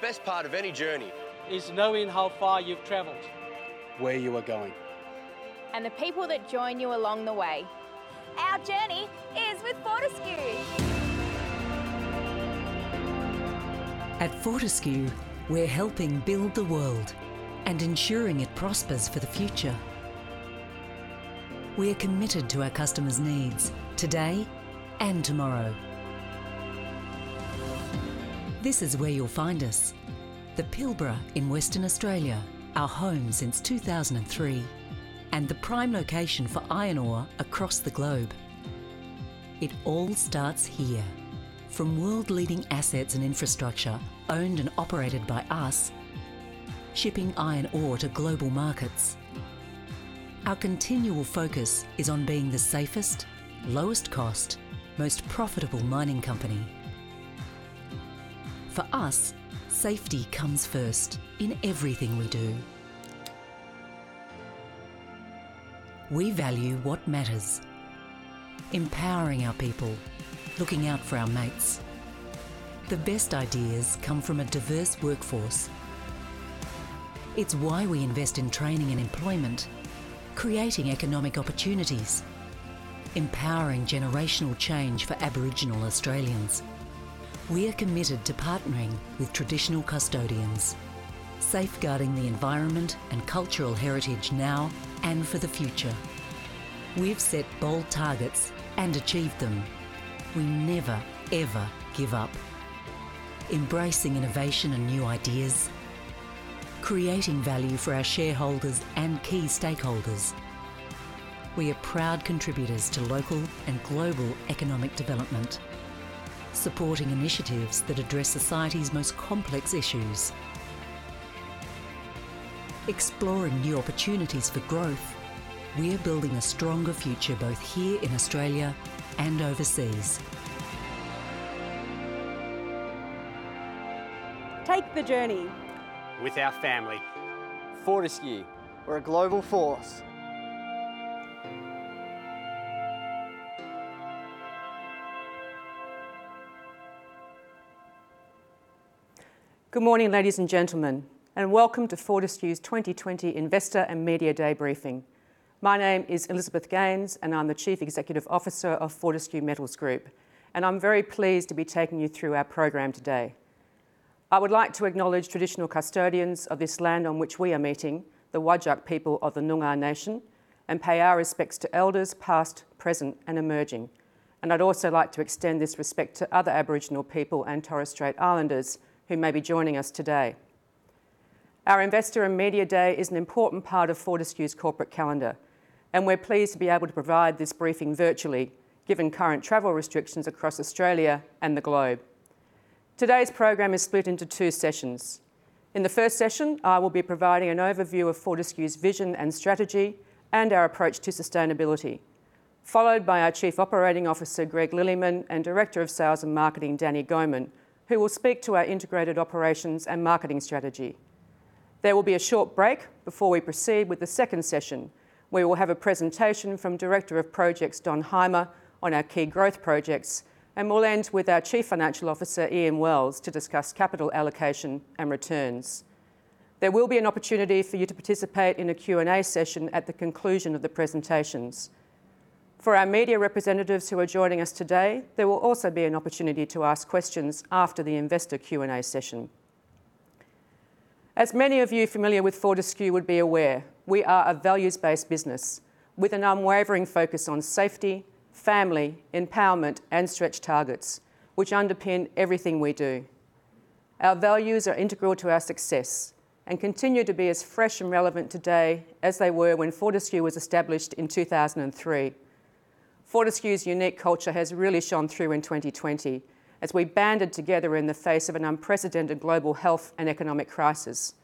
The best part of any journey. Is knowing how far you've traveled? Where you are going? The people that join you along the way. Our journey is with Fortescue. At Fortescue, we're helping build the world and ensuring it prospers for the future. We're committed to our customers' needs today and tomorrow. This is where you'll find us, the Pilbara in Western Australia, our home since 2003, and the prime location for iron ore across the globe. It all starts here. From world-leading assets and infrastructure owned and operated by us, shipping iron ore to global markets. Our continual focus is on being the safest, lowest cost, most profitable mining company. For us, safety comes first in everything we do. We value what matters, empowering our people, looking out for our mates. The best ideas come from a diverse workforce. It's why we invest in training and employment, creating economic opportunities, empowering generational change for Aboriginal Australians. We are committed to partnering with traditional custodians, safeguarding the environment and cultural heritage now and for the future. We've set bold targets and achieved them. We never, ever give up. Embracing innovation and new ideas, creating value for our shareholders and key stakeholders. We are proud contributors to local and global economic development, supporting initiatives that address society's most complex issues. Exploring new opportunities for growth, we are building a stronger future both here in Australia and overseas. Take the journey. With our family. Fortescue We're a global force. Good morning, ladies and gentlemen, and welcome to Fortescue's 2020 Investor and Media Day Briefing. My name is Elizabeth Gaines, and I'm the Chief Executive Officer of Fortescue Metals Group, and I'm very pleased to be taking you through our program today. I would like to acknowledge traditional custodians of this land on which we are meeting, the Whadjuk people of the Noongar nation, and pay our respects to elders past, present, and emerging. I'd also like to extend this respect to other Aboriginal people and Torres Strait Islanders who may be joining us today. Our Investor and Media Day is an important part of Fortescue's corporate calendar, and we're pleased to be able to provide this briefing virtually, given current travel restrictions across Australia and the globe. Today's program is split into two sessions. In the first session, I will be providing an overview of Fortescue's vision and strategy and our approach to sustainability, followed by our Chief Operating Officer, Greg Lilleyman, and Director of Sales and Marketing, David Woodall, who will speak to our integrated operations and marketing strategy. There will be a short break before we proceed with the second session, where we'll have a presentation from Director of Projects, Don Hyma, on our key growth projects, and we'll end with our Chief Financial Officer, Ian Wells, to discuss capital allocation and returns. There will be an opportunity for you to participate in a Q&A session at the conclusion of the presentations. For our media representatives who are joining us today, there will also be an opportunity to ask questions after the investor Q&A session. As many of you familiar with Fortescue would be aware, we are a values-based business with an unwavering focus on safety, family, empowerment, and stretch targets, which underpin everything we do. Our values are integral to our success and continue to be as fresh and relevant today as they were when Fortescue was established in 2003. Fortescue's unique culture has really shone through in 2020 as we banded together in the face of an unprecedented global health and economic crisis.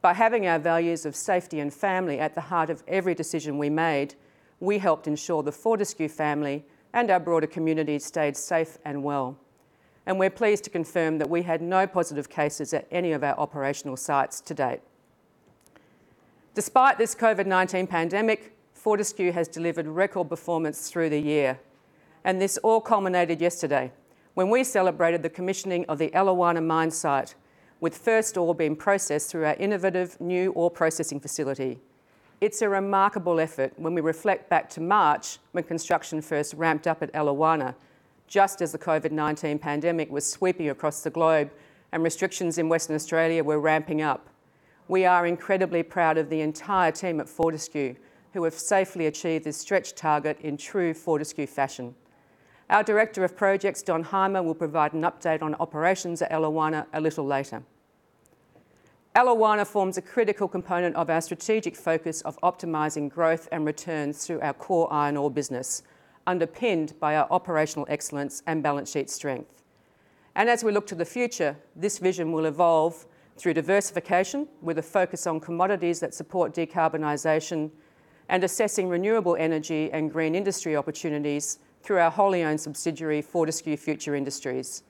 By having our values of safety and family at the heart of every decision we made, we helped ensure the Fortescue family and our broader community stayed safe and well. We're pleased to confirm that we had no positive cases at any of our operational sites to date. Despite this COVID-19 pandemic, Fortescue has delivered record performance through the year, and this all culminated yesterday when we celebrated the commissioning of the Eliwana mine site with first ore being processed through our innovative new ore processing facility. It's a remarkable effort when we reflect back to March when construction first ramped up at Eliwana, just as the COVID-19 pandemic was sweeping across the globe and restrictions in Western Australia were ramping up. We are incredibly proud of the entire team at Fortescue, who have safely achieved this stretch target in true Fortescue fashion. Our Director of Projects, Don Hyma, will provide an update on operations at Eliwana a little later. Eliwana forms a critical component of our strategic focus of optimizing growth and returns through our core iron ore business, underpinned by our operational excellence and balance sheet strength. As we look to the future, this vision will evolve through diversification with a focus on commodities that support decarbonization and assessing renewable energy and green industry opportunities through our wholly-owned subsidiary, Fortescue Future Industries.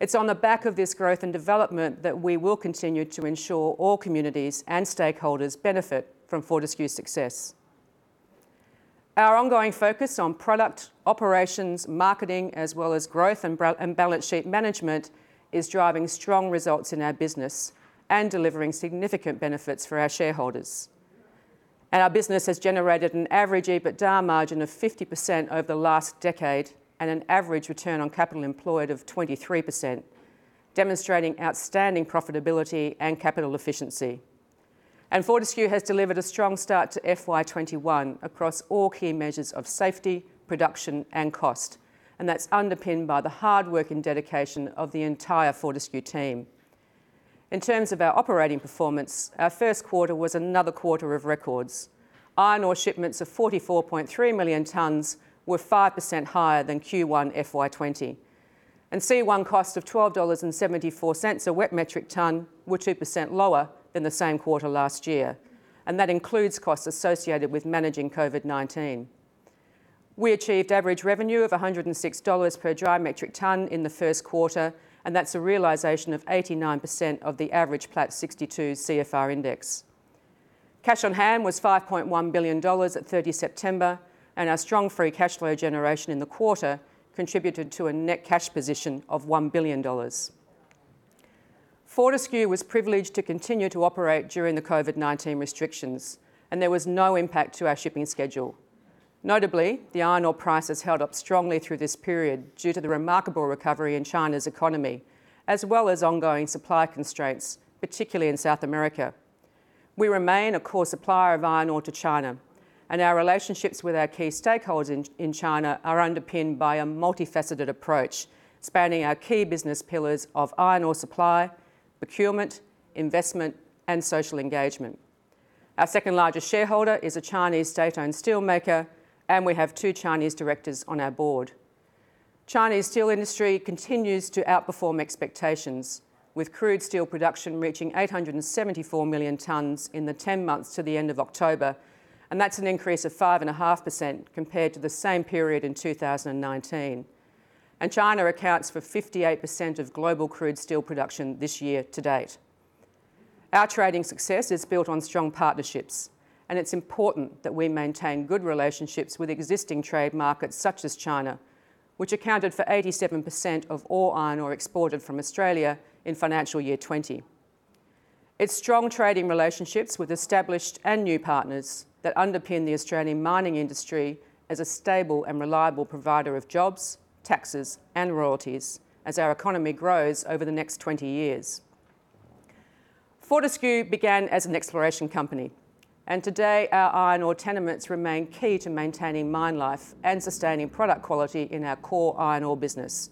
It's on the back of this growth and development that we will continue to ensure all communities and stakeholders benefit from Fortescue's success. Our ongoing focus on product operations, marketing, as well as growth and balance sheet management, is driving strong results in our business and delivering significant benefits for our shareholders. Our business has generated an average EBITDA margin of 50% over the last decade and an average return on capital employed of 23%, demonstrating outstanding profitability and capital efficiency. Fortescue has delivered a strong start to FY 2021 across all key measures of safety, production, and cost, and that's underpinned by the hard work and dedication of the entire Fortescue team. In terms of our operating performance, our first quarter was another quarter of records. Iron ore shipments of 44.3 million tonnes were 5% higher than Q1 FY 2020. C1 costs of $12.74 a wet metric tonne were 2% lower than the same quarter last year, and that includes costs associated with managing COVID-19. We achieved average revenue of $106 per dry metric tonne in the first quarter, and that's a realization of 89% of the average Platts 62% CFR Index. Cash on hand was $5.1 billion at 30 September. Our strong free cash flow generation in the quarter contributed to a net cash position of $1 billion. Fortescue was privileged to continue to operate during the COVID-19 restrictions, and there was no impact to our shipping schedule. Notably, the iron ore price has held up strongly through this period due to the remarkable recovery in China's economy, as well as ongoing supply constraints, particularly in South America. We remain a core supplier of iron ore to China, and our relationships with our key stakeholders in China are underpinned by a multifaceted approach, spanning our key business pillars of iron ore supply, procurement, investment, and social engagement. Our second-largest shareholder is a Chinese state-owned steelmaker, and we have two Chinese directors on our board. Chinese steel industry continues to outperform expectations, with crude steel production reaching 874 million tonnes in the 10 months to the end of October, and that's an increase of 5.5% compared to the same period in 2019. China accounts for 58% of global crude steel production this year to date. Our trading success is built on strong partnerships, and it's important that we maintain good relationships with existing trade markets such as China, which accounted for 87% of all iron ore exported from Australia in financial year 2020. It's strong trading relationships with established and new partners that underpin the Australian mining industry as a stable and reliable provider of jobs, taxes, and royalties as our economy grows over the next 20 years. Fortescue began as an exploration company, and today our iron ore tenements remain key to maintaining mine life and sustaining product quality in our core iron ore business.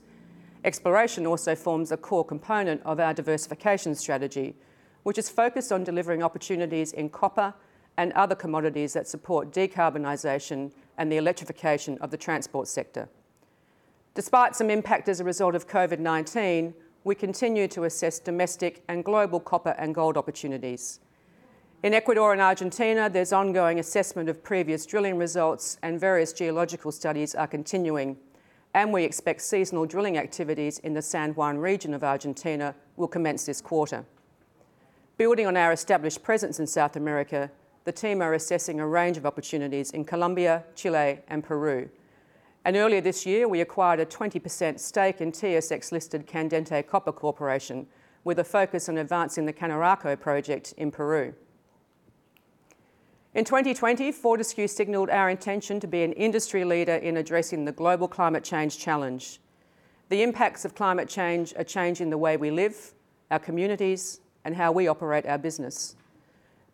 Exploration also forms a core component of our diversification strategy, which is focused on delivering opportunities in copper and other commodities that support decarbonization and the electrification of the transport sector. Despite some impact as a result of COVID-19, we continue to assess domestic and global copper and gold opportunities. In Ecuador and Argentina, there's ongoing assessment of previous drilling results and various geological studies are continuing. We expect seasonal drilling activities in the San Juan region of Argentina will commence this quarter. Building on our established presence in South America, the team are assessing a range of opportunities in Colombia, Chile, and Peru. Earlier this year, we acquired a 20% stake in TSX-listed Candente Copper Corporation with a focus on advancing the Cañariaco project in Peru. In 2020, Fortescue signaled our intention to be an industry leader in addressing the global climate change challenge. The impacts of climate change are changing the way we live, our communities, and how we operate our business.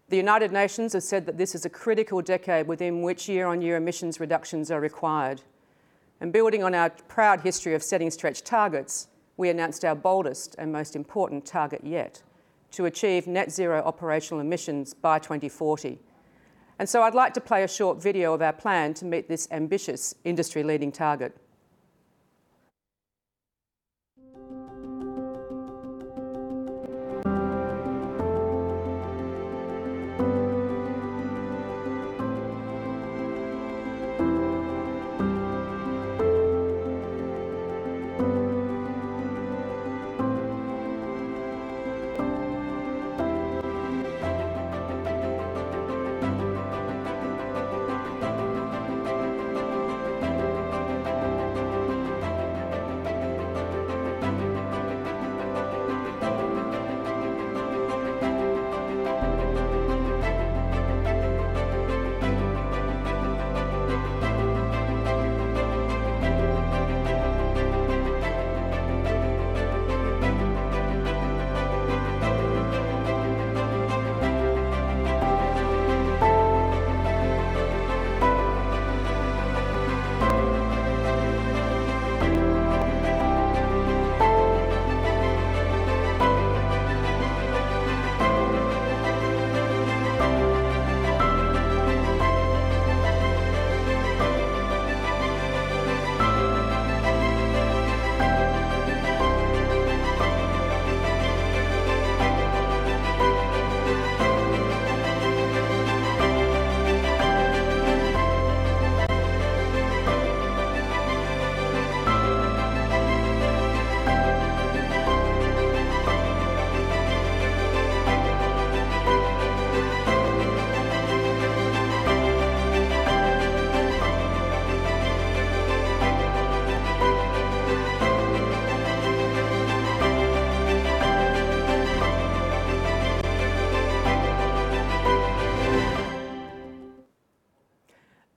The United Nations has said that this is a critical decade within which year-on-year emissions reductions are required. Building on our proud history of setting stretch targets, we announced our boldest and most important target yet: to achieve net zero operational emissions by 2040. I'd like to play a short video of our plan to meet this ambitious industry-leading target.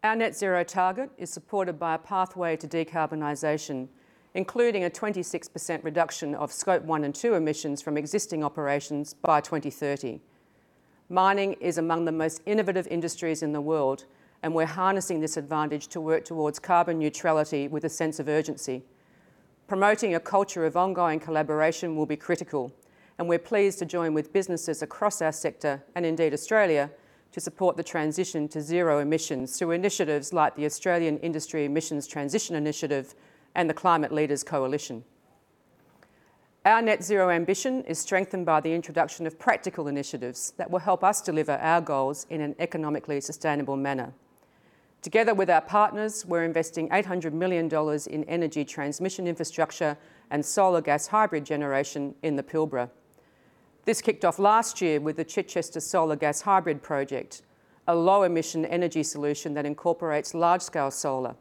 Our net zero target is supported by a pathway to decarbonization, including a 26% reduction of Scope 1 and 2 emissions from existing operations by 2030. Mining is among the most innovative industries in the world, and we're harnessing this advantage to work towards carbon neutrality with a sense of urgency. Promoting a culture of ongoing collaboration will be critical, and we're pleased to join with businesses across our sector, and indeed Australia, to support the transition to zero emissions through initiatives like the Australian Industry Energy Transitions Initiative and the Climate Leaders Coalition. Our net zero ambition is strengthened by the introduction of practical initiatives that will help us deliver our goals in an economically sustainable manner. Together with our partners, we're investing 800 million dollars in energy transmission infrastructure and solar gas hybrid generation in the Pilbara. This kicked off last year with the Chichester Solar Gas Hybrid Project, a low-emission energy solution that incorporates large-scale solar.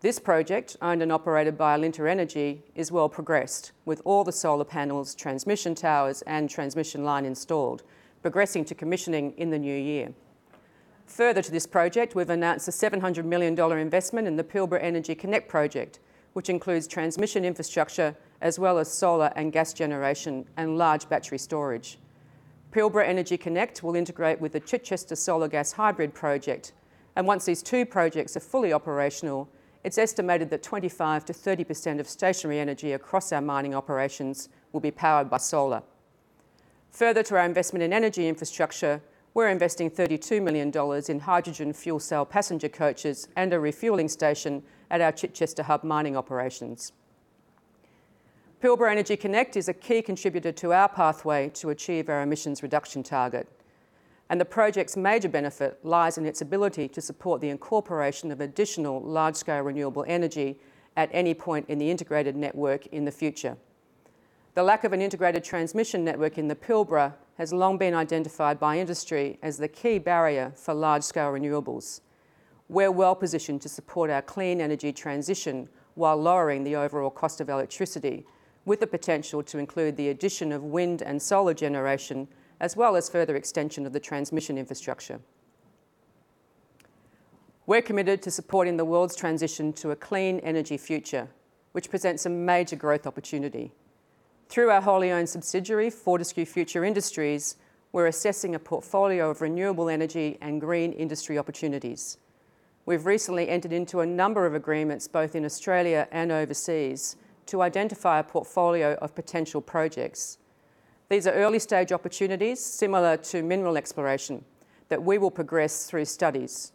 This project, owned and operated by Alinta Energy, is well progressed, with all the solar panels, transmission towers, and transmission line installed, progressing to commissioning in the new year. Further to this project, we've announced an 700 million dollar investment in the Pilbara Energy Connect Project, which includes transmission infrastructure as well as solar and gas generation and large battery storage. Pilbara Energy Connect will integrate with the Chichester Solar Gas Hybrid Project, and once these two projects are fully operational, it's estimated that 25%-30% of stationary energy across our mining operations will be powered by solar. Further to our investment in energy infrastructure, we're investing 32 million dollars in hydrogen fuel cell passenger coaches and a refueling station at our Chichester Hub mining operations. Pilbara Energy Connect is a key contributor to our pathway to achieve our emissions reduction target, and the project's major benefit lies in its ability to support the incorporation of additional large-scale renewable energy at any point in the integrated network in the future. The lack of an integrated transmission network in the Pilbara has long been identified by industry as the key barrier for large-scale renewables. We're well-positioned to support our clean energy transition while lowering the overall cost of electricity, with the potential to include the addition of wind and solar generation, as well as further extension of the transmission infrastructure. We're committed to supporting the world's transition to a clean energy future, which presents a major growth opportunity. Through our wholly owned subsidiary, Fortescue Future Industries, we're assessing a portfolio of renewable energy and green industry opportunities. We've recently entered into a number of agreements, both in Australia and overseas, to identify a portfolio of potential projects. These are early-stage opportunities similar to mineral exploration that we will progress through studies.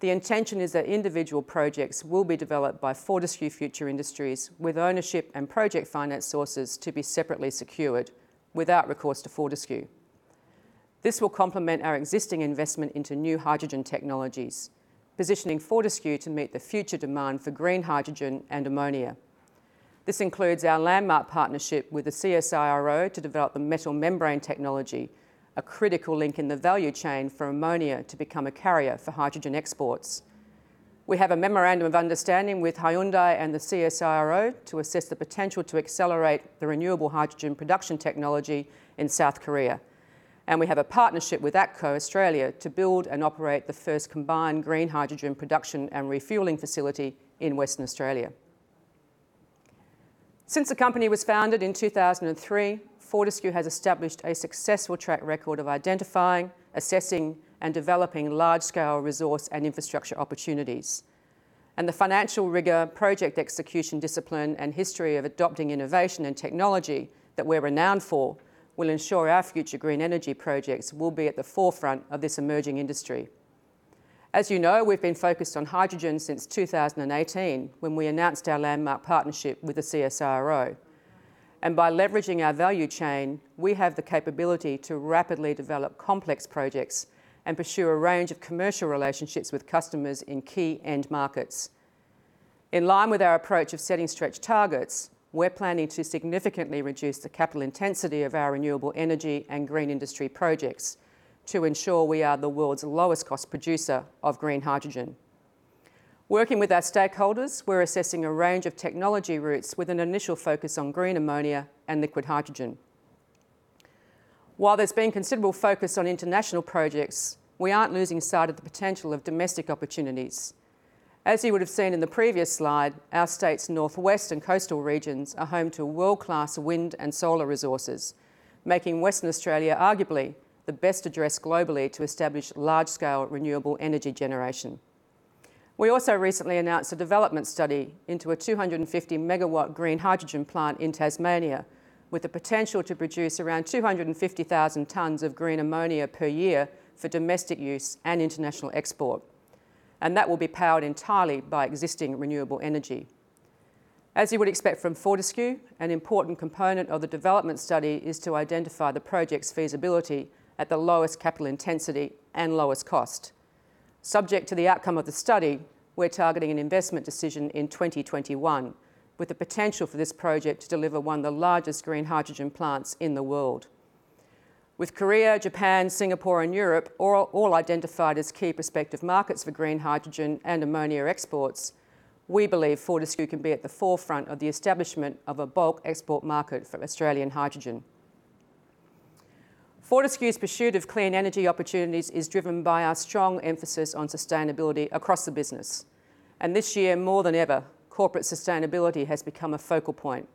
The intention is that individual projects will be developed by Fortescue Future Industries with ownership and project finance sources to be separately secured without recourse to Fortescue. This will complement our existing investment into new hydrogen technologies, positioning Fortescue to meet the future demand for green hydrogen and ammonia. This includes our landmark partnership with the CSIRO to develop the metal membrane technology, a critical link in the value chain for ammonia to become a carrier for hydrogen exports. We have a memorandum of understanding with Hyundai and the CSIRO to assess the potential to accelerate the renewable hydrogen production technology in South Korea, and we have a partnership with ATCO Australia to build and operate the first combined green hydrogen production and refueling facility in Western Australia. Since the company was founded in 2003, Fortescue has established a successful track record of identifying, assessing, and developing large-scale resource and infrastructure opportunities. The financial rigor, project execution discipline, and history of adopting innovation and technology that we're renowned for will ensure our future green energy projects will be at the forefront of this emerging industry. As you know, we've been focused on hydrogen since 2018 when we announced our landmark partnership with the CSIRO. By leveraging our value chain, we have the capability to rapidly develop complex projects and pursue a range of commercial relationships with customers in key end markets. In line with our approach of setting stretch targets, we're planning to significantly reduce the capital intensity of our renewable energy and green industry projects to ensure we are the world's lowest cost producer of green hydrogen. Working with our stakeholders, we're assessing a range of technology routes with an initial focus on green ammonia and liquid hydrogen. While there's been considerable focus on international projects, we aren't losing sight of the potential of domestic opportunities. As you would have seen in the previous slide, our state's northwest and coastal regions are home to world-class wind and solar resources, making Western Australia arguably the best address globally to establish large-scale renewable energy generation. We also recently announced a development study into a 250-megawatt green hydrogen plant in Tasmania, with the potential to produce around 250,000 tons of green ammonia per year for domestic use and international export. That will be powered entirely by existing renewable energy. As you would expect from Fortescue, an important component of the development study is to identify the project's feasibility at the lowest capital intensity and lowest cost. Subject to the outcome of the study, we're targeting an investment decision in 2021, with the potential for this project to deliver one of the largest green hydrogen plants in the world. With Korea, Japan, Singapore, and Europe all identified as key prospective markets for green hydrogen and ammonia exports, we believe Fortescue can be at the forefront of the establishment of a bulk export market for Australian hydrogen. Fortescue's pursuit of clean energy opportunities is driven by our strong emphasis on sustainability across the business. This year, more than ever, corporate sustainability has become a focal point.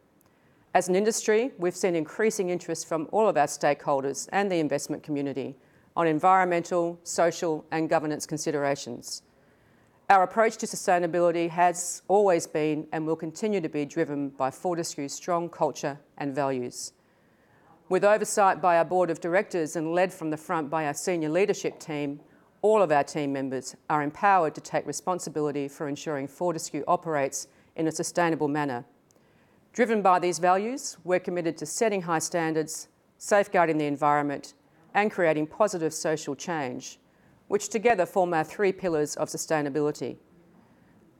As an industry, we've seen increasing interest from all of our stakeholders and the investment community on environmental, social, and governance considerations. Our approach to sustainability has always been and will continue to be driven by Fortescue's strong culture and values. With oversight by our board of directors and led from the front by our senior leadership team, all of our team members are empowered to take responsibility for ensuring Fortescue operates in a sustainable manner. Driven by these values, we're committed to setting high standards, safeguarding the environment, and creating positive social change, which together form our three pillars of sustainability.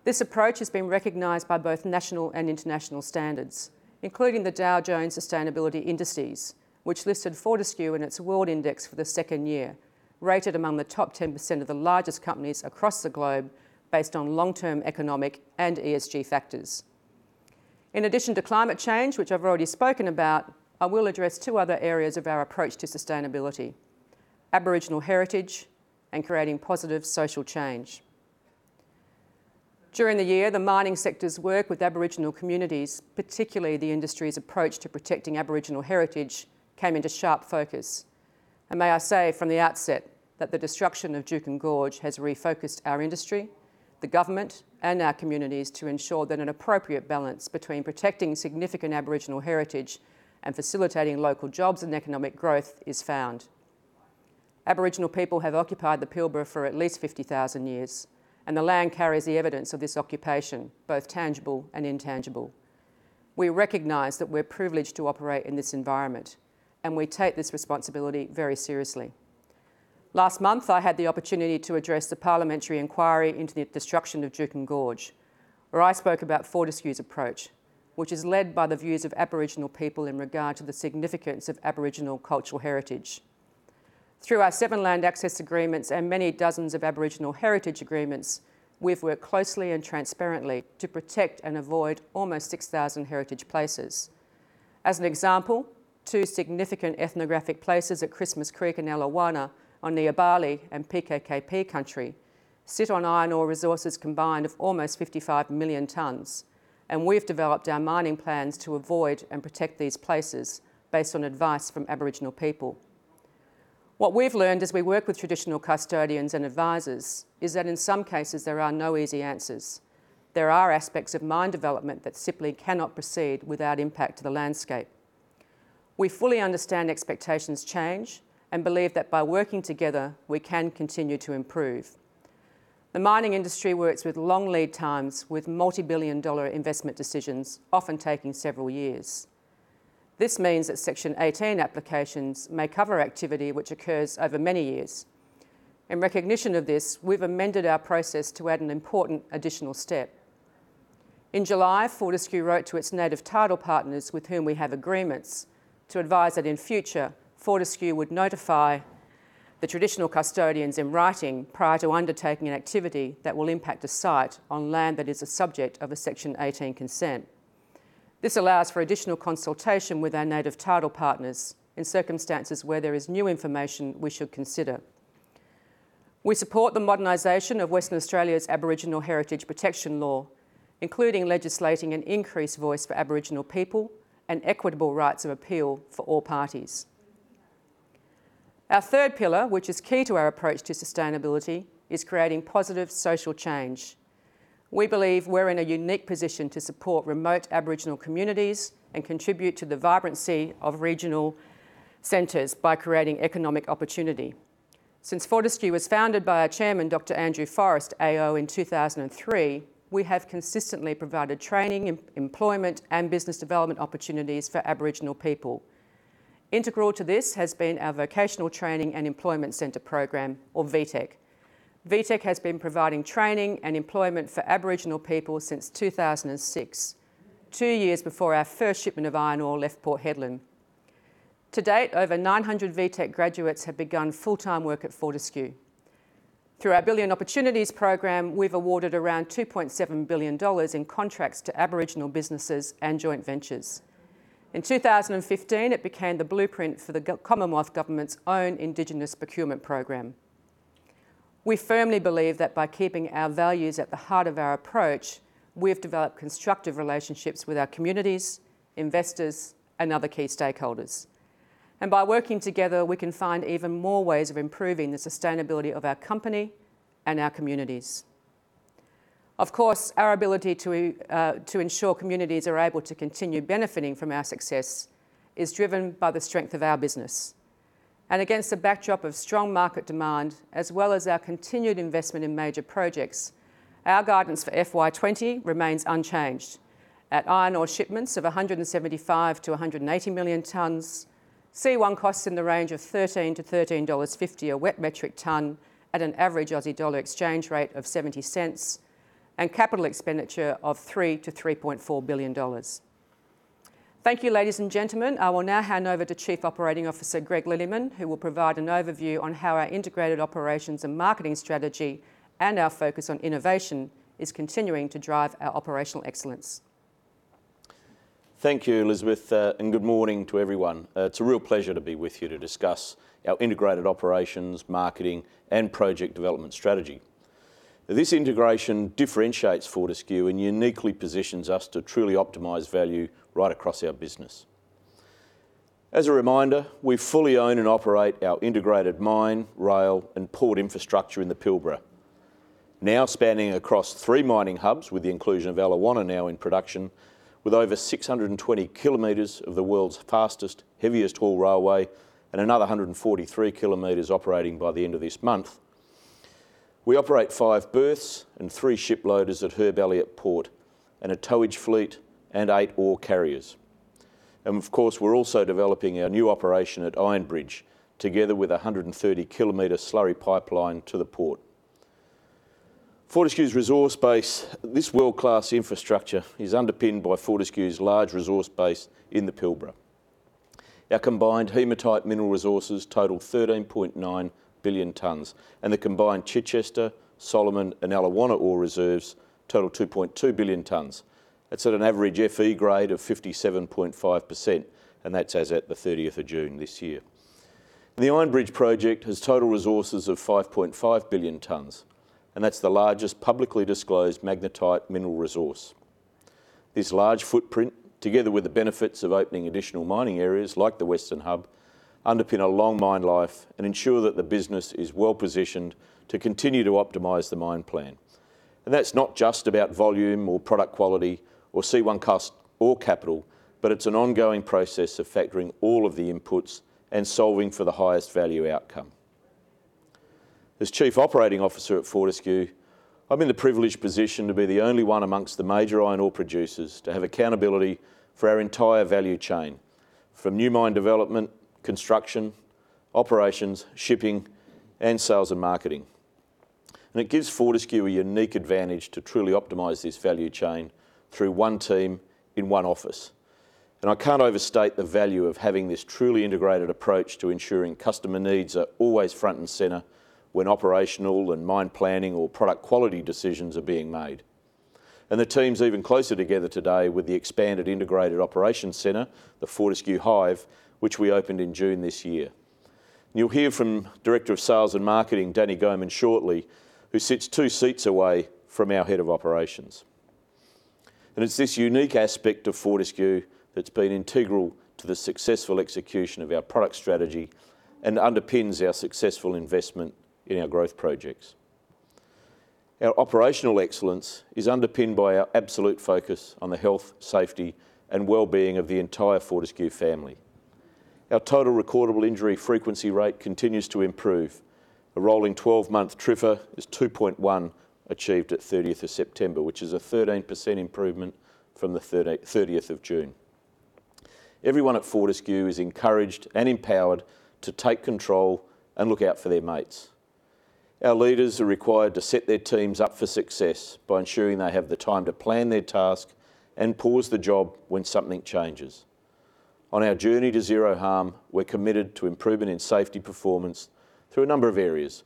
This approach has been recognized by both national and international standards, including the Dow Jones Sustainability Indices, which listed Fortescue in its World Index for the second year, rated among the top 10% of the largest companies across the globe based on long-term economic and ESG factors. In addition to climate change, which I've already spoken about, I will address two other areas of our approach to sustainability, Aboriginal heritage and creating positive social change. During the year, the mining sector's work with Aboriginal communities, particularly the industry's approach to protecting Aboriginal heritage, came into sharp focus. May I say from the outset that the destruction of Juukan Gorge has refocused our industry, the government, and our communities to ensure that an appropriate balance between protecting significant Aboriginal heritage and facilitating local jobs and economic growth is found. Aboriginal people have occupied the Pilbara for at least 50,000 years, and the land carries the evidence of this occupation, both tangible and intangible. We recognize that we're privileged to operate in this environment, and we take this responsibility very seriously. Last month, I had the opportunity to address the parliamentary inquiry into the destruction of Juukan Gorge, where I spoke about Fortescue's approach, which is led by the views of Aboriginal people in regard to the significance of Aboriginal cultural heritage. Through our seven land access agreements and many dozens of Aboriginal heritage agreements, we've worked closely and transparently to protect and avoid almost 6,000 heritage places. As an example, two significant ethnographic places at Christmas Creek and Eliwana on the Yabali and PKKP country sit on iron ore resources combined of almost 55 million tons, and we've developed our mining plans to avoid and protect these places based on advice from Aboriginal people. What we've learned as we work with traditional custodians and advisors is that in some cases, there are no easy answers. There are aspects of mine development that simply cannot proceed without impact to the landscape. We fully understand expectations change and believe that by working together, we can continue to improve. The mining industry works with long lead times with multibillion-dollar investment decisions often taking several years. This means that Section 18 applications may cover activity which occurs over many years. In recognition of this, we've amended our process to add an important additional step. In July, Fortescue wrote to its native title partners with whom we have agreements to advise that in future, Fortescue would notify the traditional custodians in writing prior to undertaking an activity that will impact a site on land that is a subject of a Section 18 consent. This allows for additional consultation with our native title partners in circumstances where there is new information we should consider. We support the modernization of Western Australia's Aboriginal heritage protection law, including legislating an increased voice for Aboriginal people and equitable rights of appeal for all parties. Our third pillar, which is key to our approach to sustainability, is creating positive social change. We believe we're in a unique position to support remote Aboriginal communities and contribute to the vibrancy of regional centers by creating economic opportunity. Since Fortescue was founded by our chairman, Dr. Andrew Forrest AO, in 2003, we have consistently provided training, employment, and business development opportunities for Aboriginal people. Integral to this has been our Vocational Training and Employment Center program, or VTEC. VTEC has been providing training and employment for Aboriginal people since 2006, two years before our first shipment of iron ore left Port Hedland. To date, over 900 VTEC graduates have begun full-time work at Fortescue. Through our Billion Opportunities program, we've awarded around 2.7 billion dollars in contracts to Aboriginal businesses and joint ventures. In 2015, it became the blueprint for the Commonwealth Government's own indigenous procurement program. We firmly believe that by keeping our values at the heart of our approach, we've developed constructive relationships with our communities, investors, and other key stakeholders. By working together, we can find even more ways of improving the sustainability of our company and our communities. Of course, our ability to ensure communities are able to continue benefiting from our success is driven by the strength of our business. Against the backdrop of strong market demand, as well as our continued investment in major projects, our guidance for FY 2020 remains unchanged at iron ore shipments of 175 million-180 million tons, C1 costs in the range of 13-13.50 dollars a wet metric ton at an average Aussie dollar exchange rate of 0.70, and capital expenditure of 3 billion-3.4 billion dollars. Thank you, ladies and gentlemen. I will now hand over to Chief Operating Officer Greg Lilleyman, who will provide an overview on how our integrated operations and marketing strategy and our focus on innovation is continuing to drive our operational excellence. Thank you, Elizabeth. Good morning to everyone. It's a real pleasure to be with you to discuss our integrated operations, marketing, and project development strategy. This integration differentiates Fortescue and uniquely positions us to truly optimize value right across our business. As a reminder, we fully own and operate our integrated mine, rail, and port infrastructure in the Pilbara, now spanning across three mining hubs with the inclusion of Eliwana now in production, with over 620 km of the world's fastest, heaviest haul railway, and another 143 km operating by the end of this month. We operate five berths and three ship loaders at Herb Elliott Port, a towage fleet and eight ore carriers. Of course, we're also developing our new operation at Iron Bridge, together with 130-kilometer slurry pipeline to the port. This world-class infrastructure is underpinned by Fortescue's large resource base in the Pilbara. Our combined hematite mineral resources total 13.9 billion tons, and the combined Chichester, Solomon, and Eliwana ore reserves total 2.2 billion tons. That's at an average Fe grade of 57.5%, and that's as at the 30th of June this year. The Iron Bridge project has total resources of 5.5 billion tons, and that's the largest publicly disclosed magnetite mineral resource. This large footprint, together with the benefits of opening additional mining areas like the Western Hub, underpin a long mine life and ensure that the business is well-positioned to continue to optimize the mine plan. That's not just about volume or product quality or C1 cost or capital, but it's an ongoing process of factoring all of the inputs and solving for the highest value outcome. As Chief Operating Officer at Fortescue, I'm in the privileged position to be the only one amongst the major iron ore producers to have accountability for our entire value chain, from new mine development, construction, operations, shipping, and sales and marketing. It gives Fortescue a unique advantage to truly optimize this value chain through one team in one office. I can't overstate the value of having this truly integrated approach to ensuring customer needs are always front and center when operational and mine planning or product quality decisions are being made. The team's even closer together today with the expanded integrated operations center, the Fortescue Hive, which we opened in June this year. You'll hear from Director of Sales and Marketing, David Woodall, shortly, who sits two seats away from our head of operations. It's this unique aspect of Fortescue that's been integral to the successful execution of our product strategy and underpins our successful investment in our growth projects. Our operational excellence is underpinned by our absolute focus on the health, safety, and wellbeing of the entire Fortescue family. Our total recordable injury frequency rate continues to improve. The rolling 12-month TRIFR is 2.1, achieved at 30th of September, which is a 13% improvement from the 30th of June. Everyone at Fortescue is encouraged and empowered to take control and look out for their mates. Our leaders are required to set their teams up for success by ensuring they have the time to plan their task and pause the job when something changes. On our journey to zero harm, we're committed to improvement in safety performance through a number of areas,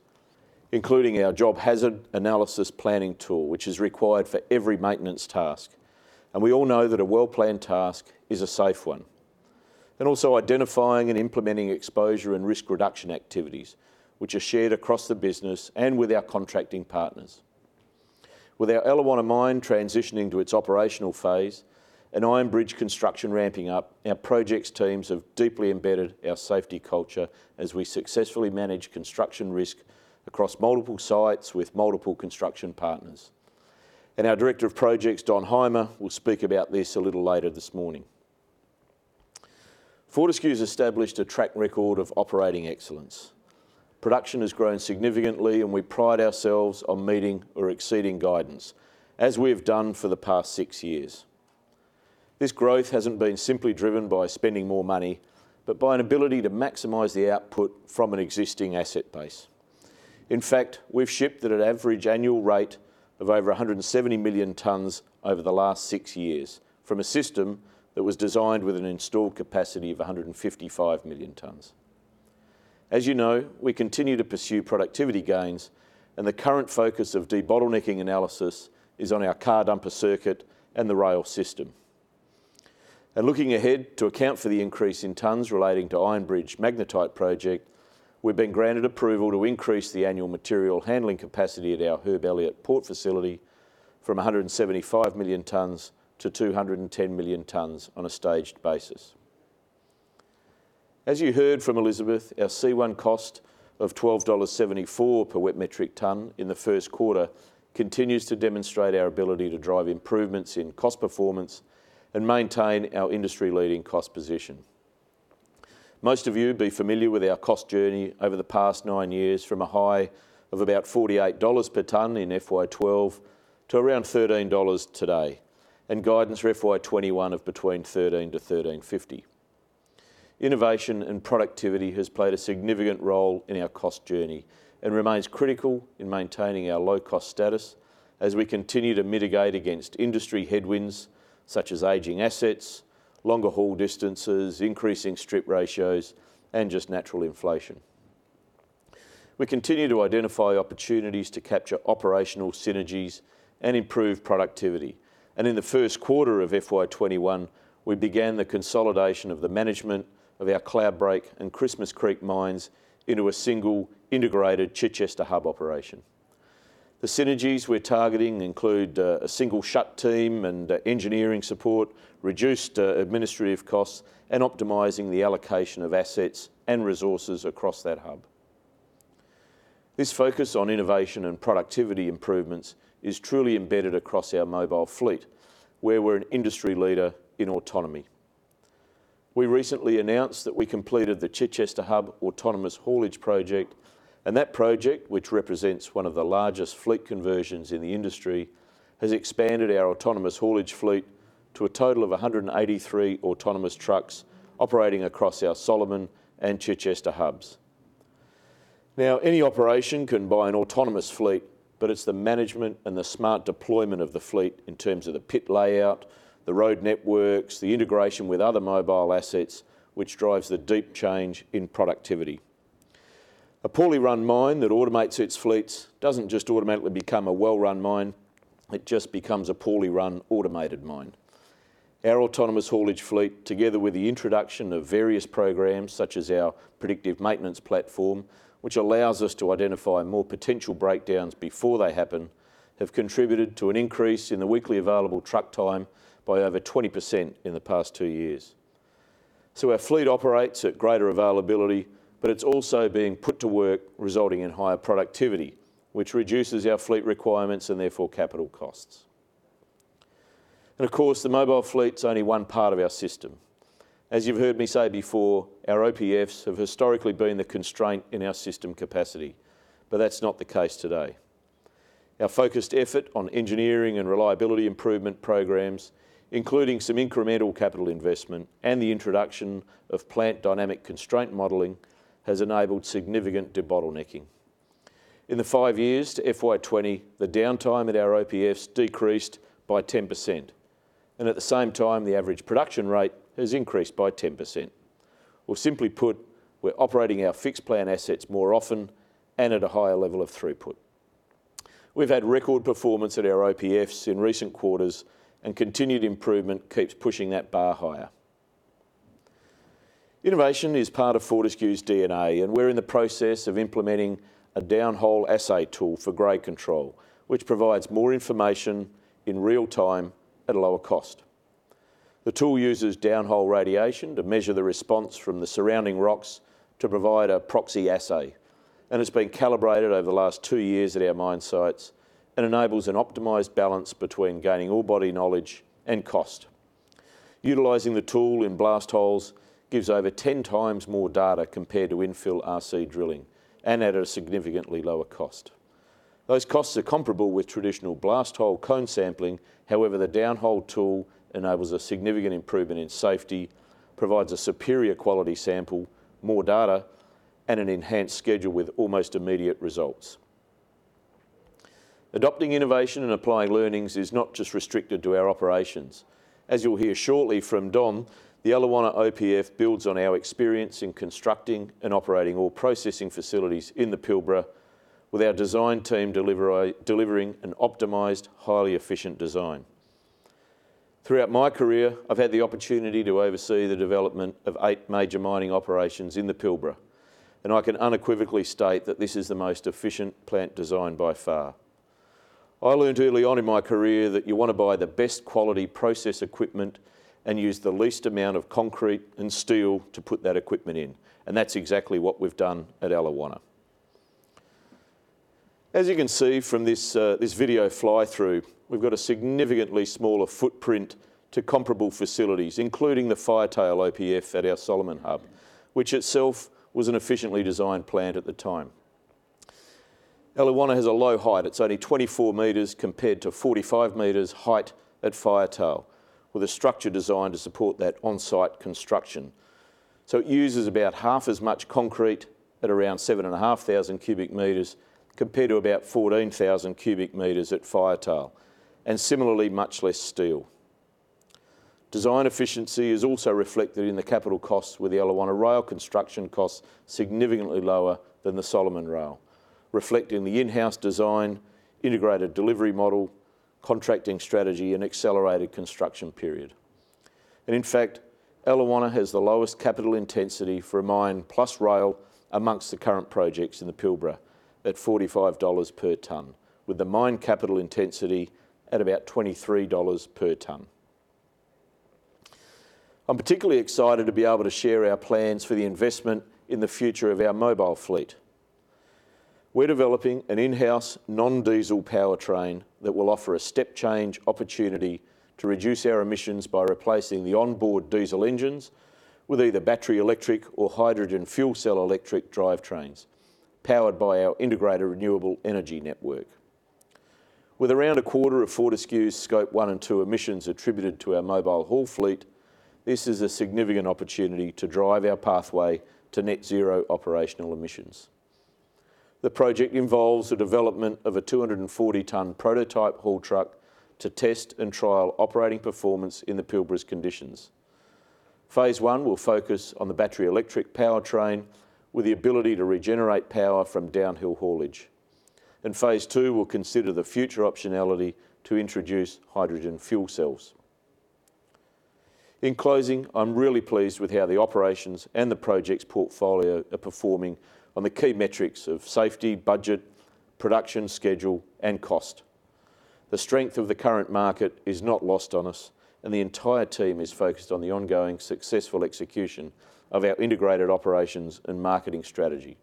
including our job hazard analysis planning tool, which is required for every maintenance task. We all know that a well-planned task is a safe one. Also identifying and implementing exposure and risk reduction activities, which are shared across the business and with our contracting partners. With our Eliwana mine transitioning to its operational phase and Iron Bridge construction ramping up, our projects teams have deeply embedded our safety culture as we successfully manage construction risk across multiple sites with multiple construction partners. Our Director of Projects, Don Hyma, will speak about this a little later this morning. Fortescue's established a track record of operating excellence. Production has grown significantly, and we pride ourselves on meeting or exceeding guidance, as we have done for the past six years. This growth hasn't been simply driven by spending more money, but by an ability to maximize the output from an existing asset base. In fact, we've shipped at an average annual rate of over 170 million tons over the last six years from a system that was designed with an installed capacity of 155 million tons. As you know, we continue to pursue productivity gains, and the current focus of debottlenecking analysis is on our car dumper circuit and the rail system. Looking ahead, to account for the increase in tons relating to Iron Bridge magnetite project, we've been granted approval to increase the annual material handling capacity at our Herb Elliott Port facility from 175 million tons to 210 million tons on a staged basis. As you heard from Elizabeth, our C1 cost of 12.74 dollars per wet metric ton in the first quarter continues to demonstrate our ability to drive improvements in cost performance and maintain our industry-leading cost position. Most of you would be familiar with our cost journey over the past nine years, from a high of about 48 dollars per ton in FY 2012 to around 13 dollars today, and guidance for FY 2021 of between 13 to 13.50. Innovation and productivity has played a significant role in our cost journey and remains critical in maintaining our low-cost status as we continue to mitigate against industry headwinds such as aging assets, longer haul distances, increasing strip ratios, and just natural inflation. We continue to identify opportunities to capture operational synergies and improve productivity. In the first quarter of FY 2021, we began the consolidation of the management of our Cloudbreak and Christmas Creek mines into a single integrated Chichester Hub operation. The synergies we're targeting include a single shut team and engineering support, reduced administrative costs, and optimizing the allocation of assets and resources across that hub. This focus on innovation and productivity improvements is truly embedded across our mobile fleet, where we're an industry leader in autonomy. We recently announced that we completed the Chichester Hub autonomous haulage project, and that project, which represents one of the largest fleet conversions in the industry, has expanded our autonomous haulage fleet to a total of 183 autonomous trucks operating across our Solomon and Chichester hubs. Any operation can buy an autonomous fleet, but it's the management and the smart deployment of the fleet in terms of the pit layout, the road networks, the integration with other mobile assets, which drives the deep change in productivity. A poorly run mine that automates its fleets doesn't just automatically become a well-run mine. It just becomes a poorly run automated mine. Our autonomous haulage fleet, together with the introduction of various programs such as our predictive maintenance platform, which allows us to identify more potential breakdowns before they happen, have contributed to an increase in the weekly available truck time by over 20% in the past two years. Our fleet operates at greater availability, but it's also being put to work resulting in higher productivity, which reduces our fleet requirements and therefore capital costs. Of course, the mobile fleet's only one part of our system. As you've heard me say before, our OPFs have historically been the constraint in our system capacity, but that's not the case today. Our focused effort on engineering and reliability improvement programs, including some incremental capital investment and the introduction of plant dynamic constraint modeling, has enabled significant debottlenecking. In the five years to FY 2020, the downtime at our OPFs decreased by 10%, and at the same time, the average production rate has increased by 10%. Simply put, we're operating our fixed plan assets more often and at a higher level of throughput. We've had record performance at our OPFs in recent quarters, and continued improvement keeps pushing that bar higher. Innovation is part of Fortescue's DNA, and we're in the process of implementing a downhole assay tool for grade control, which provides more information in real time at a lower cost. The tool uses downhole radiation to measure the response from the surrounding rocks to provide a proxy assay, and it's been calibrated over the last two years at our mine sites and enables an optimized balance between gaining ore body knowledge and cost. Utilizing the tool in blast holes gives over 10 times more data compared to infill RC drilling and at a significantly lower cost. Those costs are comparable with traditional blast hole cone sampling. However, the downhole tool enables a significant improvement in safety, provides a superior quality sample, more data, and an enhanced schedule with almost immediate results. Adopting innovation and applying learnings is not just restricted to our operations. As you'll hear shortly from Don, the Eliwana OPF builds on our experience in constructing and operating ore processing facilities in the Pilbara with our design team delivering an optimized, highly efficient design. Throughout my career, I've had the opportunity to oversee the development of eight major mining operations in the Pilbara, and I can unequivocally state that this is the most efficient plant design by far. I learned early on in my career that you want to buy the best quality process equipment and use the least amount of concrete and steel to put that equipment in, and that's exactly what we've done at Eliwana. As you can see from this video fly-through, we've got a significantly smaller footprint to comparable facilities, including the Firetail OPF at our Solomon Hub, which itself was an efficiently designed plant at the time. Eliwana has a low height. It's only 24 meters compared to 45 meters height at Firetail, with a structure designed to support that on-site construction. It uses about half as much concrete at around 7,500 cubic meters compared to about 14,000 cubic meters at Firetail, and similarly, much less steel. Design efficiency is also reflected in the capital cost, with the Eliwana rail construction cost significantly lower than the Solomon rail, reflecting the in-house design, integrated delivery model, contracting strategy, and accelerated construction period. In fact, Eliwana has the lowest capital intensity for a mine plus rail amongst the current projects in the Pilbara at 45 dollars per ton, with the mine capital intensity at about 23 dollars per ton. I'm particularly excited to be able to share our plans for the investment in the future of our mobile fleet. We're developing an in-house non-diesel powertrain that will offer a step-change opportunity to reduce our emissions by replacing the onboard diesel engines with either battery electric or hydrogen fuel cell electric drivetrains, powered by our integrated renewable energy network. With around a quarter of Fortescue's Scope 1 and 2 emissions attributed to our mobile haul fleet, this is a significant opportunity to drive our pathway to net zero operational emissions. The project involves the development of a 240-ton prototype haul truck to test and trial operating performance in the Pilbara's conditions. Phase 1 will focus on the battery electric powertrain with the ability to regenerate power from downhill haulage. Phase 2 will consider the future optionality to introduce hydrogen fuel cells. In closing, I'm really pleased with how the operations and the projects portfolio are performing on the key metrics of safety, budget, production schedule, and cost. The strength of the current market is not lost on us, and the entire team is focused on the ongoing successful execution of our integrated operations and marketing strategy.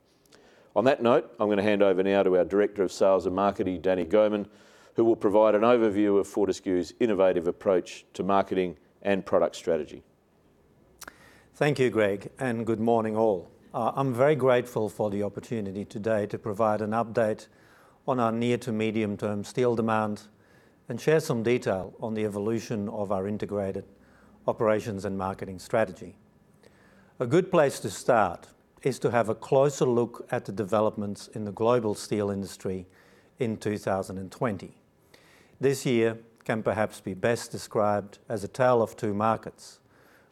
On that note, I'm going to hand over now to our Director of Sales and Marketing, Danny Goeman, who will provide an overview of Fortescue's innovative approach to marketing and product strategy. Thank you, Greg, and good morning all. I'm very grateful for the opportunity today to provide an update on our near to medium-term steel demand and share some detail on the evolution of our integrated operations and marketing strategy. A good place to start is to have a closer look at the developments in the global steel industry in 2020. This year can perhaps be best described as a tale of two markets,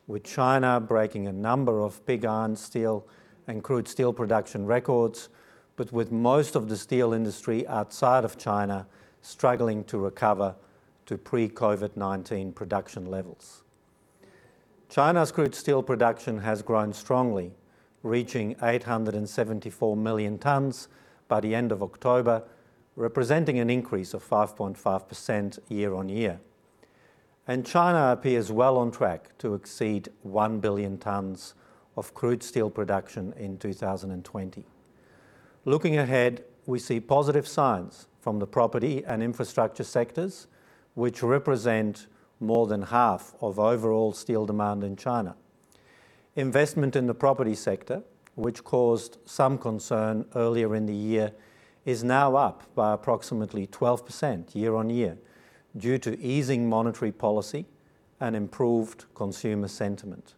with China breaking a number of pig iron steel and crude steel production records, but with most of the steel industry outside of China struggling to recover to pre-COVID-19 production levels. China's crude steel production has grown strongly, reaching 874 million tons by the end of October, representing an increase of 5.5% year on year. China appears well on track to exceed 1 billion tons of crude steel production in 2020. Looking ahead, we see positive signs from the property and infrastructure sectors, which represent more than half of overall steel demand in China. Investment in the property sector, which caused some concern earlier in the year, is now up by approximately 12% year on year due to easing monetary policy and improved consumer sentiment.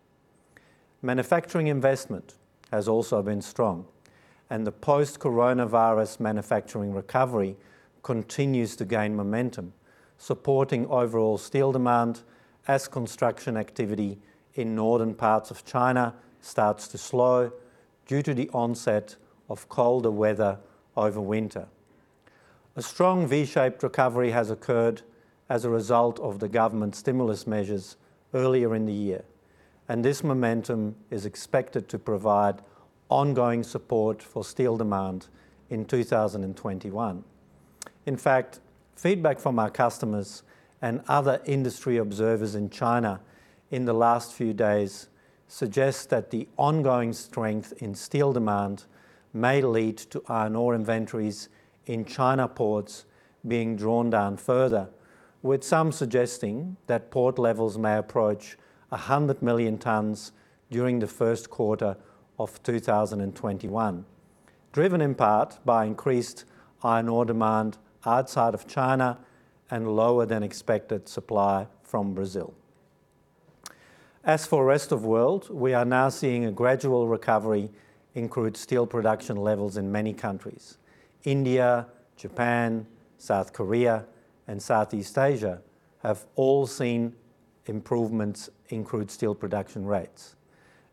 Manufacturing investment has also been strong, and the post-coronavirus manufacturing recovery continues to gain momentum, supporting overall steel demand as construction activity in northern parts of China starts to slow due to the onset of colder weather over winter. A strong V-shaped recovery has occurred as a result of the government stimulus measures earlier in the year, and this momentum is expected to provide ongoing support for steel demand in 2021. In fact, feedback from our customers and other industry observers in China in the last few days suggests that the ongoing strength in steel demand may lead to iron ore inventories in China ports being drawn down further, with some suggesting that port levels may approach 100 million tonnes during the first quarter of 2021, driven in part by increased iron ore demand outside of China and lower than expected supply from Brazil. As for rest of world, we are now seeing a gradual recovery in crude steel production levels in many countries. India, Japan, South Korea, and Southeast Asia have all seen improvements in crude steel production rates,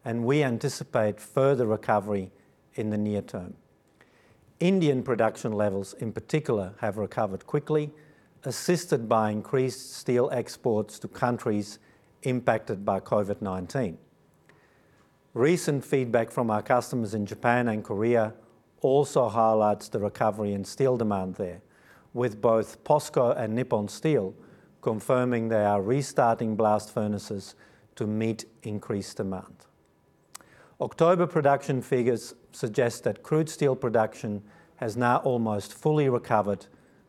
and we anticipate further recovery in the near term. Indian production levels, in particular, have recovered quickly, assisted by increased steel exports to countries impacted by COVID-19. Recent feedback from our customers in Japan and Korea also highlights the recovery in steel demand there, with both POSCO and Nippon Steel confirming they are restarting blast furnaces to meet increased demand. October production figures suggest that crude steel production has now almost fully recovered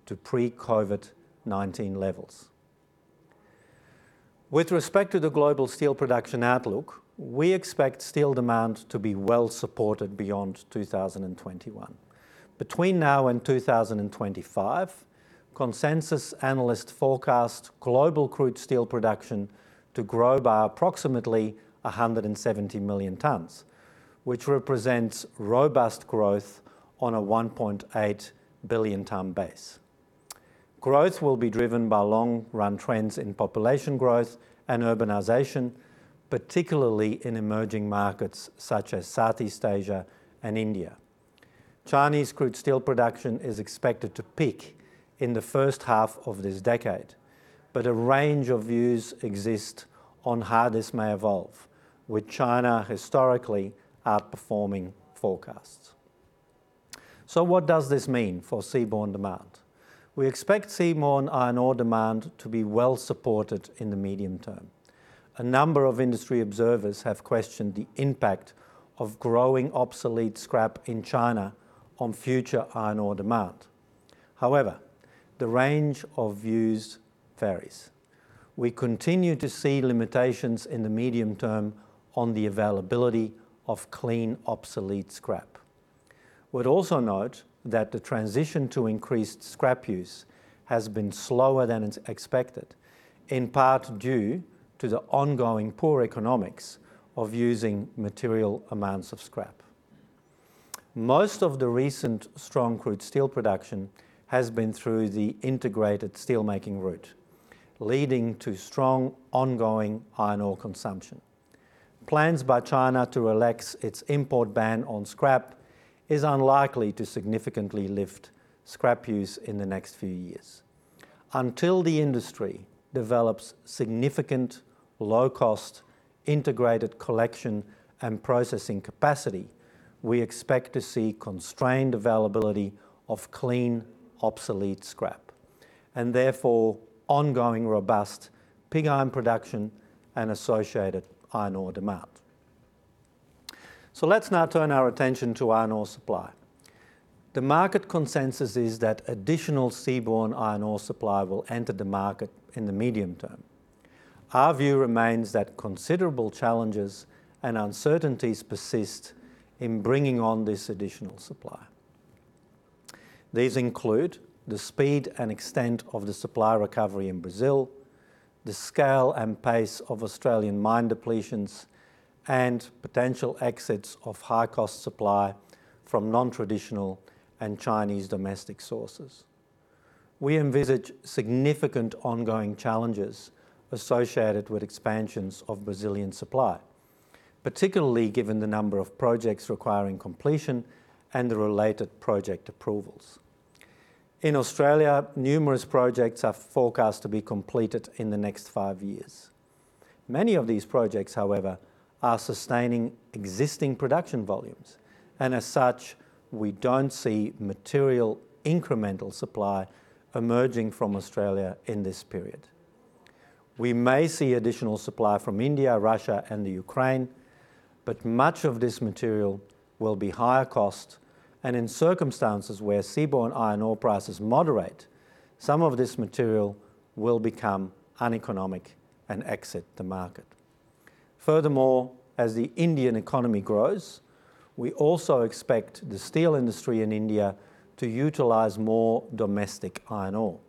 to pre-COVID-19 levels. With respect to the global steel production outlook, we expect steel demand to be well-supported beyond 2021. Between now and 2025, consensus analysts forecast global crude steel production to grow by approximately 170 million tonnes, which represents robust growth on a 1.8 billion ton base. Growth will be driven by long-run trends in population growth and urbanization, particularly in emerging markets such as Southeast Asia and India. Chinese crude steel production is expected to peak in the first half of this decade, but a range of views exist on how this may evolve, with China historically outperforming forecasts. What does this mean for seaborne demand? We expect seaborne iron ore demand to be well-supported in the medium term. A number of industry observers have questioned the impact of growing obsolete scrap in China on future iron ore demand. The range of views varies. We continue to see limitations in the medium term on the availability of clean, obsolete scrap. We'd also note that the transition to increased scrap use has been slower than expected, in part due to the ongoing poor economics of using material amounts of scrap. Most of the recent strong crude steel production has been through the integrated steelmaking route, leading to strong, ongoing iron ore consumption. Plans by China to relax its import ban on scrap is unlikely to significantly lift scrap use in the next few years. Until the industry develops significant low-cost integrated collection and processing capacity, we expect to see constrained availability of clean, obsolete scrap, and therefore ongoing robust pig iron production and associated iron ore demand. Let's now turn our attention to iron ore supply. The market consensus is that additional seaborne iron ore supply will enter the market in the medium term. Our view remains that considerable challenges and uncertainties persist in bringing on this additional supply. These include the speed and extent of the supply recovery in Brazil, the scale and pace of Australian mine depletions, and potential exits of high-cost supply from non-traditional and Chinese domestic sources. We envisage significant ongoing challenges associated with expansions of Brazilian supply, particularly given the number of projects requiring completion and the related project approvals. In Australia, numerous projects are forecast to be completed in the next five years. Many of these projects, however, are sustaining existing production volumes. As such, we don't see material incremental supply emerging from Australia in this period. We may see additional supply from India, Russia, and Ukraine, much of this material will be higher cost. In circumstances where seaborne iron ore prices moderate, some of this material will become uneconomic and exit the market. Furthermore, as the Indian economy grows, we also expect the steel industry in India to utilize more domestic iron ore,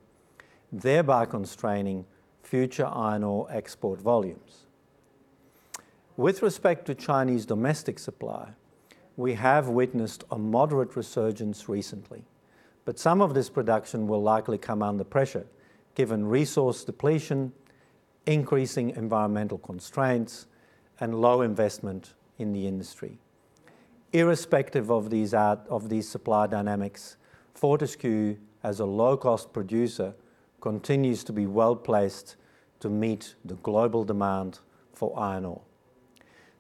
thereby constraining future iron ore export volumes. With respect to Chinese domestic supply, we have witnessed a moderate resurgence recently, some of this production will likely come under pressure given resource depletion, increasing environmental constraints, and low investment in the industry. Irrespective of these supply dynamics, Fortescue, as a low-cost producer, continues to be well-placed to meet the global demand for iron ore.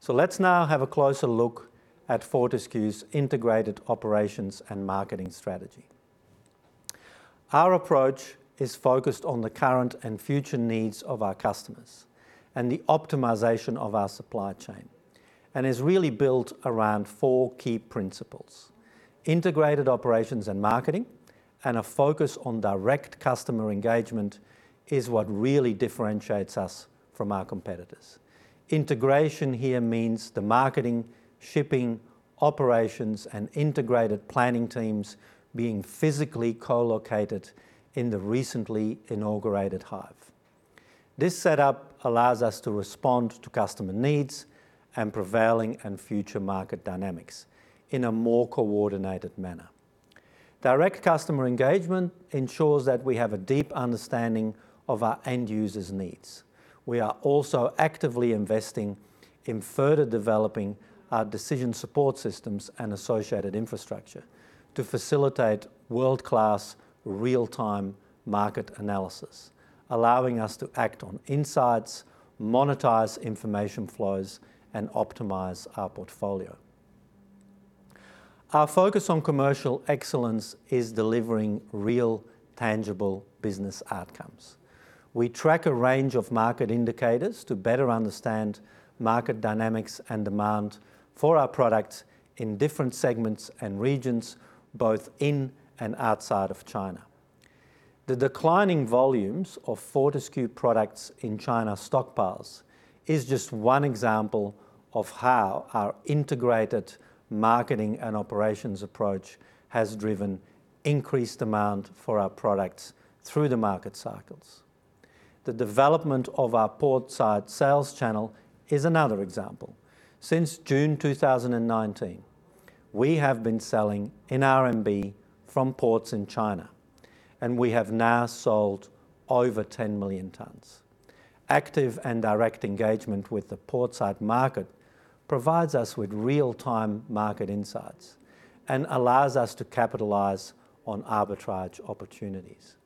Let's now have a closer look at Fortescue's integrated operations and marketing strategy. Our approach is focused on the current and future needs of our customers and the optimization of our supply chain and is really built around four key principles. Integrated operations and marketing, and a focus on direct customer engagement is what really differentiates us from our competitors. Integration here means the marketing, shipping, operations, and integrated planning teams being physically co-located in the recently inaugurated Hive. This setup allows us to respond to customer needs and prevailing and future market dynamics in a more coordinated manner. Direct customer engagement ensures that we have a deep understanding of our end users' needs. We are also actively investing in further developing our decision support systems and associated infrastructure to facilitate world-class real-time market analysis, allowing us to act on insights, monetize information flows, and optimize our portfolio. Our focus on commercial excellence is delivering real, tangible business outcomes. We track a range of market indicators to better understand market dynamics and demand for our products in different segments and regions, both in and outside of China. The declining volumes of Fortescue products in China stockpiles is just one example of how our integrated marketing and operations approach has driven increased demand for our products through the market cycles. The development of our port-side sales channel is another example. Since June 2019, we have been selling in RMB from ports in China, and we have now sold over 10 million tons. Active and direct engagement with the port-side market provides us with real-time market insights and allows us to capitalize on arbitrage opportunities.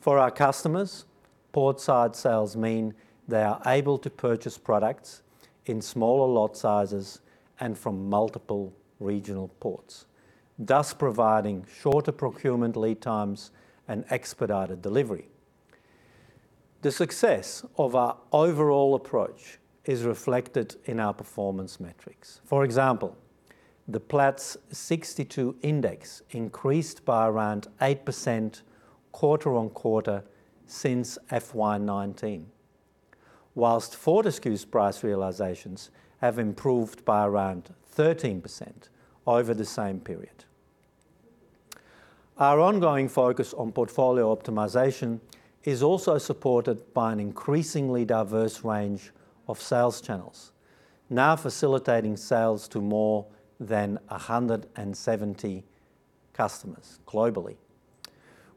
For our customers, port-side sales mean they are able to purchase products in smaller lot sizes and from multiple regional ports, thus providing shorter procurement lead times and expedited delivery. The success of our overall approach is reflected in our performance metrics. For example, the Platts 62 index increased by around 8% quarter-on-quarter since FY 2019, whilst Fortescue's price realizations have improved by around 13% over the same period. Our ongoing focus on portfolio optimization is also supported by an increasingly diverse range of sales channels, now facilitating sales to more than 170 customers globally.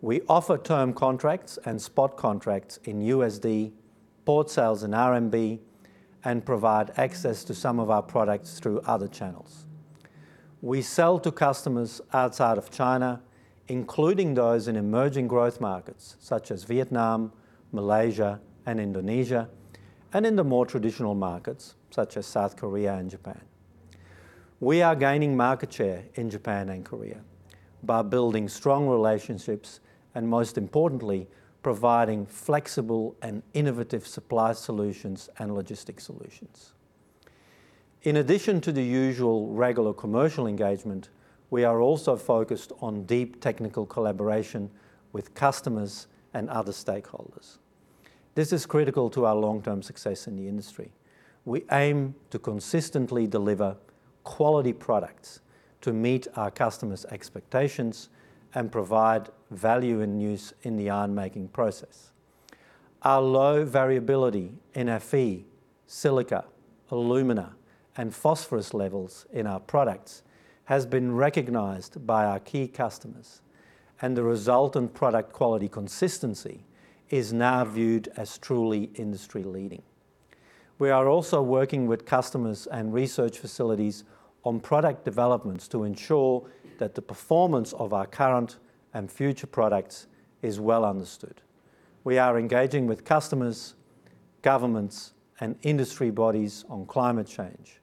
We offer term contracts and spot contracts in USD, port sales in RMB, and provide access to some of our products through other channels. We sell to customers outside of China, including those in emerging growth markets such as Vietnam, Malaysia, and Indonesia, and in the more traditional markets such as South Korea and Japan. We are gaining market share in Japan and Korea by building strong relationships and, most importantly, providing flexible and innovative supply solutions and logistic solutions. In addition to the usual regular commercial engagement, we are also focused on deep technical collaboration with customers and other stakeholders. This is critical to our long-term success in the industry. We aim to consistently deliver quality products to meet our customers' expectations and provide value in use in the iron-making process. Our low variability in Fe, silica, alumina, and phosphorus levels in our products has been recognized by our key customers, and the resultant product quality consistency is now viewed as truly industry-leading. We are also working with customers and research facilities on product developments to ensure that the performance of our current and future products is well understood. We are engaging with customers, governments, and industry bodies on climate change,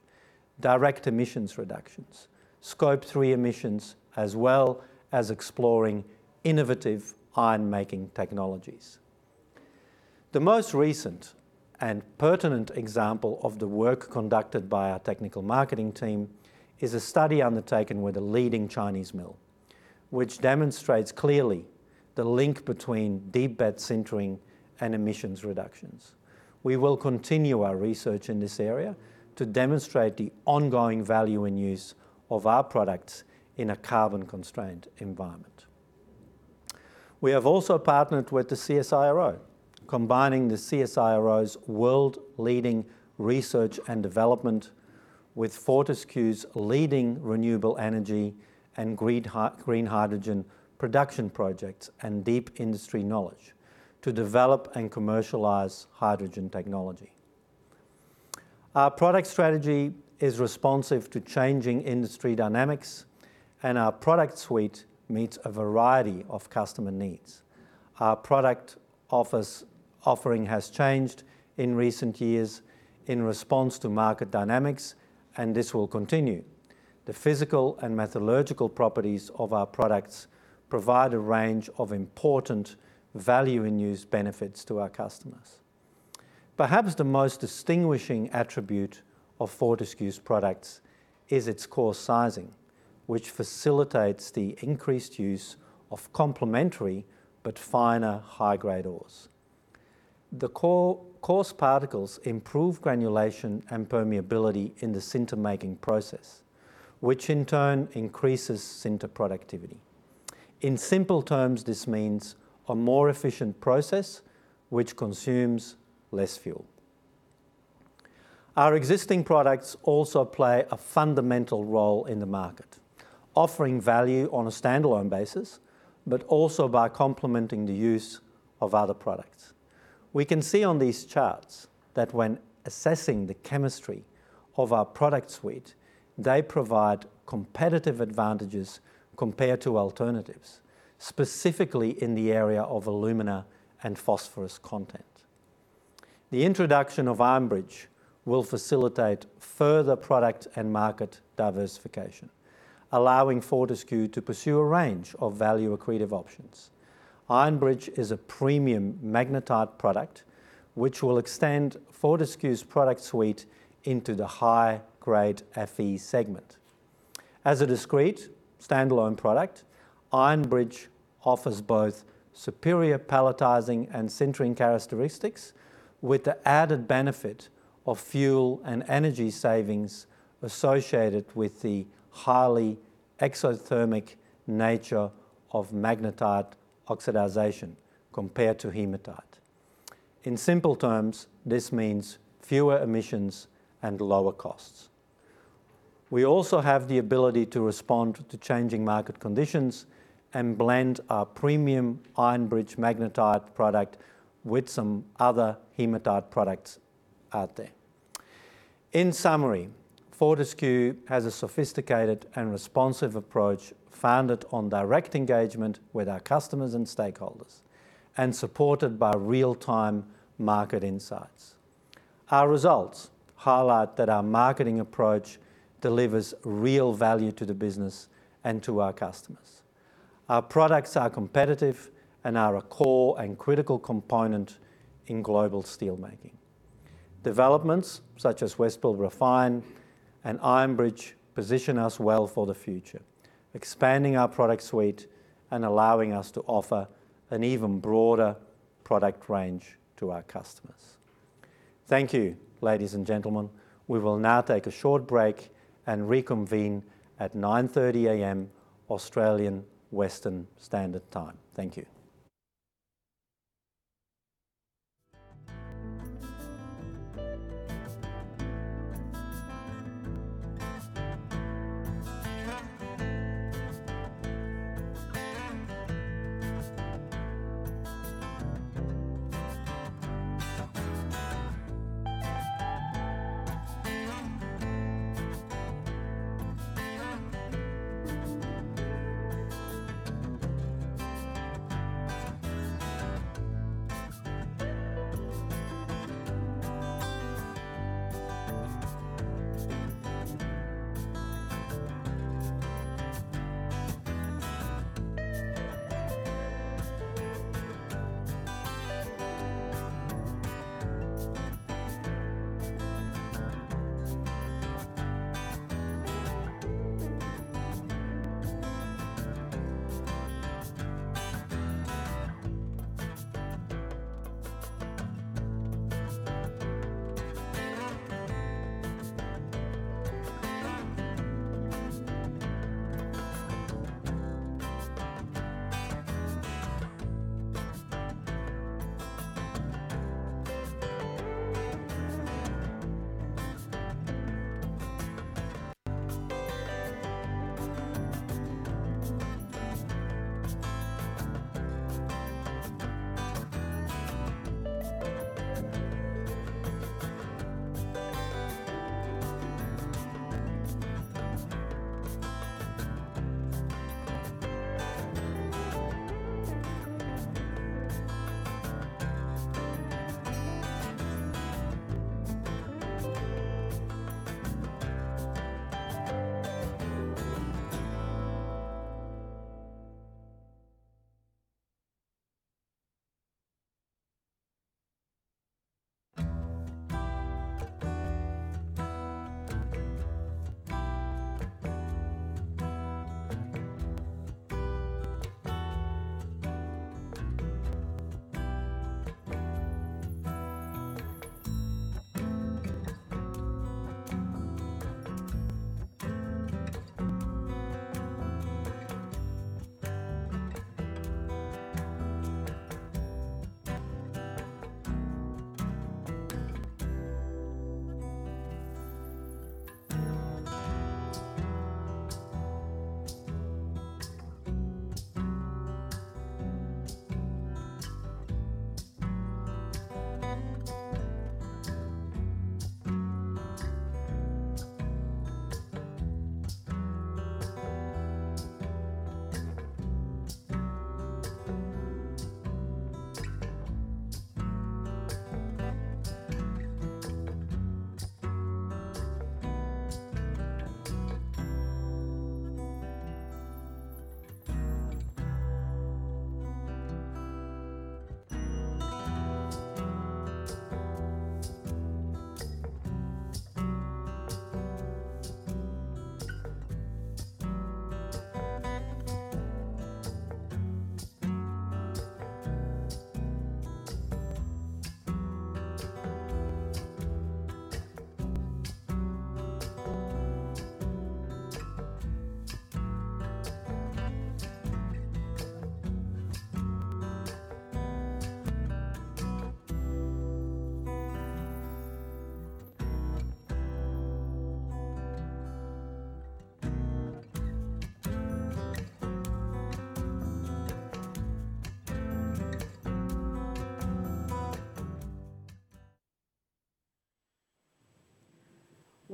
direct emissions reductions, Scope 3 emissions, as well as exploring innovative iron-making technologies. The most recent and pertinent example of the work conducted by our technical marketing team is a study undertaken with a leading Chinese mill, which demonstrates clearly the link between deep bed sintering and emissions reductions. We will continue our research in this area to demonstrate the ongoing value in use of our products in a carbon-constrained environment. We have also partnered with the CSIRO, combining the CSIRO's world-leading research and development with Fortescue's leading renewable energy and green hydrogen production projects and deep industry knowledge to develop and commercialize hydrogen technology. Our product strategy is responsive to changing industry dynamics, our product suite meets a variety of customer needs. Our product offering has changed in recent years in response to market dynamics. This will continue. The physical and metallurgical properties of our products provide a range of important value and use benefits to our customers. Perhaps the most distinguishing attribute of Fortescue's products is its coarse sizing, which facilitates the increased use of complementary but finer high-grade ores. The coarse particles improve granulation and permeability in the sinter-making process, which in turn increases sinter productivity. In simple terms, this means a more efficient process which consumes less fuel. Our existing products also play a fundamental role in the market, offering value on a standalone basis. Also by complementing the use of other products. We can see on these charts that when assessing the chemistry of our product suite, they provide competitive advantages compared to alternatives, specifically in the area of alumina and phosphorus content. The introduction of Iron Bridge will facilitate further product and market diversification, allowing Fortescue to pursue a range of value-accretive options. Iron Bridge is a premium magnetite product which will extend Fortescue's product suite into the high-grade Fe segment. As a discrete standalone product, Iron Bridge offers both superior palletizing and sintering characteristics with the added benefit of fuel and energy savings associated with the highly exothermic nature of magnetite oxidization compared to hematite. In simple terms, this means fewer emissions and lower costs. We also have the ability to respond to changing market conditions and blend our premium Iron Bridge magnetite product with some other hematite products out there. In summaryFortescue has a sophisticated and responsive approach founded on direct engagement with our customers and stakeholders and supported by real-time market insights. Our results highlight that our marketing approach delivers real value to the business and to our customers. Our products are competitive and are a core and critical component in global steel making. Developments such as West Pilbara Iron and Iron Bridge position us well for the future, expanding our product suite and allowing us to offer an even broader product range to our customers. Thank you, ladies and gentlemen. We will now take a short break and reconvene at 9:30 A.M. Australian Western Standard Time. Thank you.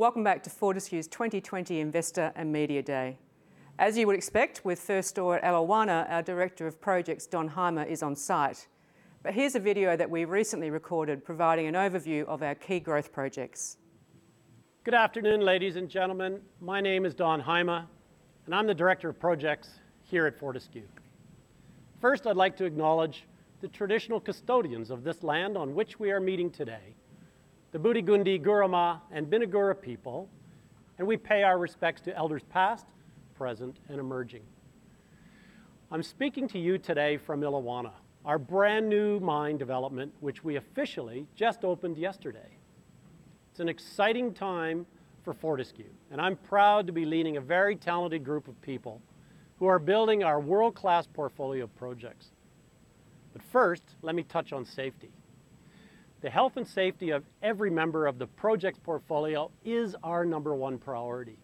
Welcome back to Fortescue's 2020 Investor and Media Day. As you would expect, with first ore at Eliwana, our Director of Projects, Don Hyma, is on site. Here's a video that we recently recorded providing an overview of our key growth projects. Good afternoon, ladies and gentlemen. My name is Don Hyma, and I'm the Director of Projects here at Fortescue. First, I'd like to acknowledge the traditional custodians of this land on which we are meeting today, the Banjima, Guruma, and Binigura people, and we pay our respects to elders past, present, and emerging. I'm speaking to you today from Eliwana, our brand-new mine development, which we officially just opened yesterday. It's an exciting time for Fortescue, and I'm proud to be leading a very talented group of people who are building our world-class portfolio of projects. First, let me touch on safety. The health and safety of every member of the project portfolio is our number one priority.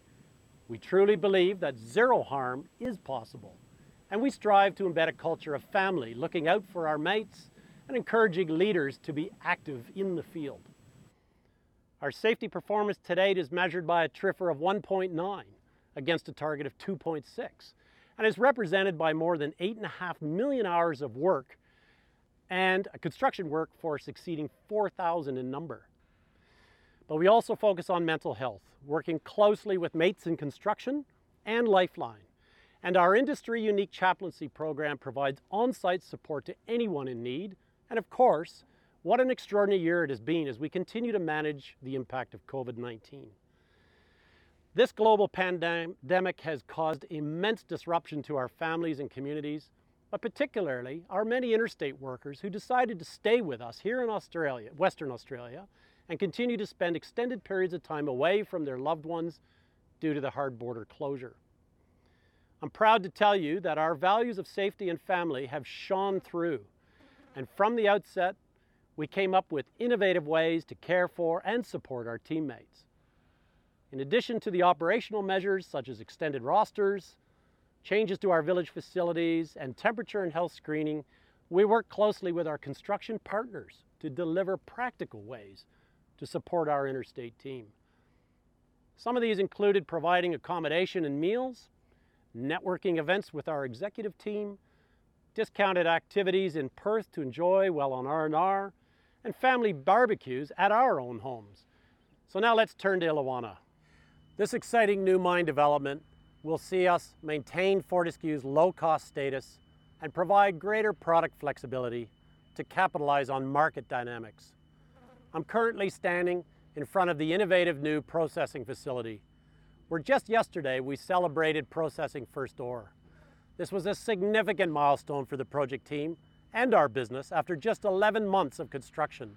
We truly believe that zero harm is possible, and we strive to embed a culture of family, looking out for our mates and encouraging leaders to be active in the field. Our safety performance to date is measured by a TRIFR of 1.9 against a target of 2.6, and is represented by more than8.5 Million hours of work and a construction workforce exceeding 4,000 in number. We also focus on mental health, working closely with Mates in Construction and Lifeline, and our industry-unique chaplaincy program provides on-site support to anyone in need. Of course, what an extraordinary year it has been as we continue to manage the impact of COVID-19. This global pandemic has caused immense disruption to our families and communities, but particularly our many interstate workers who decided to stay with us here in Western Australia and continue to spend extended periods of time away from their loved ones due to the hard border closure. I'm proud to tell you that our values of safety and family have shone through, and from the outset, we came up with innovative ways to care for and support our teammates. In addition to the operational measures such as extended rosters, changes to our village facilities, and temperature and health screening, we work closely with our construction partners to deliver practical ways to support our interstate team. Some of these included providing accommodation and meals, networking events with our executive team, discounted activities in Perth to enjoy while on R&R, and family barbecues at our own homes. Now let's turn to Eliwana. This exciting new mine development will see us maintain Fortescue's low-cost status and provide greater product flexibility to capitalize on market dynamics. I'm currently standing in front of the innovative new processing facility, where just yesterday we celebrated processing first ore. This was a significant milestone for the project team and our business after just 11 months of construction.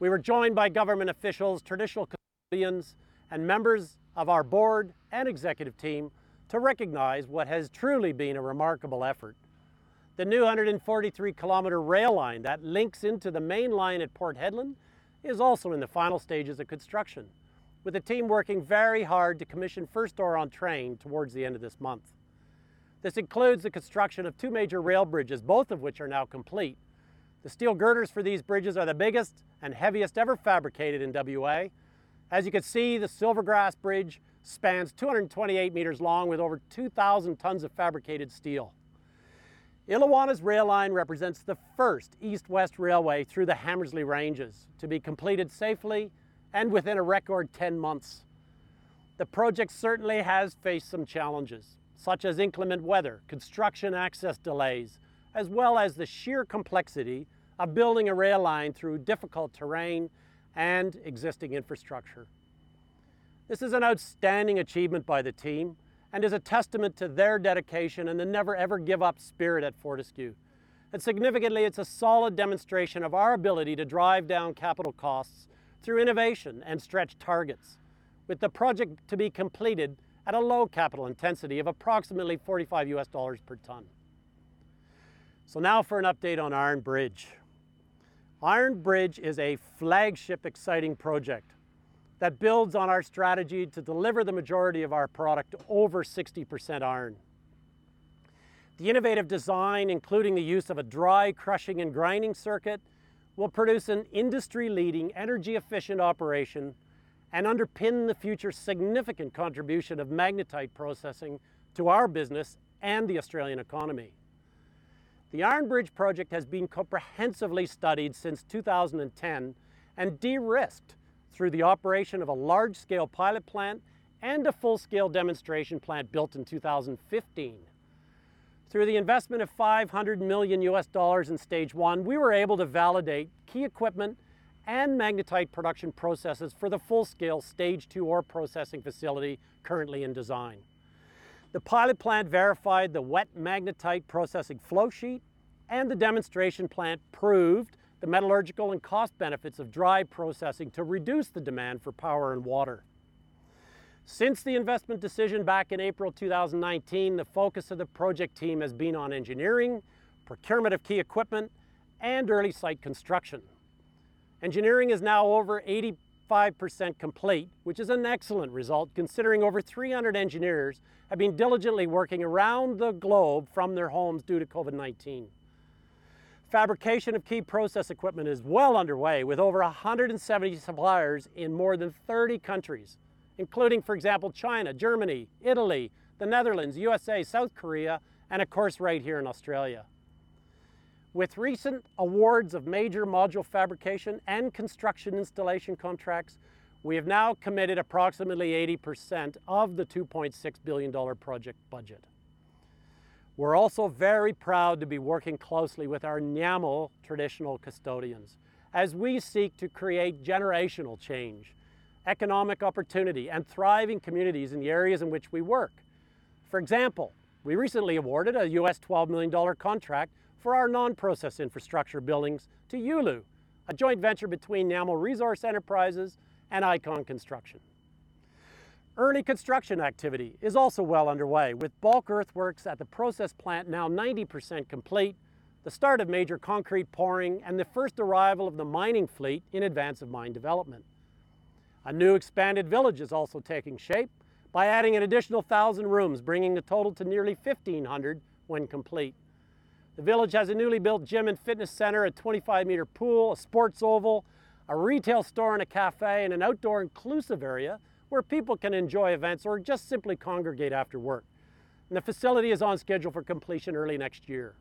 We were joined by government officials, traditional custodians, and members of our board and executive team to recognize what has truly been a remarkable effort. The new 143 km rail line that links into the main line at Port Hedland is also in the final stages of construction, with the team working very hard to commission first ore on train towards the end of this month. This includes the construction of two major rail bridges, both of which are now complete. The steel girders for these bridges are the biggest and heaviest ever fabricated in WA. As you can see, the Silvergrass Bridge spans 228 m long with over 2,000 tons of fabricated steel. Eliwana's rail line represents the first east-west railway through the Hamersley Ranges to be completed safely and within a record 10 months. The project certainly has faced some challenges, such as inclement weather, construction access delays, as well as the sheer complexity of building a rail line through difficult terrain and existing infrastructure. This is an outstanding achievement by the team and is a testament to their dedication and the never, ever give up spirit at Fortescue. Significantly, it's a solid demonstration of our ability to drive down capital costs through innovation and stretch targets with the project to be completed at a low capital intensity of approximately $45 per ton. Now for an update on Iron Bridge. Iron Bridge is a flagship exciting project that builds on our strategy to deliver the majority of our product over 60% iron. The innovative design, including the use of a dry crushing and grinding circuit, will produce an industry-leading energy-efficient operation and underpin the future significant contribution of magnetite processing to our business and the Australian economy. The Iron Bridge project has been comprehensively studied since 2010 and de-risked through the operation of a large-scale pilot plant and a full-scale demonstration plant built in 2015. Through the investment of $500 million in stage 1, we were able to validate key equipment and magnetite production processes for the full-scale stage 2 ore processing facility currently in design. The pilot plant verified the wet magnetite processing flow sheet, and the demonstration plant proved the metallurgical and cost benefits of dry processing to reduce the demand for power and water. Since the investment decision back in April 2019, the focus of the project team has been on engineering, procurement of key equipment, and early site construction. Engineering is now over 85% complete, which is an excellent result considering over 300 engineers have been diligently working around the globe from their homes due to COVID-19. Fabrication of key process equipment is well underway, with over 170 suppliers in more than 30 countries, including, for example, China, Germany, Italy, the Netherlands, U.S.A., South Korea, and of course, right here in Australia. With recent awards of major module fabrication and construction installation contracts, we have now committed approximately 80% of the 2.6 billion dollar project budget. We're also very proud to be working closely with our Nyamal traditional custodians as we seek to create generational change, economic opportunity, and thriving communities in the areas in which we work. For example, we recently awarded a $12 million contract for our non-processed infrastructure buildings to Yurra, a joint venture between Nyamal Resource Enterprises and Icon Construction. Early construction activity is also well underway, with bulk earthworks at the process plant now 90% complete, the start of major concrete pouring, and the first arrival of the mining fleet in advance of mine development. A new expanded village is also taking shape by adding an additional 1,000 rooms, bringing the total to nearly 1,500 when complete. The village has a newly built gym and fitness center, a 25-meter pool, a sports oval, a retail store, and a cafe, and an outdoor inclusive area where people can enjoy events or just simply congregate after work. The facility is on schedule for completion early next year.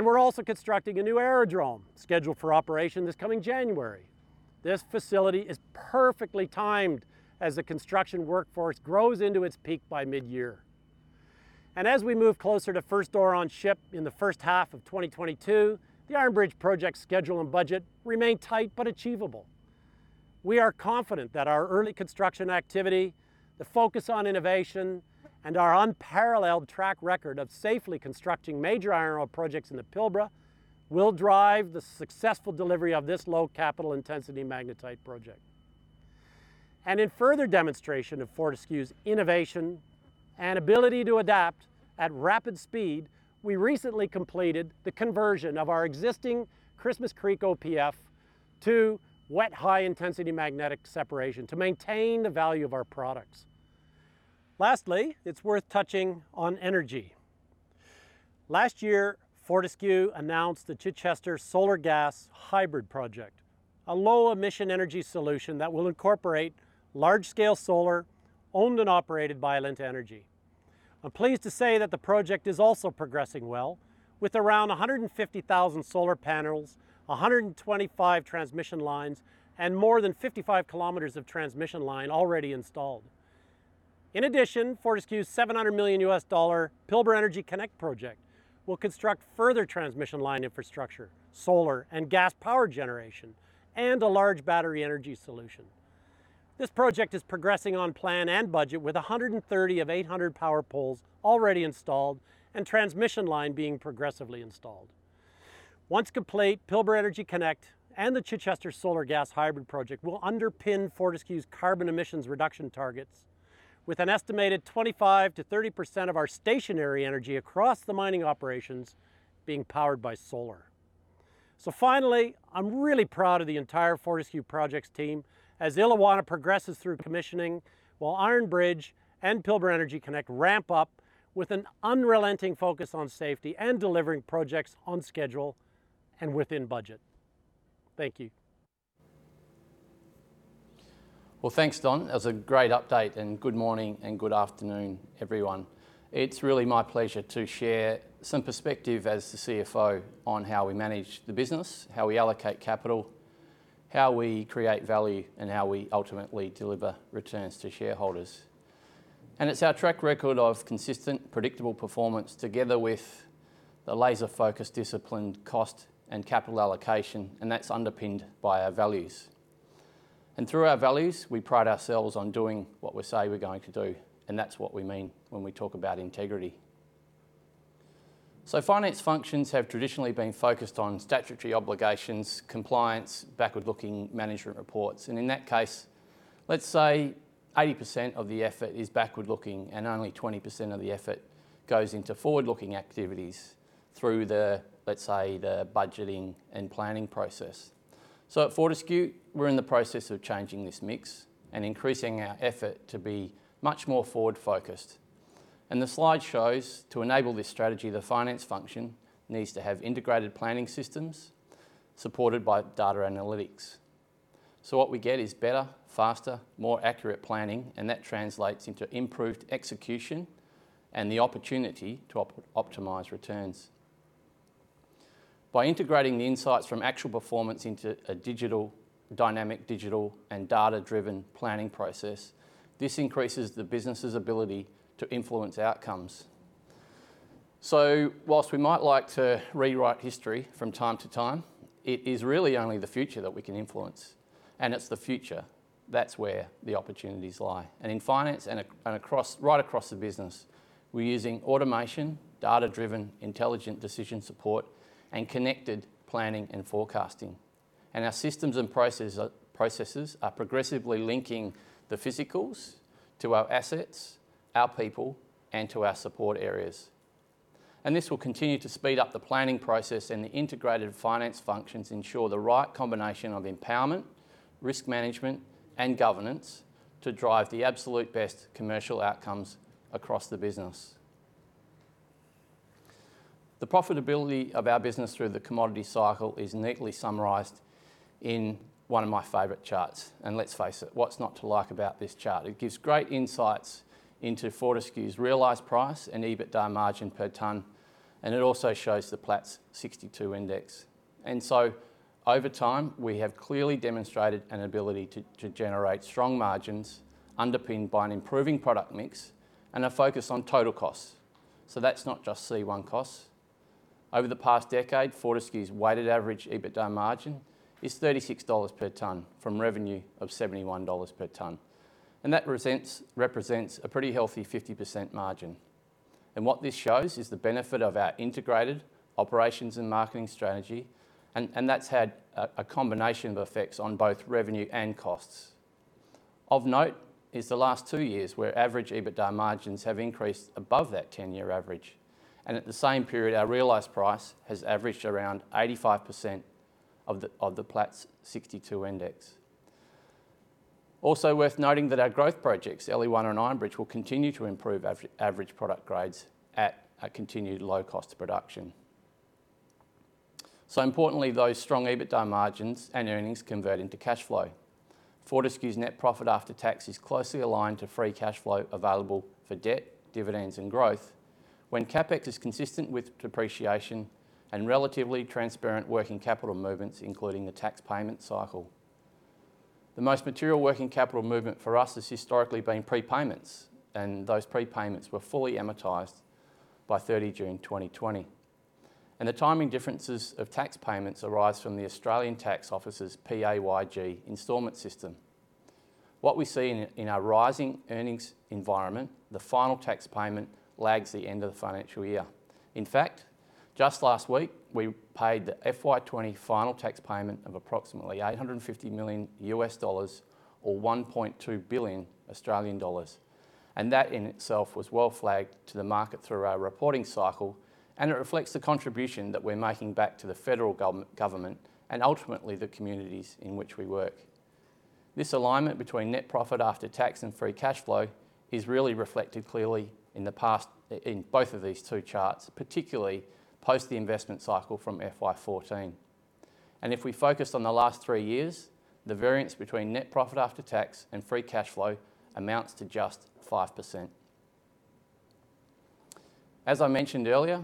We're also constructing a new aerodrome scheduled for operation this coming January. This facility is perfectly timed as the construction workforce grows into its peak by mid-year. As we move closer to first ore on ship in the first half of 2022, the Iron Bridge project schedule and budget remain tight but achievable. We are confident that our early construction activity, the focus on innovation, and our unparalleled track record of safely constructing major iron ore projects in the Pilbara will drive the successful delivery of this low capital intensity magnetite project. In further demonstration of Fortescue's innovation and ability to adapt at rapid speed, we recently completed the conversion of our existing Christmas Creek OPF to Wet High Intensity Magnetic Separation to maintain the value of our products. Lastly, it's worth touching on energy. Last year, Fortescue announced the Chichester Solar Gas Hybrid Project, a low-emission energy solution that will incorporate large-scale solar owned and operated by Alinta Energy. I'm pleased to say that the project is also progressing well with around 150,000 solar panels, 125 transmission lines, and more than 55 km of transmission line already installed. In addition, Fortescue's $700 million Pilbara Energy Connect Project will construct further transmission line infrastructure, solar and gas power generation, and a large battery energy solution. This project is progressing on plan and budget with 130 of 800 power poles already installed and transmission line being progressively installed. Once complete, Pilbara Energy Connect and the Chichester Solar Gas Hybrid Project will underpin Fortescue's carbon emissions reduction targets with an estimated 25%-30% of our stationary energy across the mining operations being powered by solar. Finally, I'm really proud of the entire Fortescue Projects team as Eliwana progresses through commissioning, while Iron Bridge and Pilbara Energy Connect ramp up with an unrelenting focus on safety and delivering projects on schedule and within budget. Thank you. Well, thanks, Don. That was a great update, good morning and good afternoon, everyone. It's really my pleasure to share some perspective as the CFO on how we manage the business, how we allocate capital, how we create value, and how we ultimately deliver returns to shareholders. It's our track record of consistent, predictable performance together with the laser-focused, disciplined cost and capital allocation, and that's underpinned by our values. Through our values, we pride ourselves on doing what we say we're going to do, and that's what we mean when we talk about integrity. Finance functions have traditionally been focused on statutory obligations, compliance, backward-looking management reports, and in that case, let's say 80% of the effort is backward-looking and only 20% of the effort goes into forward-looking activities through the, let's say, the budgeting and planning process. At Fortescue, we're in the process of changing this mix and increasing our effort to be much more forward-focused. The slide shows to enable this strategy, the finance function needs to have integrated planning systems supported by data analytics. What we get is better, faster, more accurate planning, and that translates into improved execution and the opportunity to optimize returns. By integrating the insights from actual performance into a dynamic digital and data-driven planning process, this increases the business's ability to influence outcomes. While we might like to rewrite history from time to time, it is really only the future that we can influence, and it's the future, that's where the opportunities lie. In finance and right across the business, we're using automation, data-driven intelligent decision support, and connected planning and forecasting. Our systems and processes are progressively linking the physicals to our assets, our people, and to our support areas. This will continue to speed up the planning process and the integrated finance functions ensure the right combination of empowerment, risk management, and governance to drive the absolute best commercial outcomes across the business. The profitability of our business through the commodity cycle is neatly summarized in one of my favorite charts. Let's face it, what's not to like about this chart? It gives great insights into Fortescue's realized price and EBITDA margin per tonne, and it also shows the Platts 62%. Over time, we have clearly demonstrated an ability to generate strong margins underpinned by an improving product mix and a focus on total costs. That's not just C1 costs. Over the past decade, Fortescue's weighted average EBITDA margin is $36 per tonne from revenue of $71 per tonne. That represents a pretty healthy 50% margin. What this shows is the benefit of our integrated operations and marketing strategy, and that's had a combination of effects on both revenue and costs. Of note is the last two years, where average EBITDA margins have increased above that 10-year average. At the same period, our realized price has averaged around 85% of the Platts 62%. Worth noting that our growth projects, Eliwana and Iron Bridge, will continue to improve average product grades at a continued low cost of production. Importantly, those strong EBITDA margins and earnings convert into cash flow. Fortescue's net profit after tax is closely aligned to free cash flow available for debt, dividends, and growth when CapEx is consistent with depreciation and relatively transparent working capital movements, including the tax payment cycle. The most material working capital movement for us has historically been prepayments, and those prepayments were fully amortized by 30 June 2020. The timing differences of tax payments arise from the Australian Taxation Office's PAYG installment system. What we see in our rising earnings environment, the final tax payment lags the end of the financial year. In fact, just last week, we paid the FY 2020 final tax payment of approximately $850 million or 1.2 billion Australian dollars. That in itself was well-flagged to the market through our reporting cycle, and it reflects the contribution that we're making back to the Commonwealth Government, and ultimately the communities in which we work. This alignment between net profit after tax and free cash flow is really reflected clearly in the past in both of these two charts, particularly post the investment cycle from FY 2014. If we focused on the last three years, the variance between net profit after tax and free cash flow amounts to just 5%. As I mentioned earlier,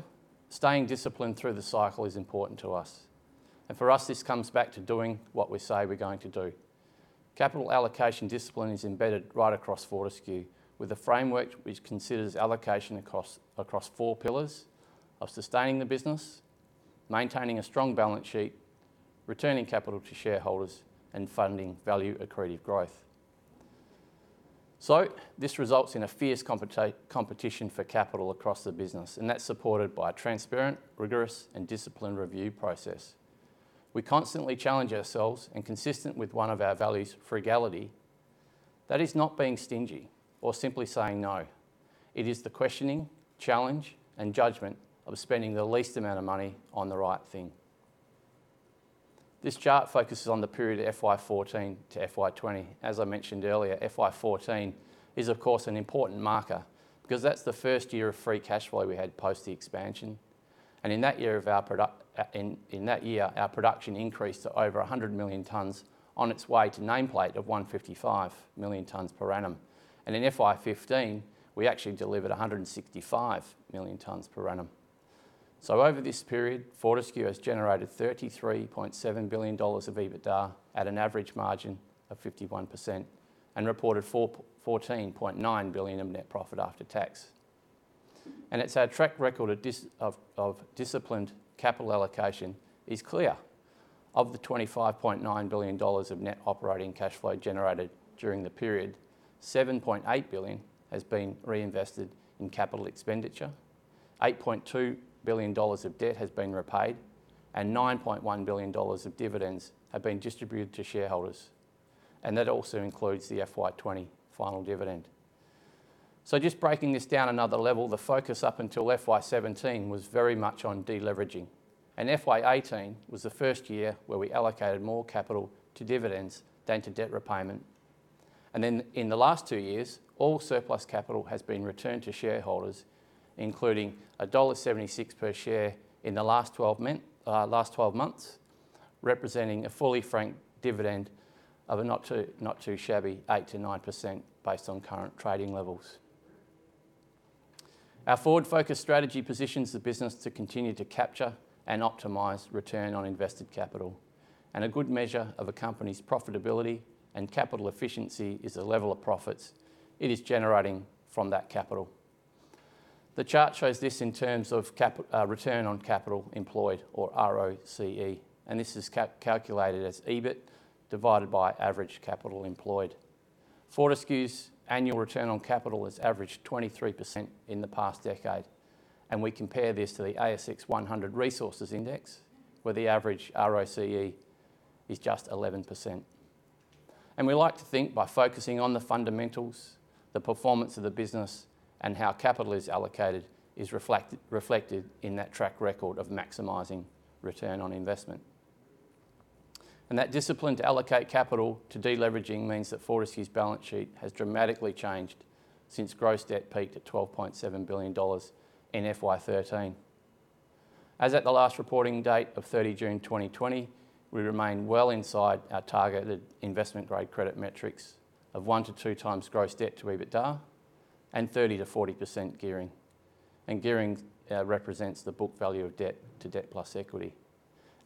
staying disciplined through the cycle is important to us. For us, this comes back to doing what we say we're going to do. Capital allocation discipline is embedded right across Fortescue, with a framework which considers allocation across four pillars of sustaining the business, maintaining a strong balance sheet, returning capital to shareholders, and funding value-accretive growth. This results in a fierce competition for capital across the business, and that's supported by a transparent, rigorous, and disciplined review process. We constantly challenge ourselves and consistent with one of our values, frugality. That is not being stingy or simply saying no. It is the questioning, challenge, and judgment of spending the least amount of money on the right thing. This chart focuses on the period FY 2014 to FY 2020. As I mentioned earlier, FY 2014 is of course an important marker because that's the first year of free cash flow we had post the expansion. In that year, our production increased to over 100 million tons on its way to nameplate of 155 million tons per annum. In FY 2015, we actually delivered 165 million tons per annum. Over this period, Fortescue has generated 33.7 billion dollars of EBITDA at an average margin of 51% and reported 14.9 billion of NPAT. It's our track record of disciplined capital allocation is clear. Of the 25.9 billion dollars of net operating cash flow generated during the period, 7.8 billion has been reinvested in capital expenditure, 8.2 billion dollars of debt has been repaid, and 9.1 billion dollars of dividends have been distributed to shareholders. That also includes the FY 2020 final dividend. Just breaking this down another level, the focus up until FY 2017 was very much on de-leveraging. FY 2018 was the first year where we allocated more capital to dividends than to debt repayment. In the last two years, all surplus capital has been returned to shareholders, including dollar 1.76 per share in the last 12 months, representing a fully franked dividend of a not too shabby 8%-9% based on current trading levels. Our forward-focused strategy positions the business to continue to capture and optimize return on invested capital. A good measure of a company's profitability and capital efficiency is the level of profits it is generating from that capital. The chart shows this in terms of return on capital employed, or ROCE, and this is calculated as EBIT divided by average capital employed. Fortescue's annual return on capital has averaged 23% in the past decade. We compare this to the S&P/ASX 100 Resources Index, where the average ROCE is just 11%. We like to think by focusing on the fundamentals, the performance of the business, and how capital is allocated is reflected in that track record of maximizing return on investment. That discipline to allocate capital to de-leveraging means that Fortescue's balance sheet has dramatically changed since gross debt peaked at 12.7 billion dollars in FY 2013. As at the last reporting date of 30 June 2020, we remain well inside our targeted investment-grade credit metrics of one to two times gross debt to EBITDA and 30%-40% gearing. Gearing represents the book value of debt to debt plus equity.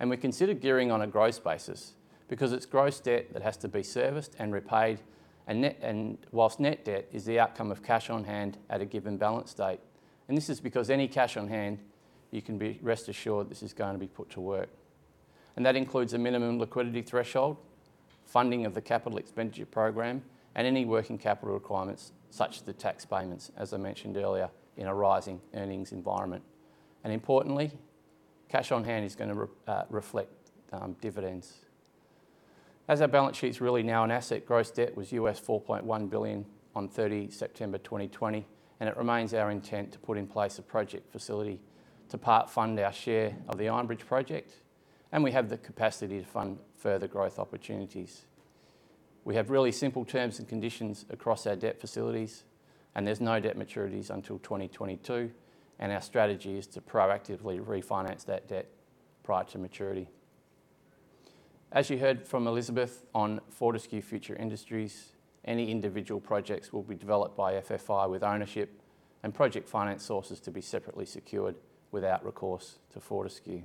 We consider gearing on a gross basis because it's gross debt that has to be serviced and repaid, whilst net debt is the outcome of cash on hand at a given balance date. This is because any cash on hand, you can rest assured this is going to be put to work. That includes a minimum liquidity threshold, funding of the capital expenditure program, and any working capital requirements, such as the tax payments, as I mentioned earlier, in a rising earnings environment. Importantly, cash on hand is going to reflect dividends. As our balance sheet's really now an asset, gross debt was $4.1 billion on 30 September 2020. It remains our intent to put in place a project facility to part-fund our share of the Iron Bridge project. We have the capacity to fund further growth opportunities. We have really simple terms and conditions across our debt facilities. There's no debt maturities until 2022. Our strategy is to proactively refinance that debt prior to maturity. As you heard from Elizabeth on Fortescue Future Industries, any individual projects will be developed by FFI with ownership and project finance sources to be separately secured without recourse to Fortescue.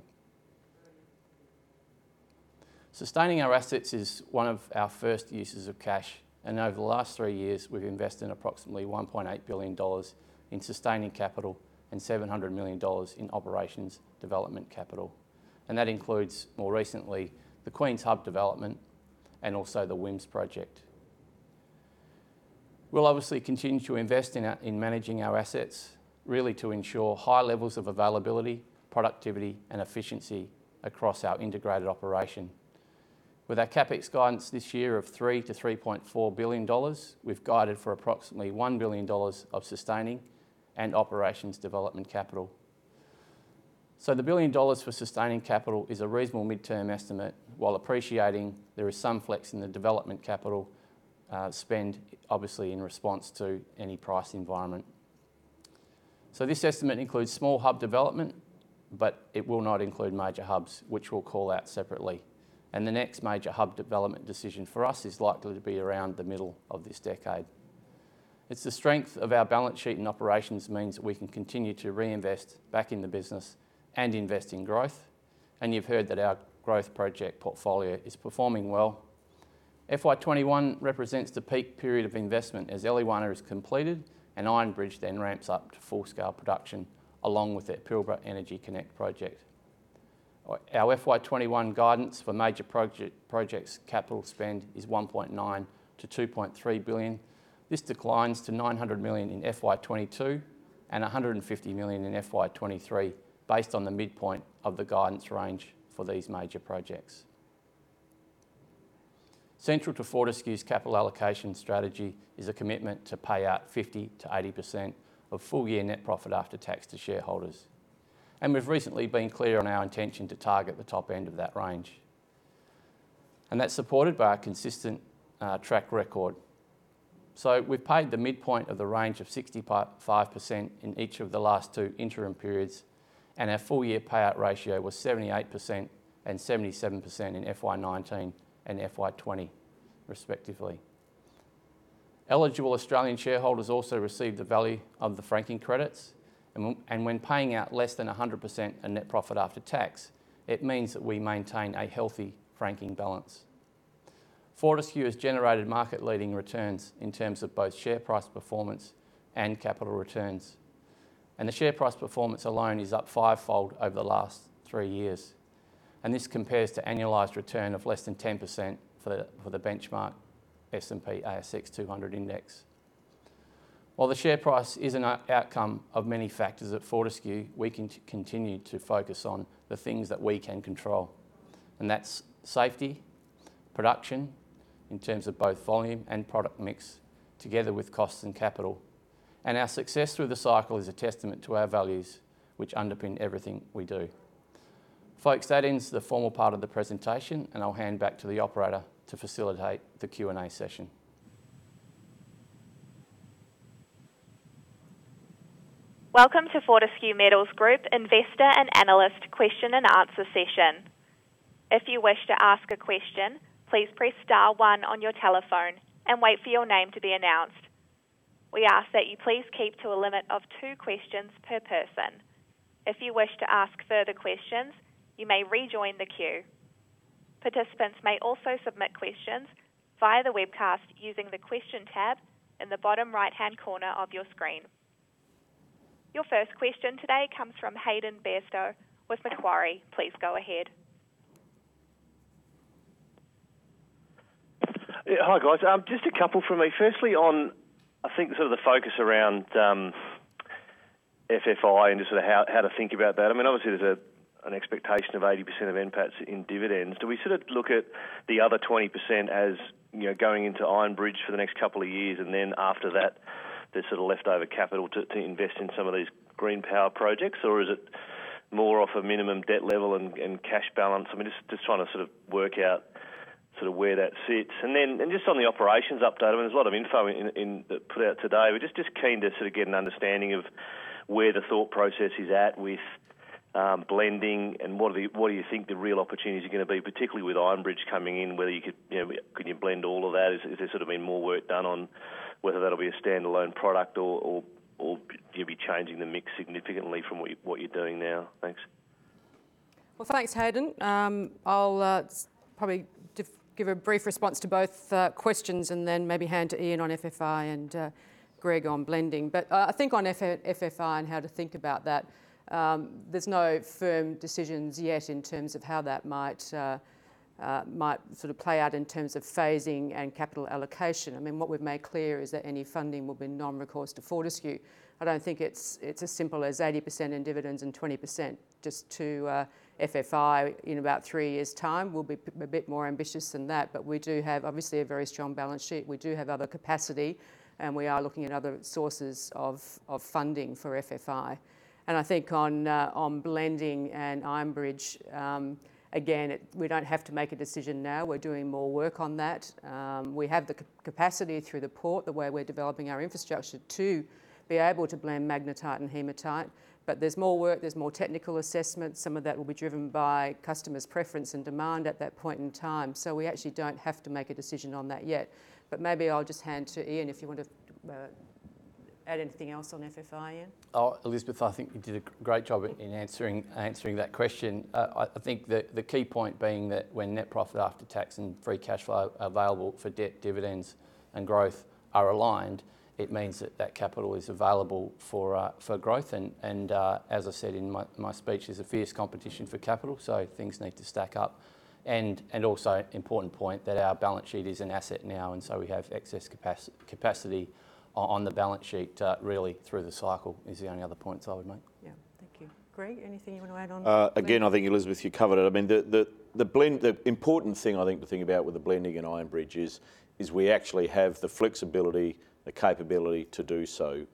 Sustaining our assets is one of our first uses of cash. Over the last three years, we've invested approximately 1.8 billion dollars in sustaining capital and 700 million dollars in operations development capital. That includes, more recently, the Queens Valley development and also the WHIMS project. We'll obviously continue to invest in managing our assets, really to ensure high levels of availability, productivity, and efficiency across our integrated operation. With our CapEx guidance this year of 3 billion-3.4 billion dollars, we've guided for approximately 1 billion dollars of sustaining and operations development capital. The 1 billion dollars for sustaining capital is a reasonable midterm estimate, while appreciating there is some flex in the development capital spend, obviously in response to any price environment. This estimate includes small hub development, but it will not include major hubs, which we'll call out separately. The next major hub development decision for us is likely to be around the middle of this decade. It's the strength of our balance sheet and operations means that we can continue to reinvest back in the business and invest in growth. You've heard that our growth project portfolio is performing well. FY 2021 represents the peak period of investment as Eliwana is completed and Iron Bridge then ramps up to full-scale production, along with that Pilbara Energy Connect project. Our FY 2021 guidance for major projects capital spend is 1.9 billion-2.3 billion. This declines to 900 million in FY 2022 and 150 million in FY 2023, based on the midpoint of the guidance range for these major projects. Central to Fortescue's capital allocation strategy is a commitment to pay out 50%-80% of full-year net profit after tax to shareholders. We've recently been clear on our intention to target the top end of that range. That's supported by our consistent track record. We've paid the midpoint of the range of 65% in each of the last two interim periods, and our full-year payout ratio was 78% and 77% in FY 2019 and FY 2020 respectively. Eligible Australian shareholders also received the value of the franking credits, and when paying out less than 100% of net profit after tax, it means that we maintain a healthy franking balance. Fortescue has generated market-leading returns in terms of both share price performance and capital returns. The share price performance alone is up fivefold over the last three years. This compares to annualized return of less than 10% for the benchmark S&P/ASX 200 Index. While the share price is an outcome of many factors at Fortescue, we continue to focus on the things that we can control. That's safety, production, in terms of both volume and product mix, together with costs and capital. Our success through the cycle is a testament to our values, which underpin everything we do. Folks, that ends the formal part of the presentation, and I'll hand back to the operator to facilitate the Q&A session. Welcome to Fortescue Metals Group investor and analyst question and answer session. If you wish to ask a question, please press star one on your telephone and wait for your name to be announced. We ask that you please keep to a limit of two questions per person. If you wish to ask further questions, you may rejoin the queue. Participants may also submit questions via the webcast using the question tab in the bottom right-hand corner of your screen. Your first question today comes from Hayden Bairstow with Macquarie. Please go ahead. Yeah. Hi, guys. Just a couple from me. Firstly on, I think, sort of the focus around FFI and just sort of how to think about that. Obviously, there's an expectation of 80% of NPAT in dividends. Do we sort of look at the other 20% as going into Iron Bridge for the next two years, then after that, there's sort of leftover capital to invest in some of these green power projects? Or is it more of a minimum debt level and cash balance? I'm just trying to sort of work out where that sits. Just on the operations update, there's a lot of info put out today. We're just keen to sort of get an understanding of where the thought process is at with blending and what do you think the real opportunities are going to be, particularly with Iron Bridge coming in, could you blend all of that? Has there sort of been more work done on whether that'll be a standalone product or you'll be changing the mix significantly from what you're doing now? Thanks. Well, thanks, Hayden. I'll probably give a brief response to both questions and then maybe hand to Ian on FFI and Greg on blending. I think on FFI and how to think about that, there's no firm decisions yet in terms of how that might sort of play out in terms of phasing and capital allocation. What we've made clear is that any funding will be non-recourse to Fortescue. I don't think it's as simple as 80% in dividends and 20% just to FFI in about three years' time. We'll be a bit more ambitious than that, but we do have obviously a very strong balance sheet. We do have other capacity, and we are looking at other sources of funding for FFI. I think on blending and Iron Bridge, again, we don't have to make a decision now. We're doing more work on that. We have the capacity through the port, the way we're developing our infrastructure, to be able to blend magnetite and hematite, but there's more work, there's more technical assessments. Some of that will be driven by customers' preference and demand at that point in time. We actually don't have to make a decision on that yet. Maybe I'll just hand to Ian, if you want to add anything else on FFI, Ian. Elizabeth, I think you did a great job in answering that question. I think that the key point being that when net profit after tax and free cash flow available for debt, dividends, and growth are aligned, it means that that capital is available for growth. As I said in my speech, there's a fierce competition for capital, things need to stack up. Also, important point, that our balance sheet is an asset now, we have excess capacity on the balance sheet really through the cycle, is the only other point I would make. Yeah. Thank you. Greg, anything you want to add on? I think, Elizabeth, you covered it. The important thing, I think, to think about with the blending and Iron Bridge is we actually have the flexibility, the capability to do so.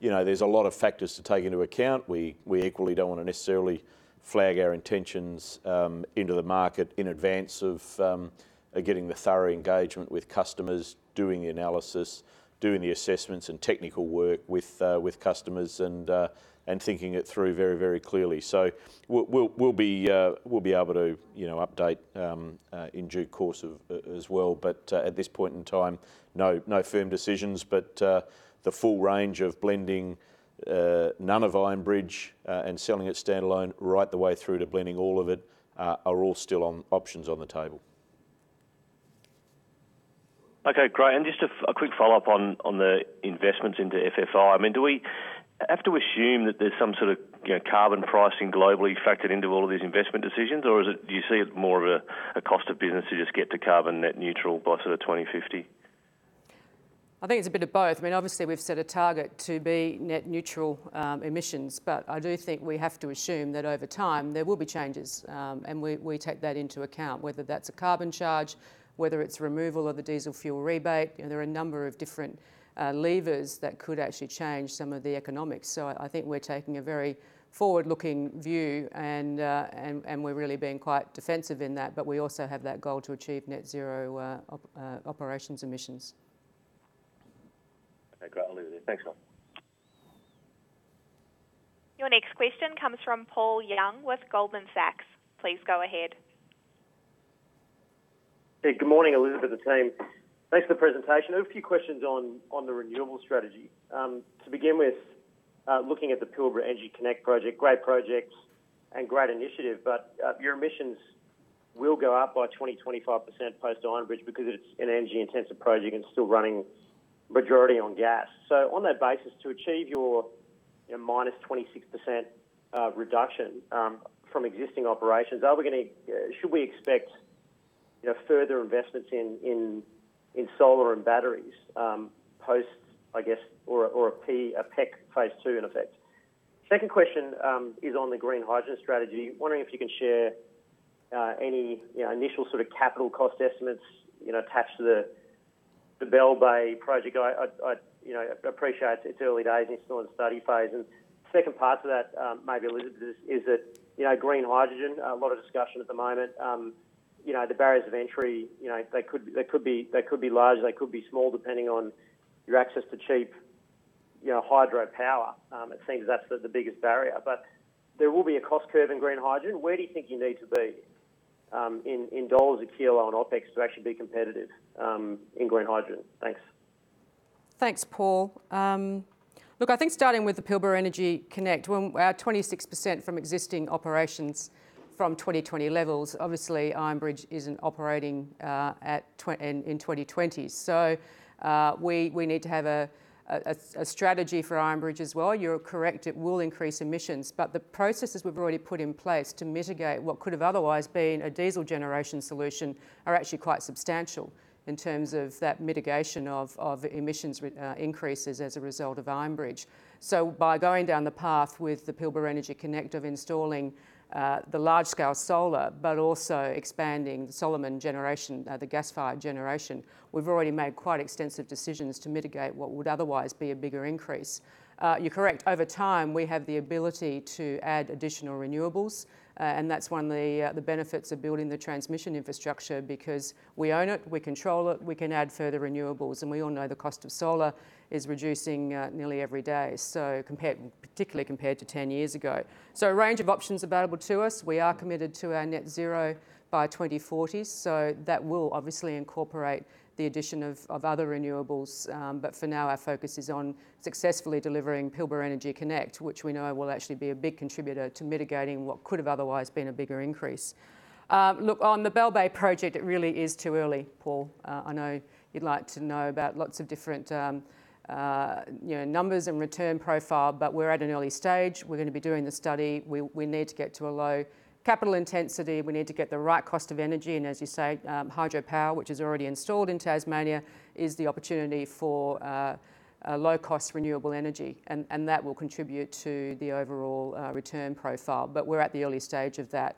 There's a lot of factors to take into account. We equally don't want to necessarily flag our intentions into the market in advance of getting the thorough engagement with customers, doing the analysis, doing the assessments and technical work with customers and thinking it through very clearly. We'll be able to update in due course as well. At this point in time, no firm decisions, but the full range of blending none of Iron Bridge and selling it standalone right the way through to blending all of it are all still options on the table. Okay, great. Just a quick follow-up on the investments into FFI. Do we have to assume that there's some sort of carbon pricing globally factored into all of these investment decisions, or do you see it more of a cost of business to just get to carbon net neutral by 2050? I think it's a bit of both. Obviously, we've set a target to be net neutral emissions, but I do think we have to assume that over time there will be changes, and we take that into account, whether that's a carbon charge, whether it's removal of the diesel fuel rebate. There are a number of different levers that could actually change some of the economics. I think we're taking a very forward-looking view, and we're really being quite defensive in that. We also have that goal to achieve net zero operations emissions. Okay, great. I'll leave it there. Thanks a lot. Your next question comes from Paul Young with Goldman Sachs. Please go ahead. Good morning, Elizabeth and team. Thanks for the presentation. I have a few questions on the renewable strategy. To begin with, looking at the Pilbara Energy Connect project, great project and great initiative, but your emissions will go up by 20%-25% post-Iron Bridge because it's an energy-intensive project and still running majority on gas. On that basis, to achieve your -26% reduction from existing operations, should we expect further investments in solar and batteries post, I guess, or a PEC phase two, in effect? Second question is on the green hydrogen strategy. Wondering if you can share any initial capital cost estimates attached to the Bell Bay project. I appreciate it's early days and it's still in study phase. Second part to that, maybe, Elizabeth, is that green hydrogen, a lot of discussion at the moment. The barriers of entry, they could be large, they could be small, depending on your access to cheap hydro power. It seems that's the biggest barrier. But there will be a cost curve in green hydrogen. Where do you think you need to be in AUD a kilo on OPEX to actually be competitive in green hydrogen? Thanks. Thanks, Paul. Look, I think starting with the Pilbara Energy Connect, our 26% from existing operations from 2020 levels, obviously, Iron Bridge isn't operating in 2020. We need to have a strategy for Iron Bridge as well. You're correct, it will increase emissions, but the processes we've already put in place to mitigate what could've otherwise been a diesel generation solution are actually quite substantial in terms of that mitigation of emissions increases as a result of Iron Bridge. By going down the path with the Pilbara Energy Connect of installing the large-scale solar, but also expanding the Solomon generation, the gas-fired generation, we've already made quite extensive decisions to mitigate what would otherwise be a bigger increase. You're correct. Over time, we have the ability to add additional renewables. That's one of the benefits of building the transmission infrastructure because we own it, we control it, we can add further renewables. We all know the cost of solar is reducing nearly every day, particularly compared to 10 years ago. A range of options available to us. We are committed to our net zero by 2040. That will obviously incorporate the addition of other renewables. For now, our focus is on successfully delivering Pilbara Energy Connect, which we know will actually be a big contributor to mitigating what could've otherwise been a bigger increase. Look, on the Bell Bay project, it really is too early, Paul. I know you'd like to know about lots of different numbers and return profile. We're at an early stage. We're going to be doing the study. We need to get to a low capital intensity. We need to get the right cost of energy. And as you say, hydro power, which is already installed in Tasmania, is the opportunity for low-cost renewable energy, and that will contribute to the overall return profile, but we're at the early stage of that.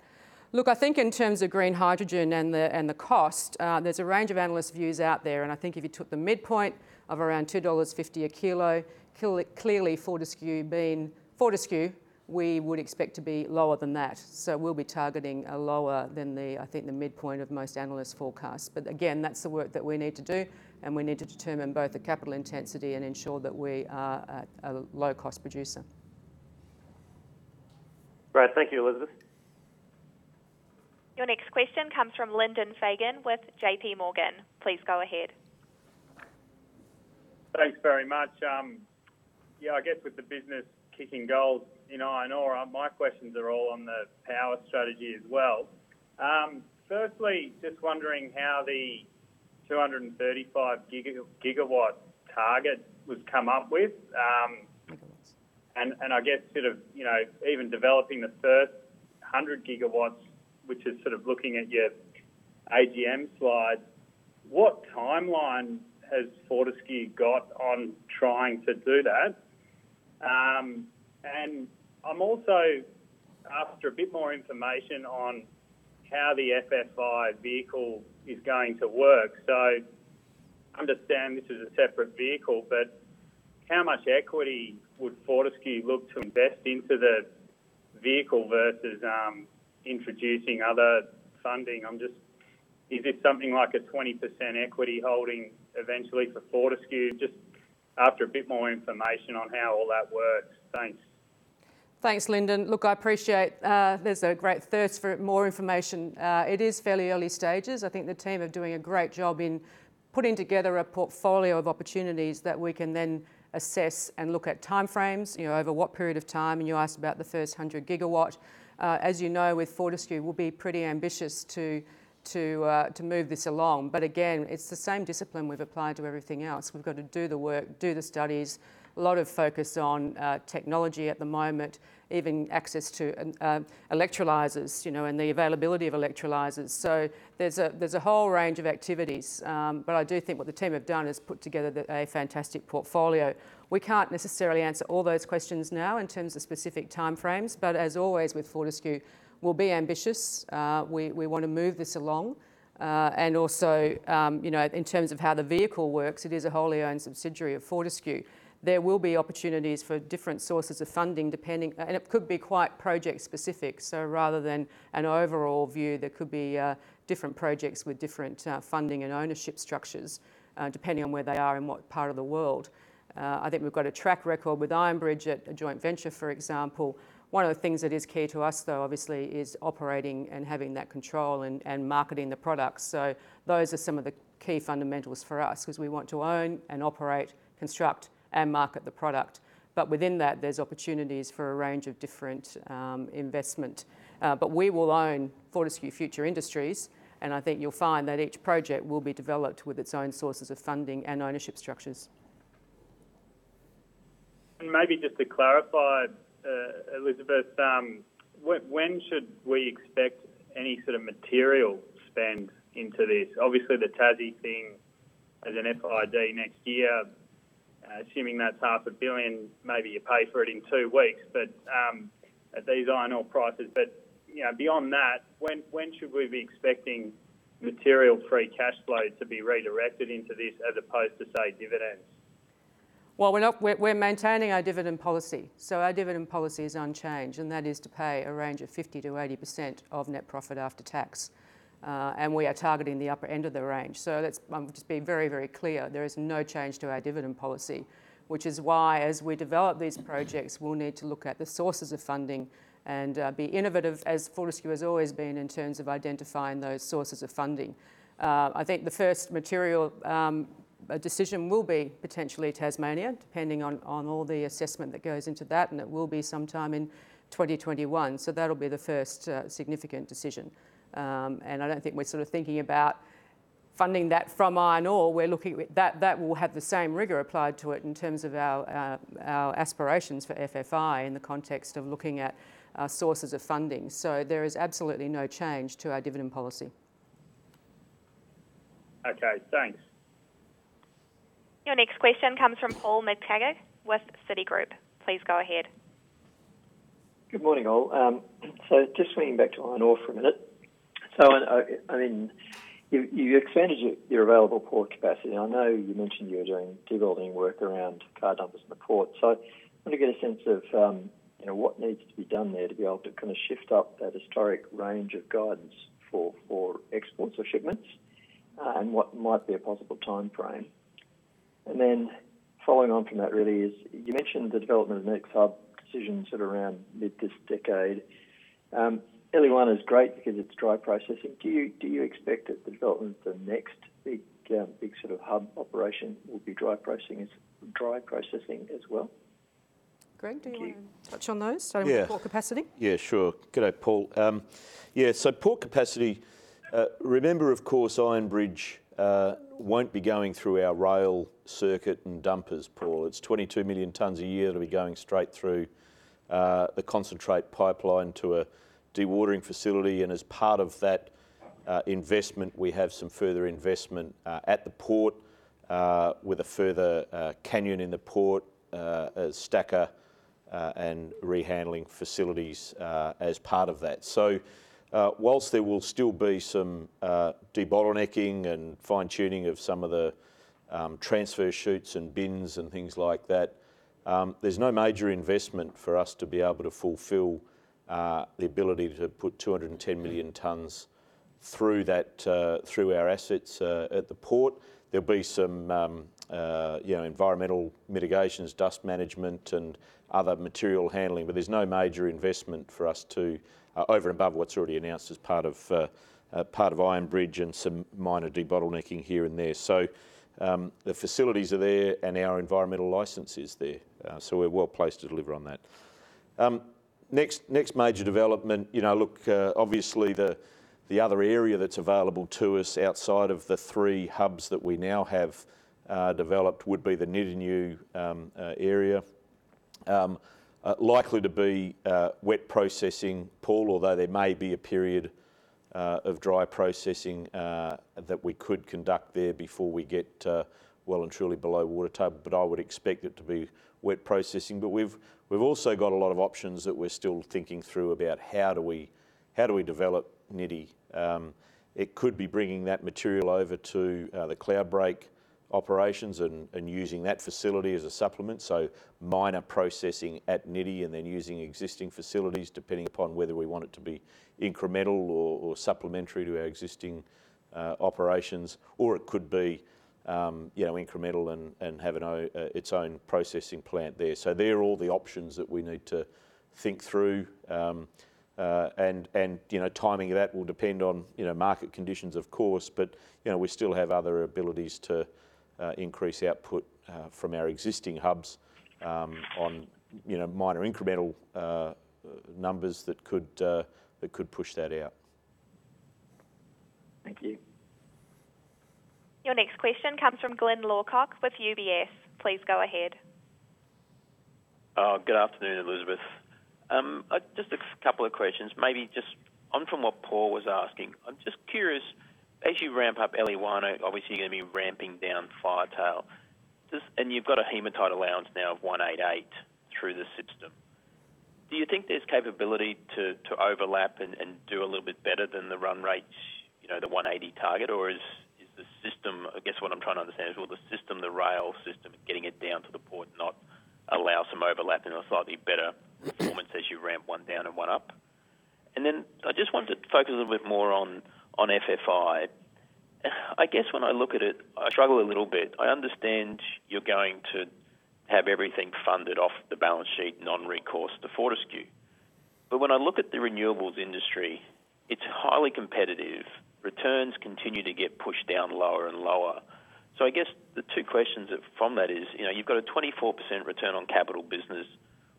Look, I think in terms of green hydrogen and the cost, there's a range of analyst views out there, and I think if you took the midpoint of around $2.50 a kilo, clearly Fortescue, we would expect to be lower than that. So we'll be targeting lower than, I think, the midpoint of most analysts' forecasts. But again, that's the work that we need to do, and we need to determine both the capital intensity and ensure that we are a low-cost producer. Great. Thank you, Elizabeth. Your next question comes from Lyndon Fagan with JPMorgan. Please go ahead. Thanks very much. Yeah, I guess with the business kicking goals in iron ore, my questions are all on the power strategy as well. Firstly, just wondering how the 235 gigawatt target was come up with. I guess, even developing the first 100 gigawatts, which is looking at your AGM slides, what timeline has Fortescue got on trying to do that? I'm also after a bit more information on how the FFI vehicle is going to work. I understand this is a separate vehicle, but how much equity would Fortescue look to invest into the vehicle versus introducing other funding? Is this something like a 20% equity holding eventually for Fortescue? Just after a bit more information on how all that works. Thanks. Thanks, Lyndon. Look, I appreciate there's a great thirst for more information. It is fairly early stages. I think the team are doing a great job in putting together a portfolio of opportunities that we can then assess and look at timeframes, over what period of time, and you asked about the first 100 gigawatt. As you know, with Fortescue, we'll be pretty ambitious to move this along. Again, it's the same discipline we've applied to everything else. We've got to do the work, do the studies. A lot of focus on technology at the moment. Even access to electrolyzers, and the availability of electrolyzers. There's a whole range of activities. I do think what the team have done is put together a fantastic portfolio. We can't necessarily answer all those questions now in terms of specific timeframes. As always with Fortescue, we'll be ambitious. We want to move this along. In terms of how the vehicle works, it is a wholly owned subsidiary of Fortescue. There will be opportunities for different sources of funding, and it could be quite project-specific. Rather than an overall view, there could be different projects with different funding and ownership structures, depending on where they are and what part of the world. I think we've got a track record with Iron Bridge at a joint venture, for example. One of the things that is key to us, though, obviously, is operating and having that control and marketing the product. Those are some of the key fundamentals for us, because we want to own and operate, construct, and market the product. Within that, there's opportunities for a range of different investment. We will own Fortescue Future Industries, and I think you'll find that each project will be developed with its own sources of funding and ownership structures. Maybe just to clarify, Elizabeth, when should we expect any sort of material spend into this? Obviously, the Tassie thing as an FID next year, assuming that's half a billion, maybe you pay for it in two weeks. At these iron ore prices. Beyond that, when should we be expecting material free cash flow to be redirected into this as opposed to, say, dividends? Well, we're maintaining our dividend policy. Our dividend policy is unchanged, and that is to pay a range of 50%-80% of net profit after tax. We are targeting the upper end of the range. Let's just be very clear, there is no change to our dividend policy. Which is why, as we develop these projects, we'll need to look at the sources of funding and be innovative, as Fortescue has always been, in terms of identifying those sources of funding. I think the first material decision will be potentially Tasmania, depending on all the assessment that goes into that, and it will be sometime in 2021. That'll be the first significant decision. I don't think we're thinking about funding that from iron ore. That will have the same rigor applied to it in terms of our aspirations for FFI in the context of looking at our sources of funding. There is absolutely no change to our dividend policy. Okay, thanks. Your next question comes from Paul McTaggart with Citigroup. Please go ahead. Good morning, all. Just swinging back to iron ore for a minute. You expanded your available port capacity. I know you mentioned you were doing de-bottlenecking work around car dumps in the port. I want to get a sense of what needs to be done there to be able to shift up that historic range of guidance for exports or shipments, and what might be a possible timeframe. Following on from that really is, you mentioned the development of the next hub decision around mid this decade. Eliwana is great because it's dry processing. Do you expect that the development of the next big hub operation will be dry processing as well? Greg, do you want to touch on those? Yeah starting with port capacity? Yeah, sure. Good day, Paul. Port capacity. Remember, of course, Iron Bridge won't be going through our rail circuit and dumpers, Paul. It's 22 million tons a year that'll be going straight through the concentrate pipeline to a dewatering facility. As part of that investment, we have some further investment at the port with a further conveyor in the port, a stacker, and rehandling facilities as part of that. Whilst there will still be some de-bottlenecking and fine-tuning of some of the transfer chutes and bins and things like that, there's no major investment for us to be able to fulfill the ability to put 210 million tons through our assets at the port. There'll be some environmental mitigations, dust management, and other material handling. There's no major investment for us to, over and above what's already announced as part of Iron Bridge and some minor debottlenecking here and there. The facilities are there and our environmental license is there, so we're well-placed to deliver on that. Next major development. Look, obviously the other area that's available to us outside of the three hubs that we now have developed would be the Nyidinghu area. Likely to be wet processing, Paul, although there may be a period of dry processing that we could conduct there before we get well and truly below water table. I would expect it to be wet processing. We've also got a lot of options that we're still thinking through about how do we develop Nyidinghu. It could be bringing that material over to the Cloudbreak operations and using that facility as a supplement. Minor processing at Nyidinghu and then using existing facilities, depending upon whether we want it to be incremental or supplementary to our existing operations. It could be incremental and have its own processing plant there. They're all the options that we need to think through. Timing of that will depend on market conditions, of course, but we still have other abilities to increase output from our existing hubs on minor incremental numbers that could push that out. Thank you. Your next question comes from Glyn Lawcock with UBS. Please go ahead. Good afternoon, Elizabeth. Just a couple of questions. Maybe just on from what Paul was asking. I'm just curious, as you ramp up Eliwana, obviously you're going to be ramping down Firetail. You've got a hematite allowance now of 188 through the system. Do you think there's capability to overlap and do a little bit better than the run rates, the 180 target? I guess what I'm trying to understand is, will the system, the rail system, getting it down to the port not allow some overlap and a slightly better performance as you ramp one down and one up? Then I just wanted to focus a little bit more on FFI. I guess when I look at it, I struggle a little bit. I understand you're going to have everything funded off the balance sheet, non-recourse to Fortescue. When I look at the renewables industry, it's highly competitive. Returns continue to get pushed down lower and lower. I guess the two questions from that is, you've got a 24% return on capital business,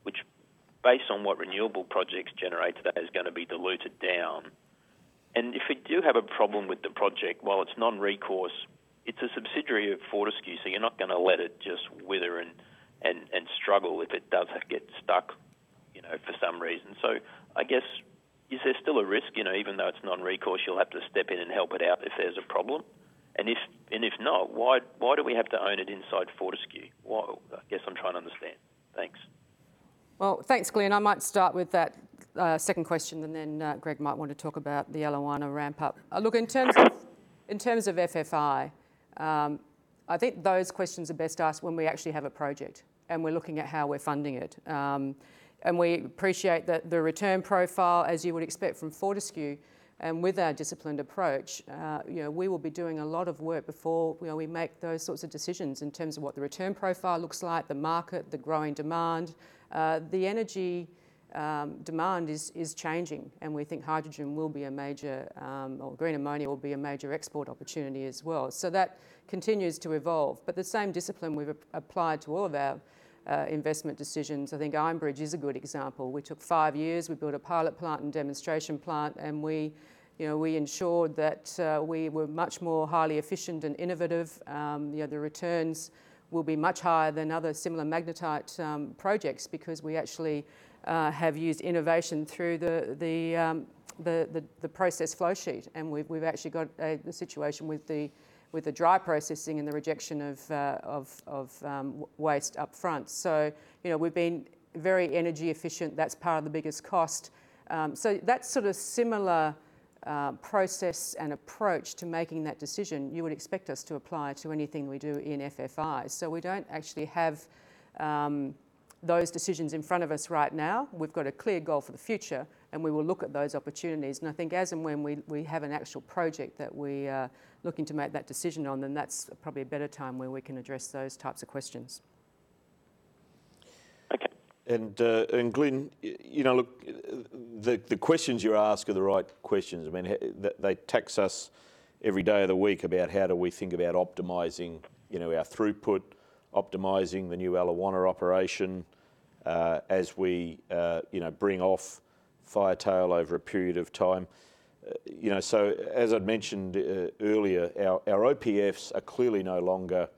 which based on what renewable projects generates, that is going to be diluted down. If you do have a problem with the project, while it's non-recourse, it's a subsidiary of Fortescue, so you're not going to let it just wither and struggle if it does get stuck for some reason. I guess, is there still a risk, even though it's non-recourse, you'll have to step in and help it out if there's a problem? If not, why do we have to own it inside Fortescue? I guess I'm trying to understand. Thanks. Well, thanks, Glyn. Greg might want to talk about the Eliwana ramp up. Look, in terms of FFI, I think those questions are best asked when we actually have a project and we're looking at how we're funding it. We appreciate the return profile, as you would expect from Fortescue. With our disciplined approach, we will be doing a lot of work before we make those sorts of decisions in terms of what the return profile looks like, the market, the growing demand. The energy demand is changing, and we think hydrogen will be a major, or green ammonia will be a major export opportunity as well. That continues to evolve. The same discipline we've applied to all of our investment decisions. I think Iron Bridge is a good example. We took five years. We built a pilot plant and demonstration plant, and we ensured that we were much more highly efficient and innovative. The returns will be much higher than other similar magnetite projects because we actually have used innovation through the process flow sheet. We've actually got the situation with the dry processing and the rejection of waste up front. We've been very energy efficient. That's part of the biggest cost. That sort of similar process and approach to making that decision you would expect us to apply to anything we do in FFI. We don't actually have those decisions in front of us right now. We've got a clear goal for the future, and we will look at those opportunities. I think as and when we have an actual project that we are looking to make that decision on, then that's probably a better time where we can address those types of questions. Okay. Glyn, look, the questions you ask are the right questions. They tax us every day of the week about how do we think about optimizing our throughput, optimizing the new Eliwana operation as we bring off Firetail over a period of time. As I mentioned earlier, our OPFs are clearly no longer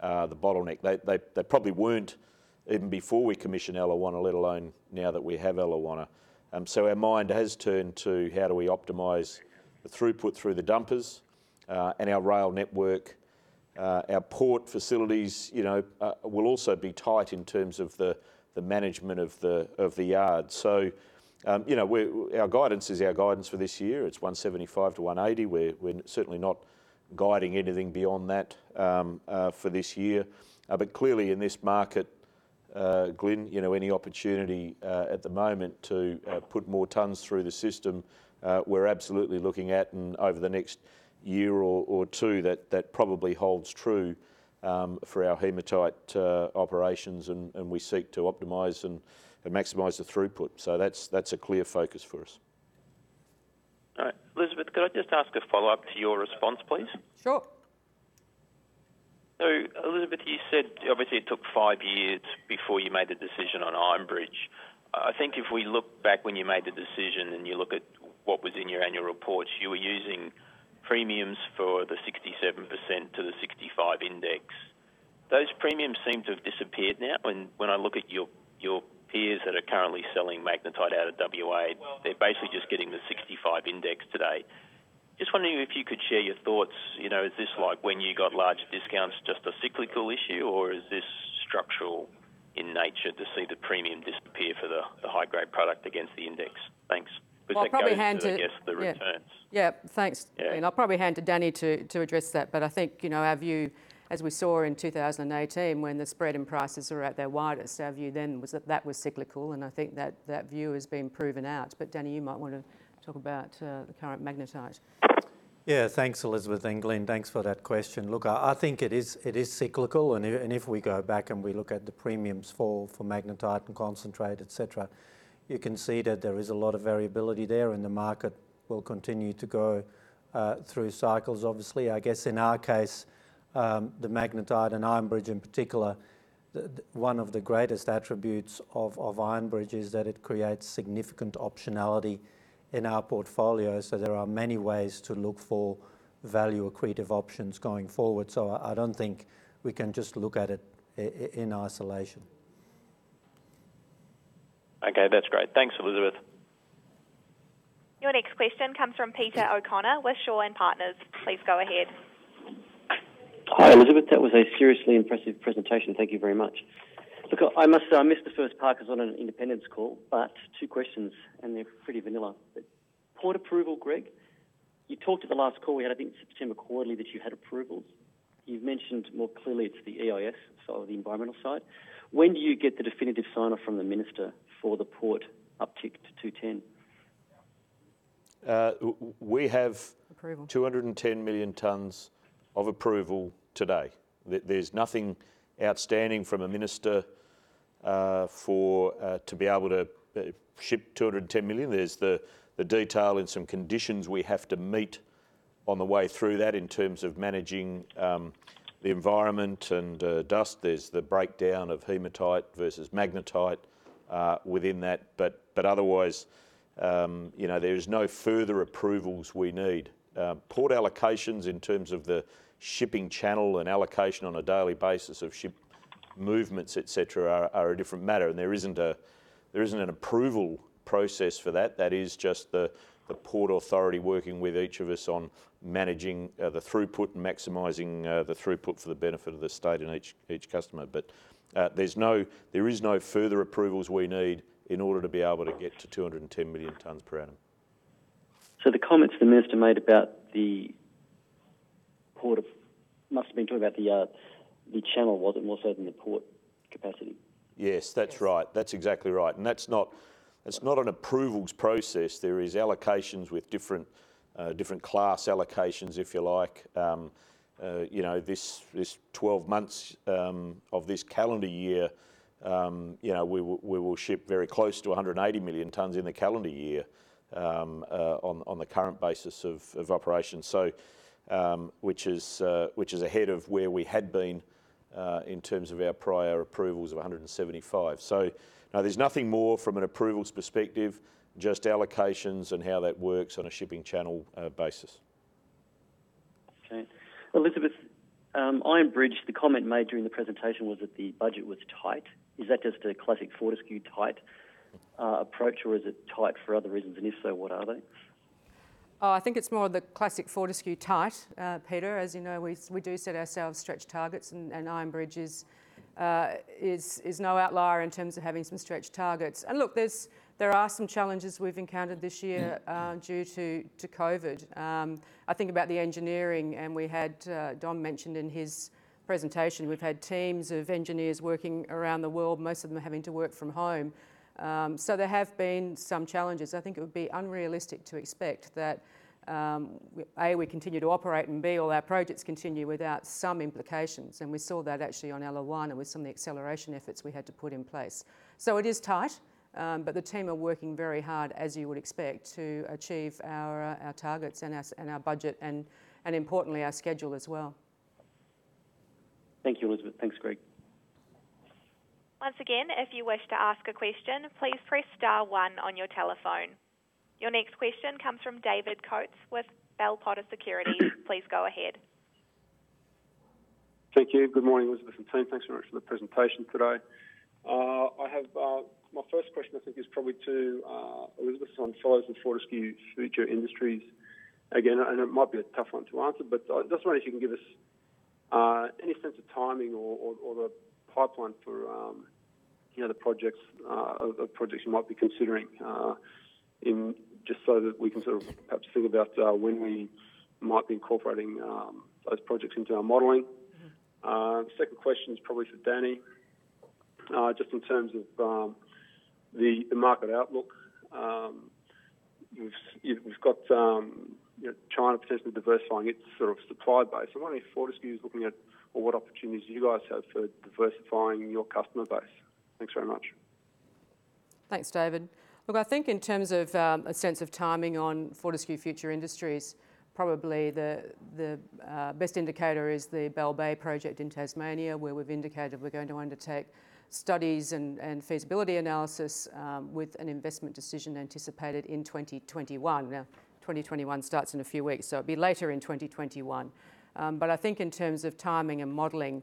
the bottleneck. They probably weren't even before we commissioned Eliwana, let alone now that we have Eliwana. Our mind has turned to how do we optimize the throughput through the dumpers and our rail network. Our port facilities will also be tight in terms of the management of the yard. Our guidance is our guidance for this year. It's 175 to 180. We're certainly not guiding anything beyond that for this year. Clearly in this market, Glyn, any opportunity at the moment to put more tons through the system, we're absolutely looking at, and over the next year or two, that probably holds true for our hematite operations, and we seek to optimize and maximize the throughput. That's a clear focus for us. All right. Elizabeth, could I just ask a follow-up to your response, please? Sure. Elizabeth, you said obviously it took five years before you made the decision on Iron Bridge. I think if we look back when you made the decision and you look at what was in your annual reports, you were using premiums for the 67% to the 65 index. Those premiums seem to have disappeared now. When I look at your peers that are currently selling magnetite out of W.A., they're basically just getting the 65 index today. Just wondering if you could share your thoughts. Is this like when you got large discounts, just a cyclical issue, or is this structural in nature to see the premium disappear for the high-grade product against the index? Thanks. Well, I'll probably hand to- With that goes to, I guess, the returns. Yeah. Thanks, Glyn. Yeah. I'll probably hand to Danny to address that. I think, our view, as we saw in 2018 when the spread in prices were at their widest, our view then was that that was cyclical, and I think that view has been proven out. Danny, you might want to talk about the current magnetite. Yeah, thanks, Elizabeth, and Glyn, thanks for that question. Look, I think it is cyclical, and if we go back and we look at the premiums for magnetite and concentrate, et cetera, you can see that there is a lot of variability there, and the market will continue to go through cycles, obviously. I guess, in our case, the magnetite and Iron Bridge in particular, one of the greatest attributes of Iron Bridge is that it creates significant optionality in our portfolio. There are many ways to look for value-accretive options going forward. I don't think we can just look at it in isolation. Okay, that's great. Thanks, Elizabeth. Your next question comes from Peter O'Connor, Shaw and Partners. Please go ahead. Hi, Elizabeth. That was a seriously impressive presentation. Thank you very much. Look, I must say, I missed the first part because I was on an independence call, but two questions, and they're pretty vanilla. Port approval, Greg. You talked at the last call we had, I think September quarterly, that you had approvals. You've mentioned more clearly it's the EIS, so the environmental side. When do you get the definitive sign-off from the minister for the port uptick to 210? We have- Approval 210 million tons of approval today. There's nothing outstanding from a minister, to be able to ship 210 million. There's the detail and some conditions we have to meet on the way through that in terms of managing the environment and dust. There's the breakdown of hematite versus magnetite, within that. Otherwise, there is no further approvals we need. Port allocations in terms of the shipping channel and allocation on a daily basis of ship movements, et cetera, are a different matter, and there isn't an approval process for that. That is just the port authority working with each of us on managing the throughput and maximizing the throughput for the benefit of the state and each customer. There is no further approvals we need in order to be able to get to 210 million tons per annum. The comments the minister made about the port, he must have been talking about the channel, was it more so than the port capacity? Yes, that's right. That's exactly right. That's not an approvals process. There is allocations with different class allocations, if you like. This 12 months of this calendar year, we will ship very close to 180 million tons in the calendar year on the current basis of operations. Which is ahead of where we had been, in terms of our prior approvals of 175. No, there's nothing more from an approvals perspective, just allocations and how that works on a shipping channel basis. Okay. Elizabeth, Iron Bridge, the comment made during the presentation was that the budget was tight. Is that just a classic Fortescue tight approach, or is it tight for other reasons? If so, what are they? I think it's more the classic Fortescue tight, Peter. As you know, we do set ourselves stretched targets, and Iron Bridge is no outlier in terms of having some stretched targets. Look, there are some challenges we've encountered this year due to COVID. I think about the engineering, and Don mentioned in his presentation, we've had teams of engineers working around the world, most of them having to work from home. There have been some challenges. I think it would be unrealistic to expect that, A, we continue to operate, and B, all our projects continue without some implications, and we saw that actually on Eliwana with some of the acceleration efforts we had to put in place. It is tight, but the team are working very hard, as you would expect, to achieve our targets and our budget and, importantly, our schedule as well. Thank you, Elizabeth. Thanks, Greg. Once again, if you wish to ask a question, please press star one on your telephone. Your next question comes from David Coates with Bell Potter Securities. Please go ahead. Thank you. Good morning, Elizabeth and team. Thanks very much for the presentation today. My first question, I think, is probably to Elizabeth on FMG's and Fortescue's Future Industries. Again, it might be a tough one to answer, but I just wonder if you can give us any sense of timing or the pipeline for the projects you might be considering, just so that we can sort of perhaps think about when we might be incorporating those projects into our modeling. Second question is probably for Danny, just in terms of the market outlook. You've got China potentially diversifying its sort of supply base. I wonder if Fortescue is looking at, or what opportunities you guys have for diversifying your customer base. Thanks very much. Thanks, David. Look, I think in terms of a sense of timing on Fortescue Future Industries, probably the best indicator is the Bell Bay project in Tasmania, where we've indicated we're going to undertake studies and feasibility analysis, with an investment decision anticipated in 2021. 2021 starts in a few weeks, so it'll be later in 2021. I think in terms of timing and modeling,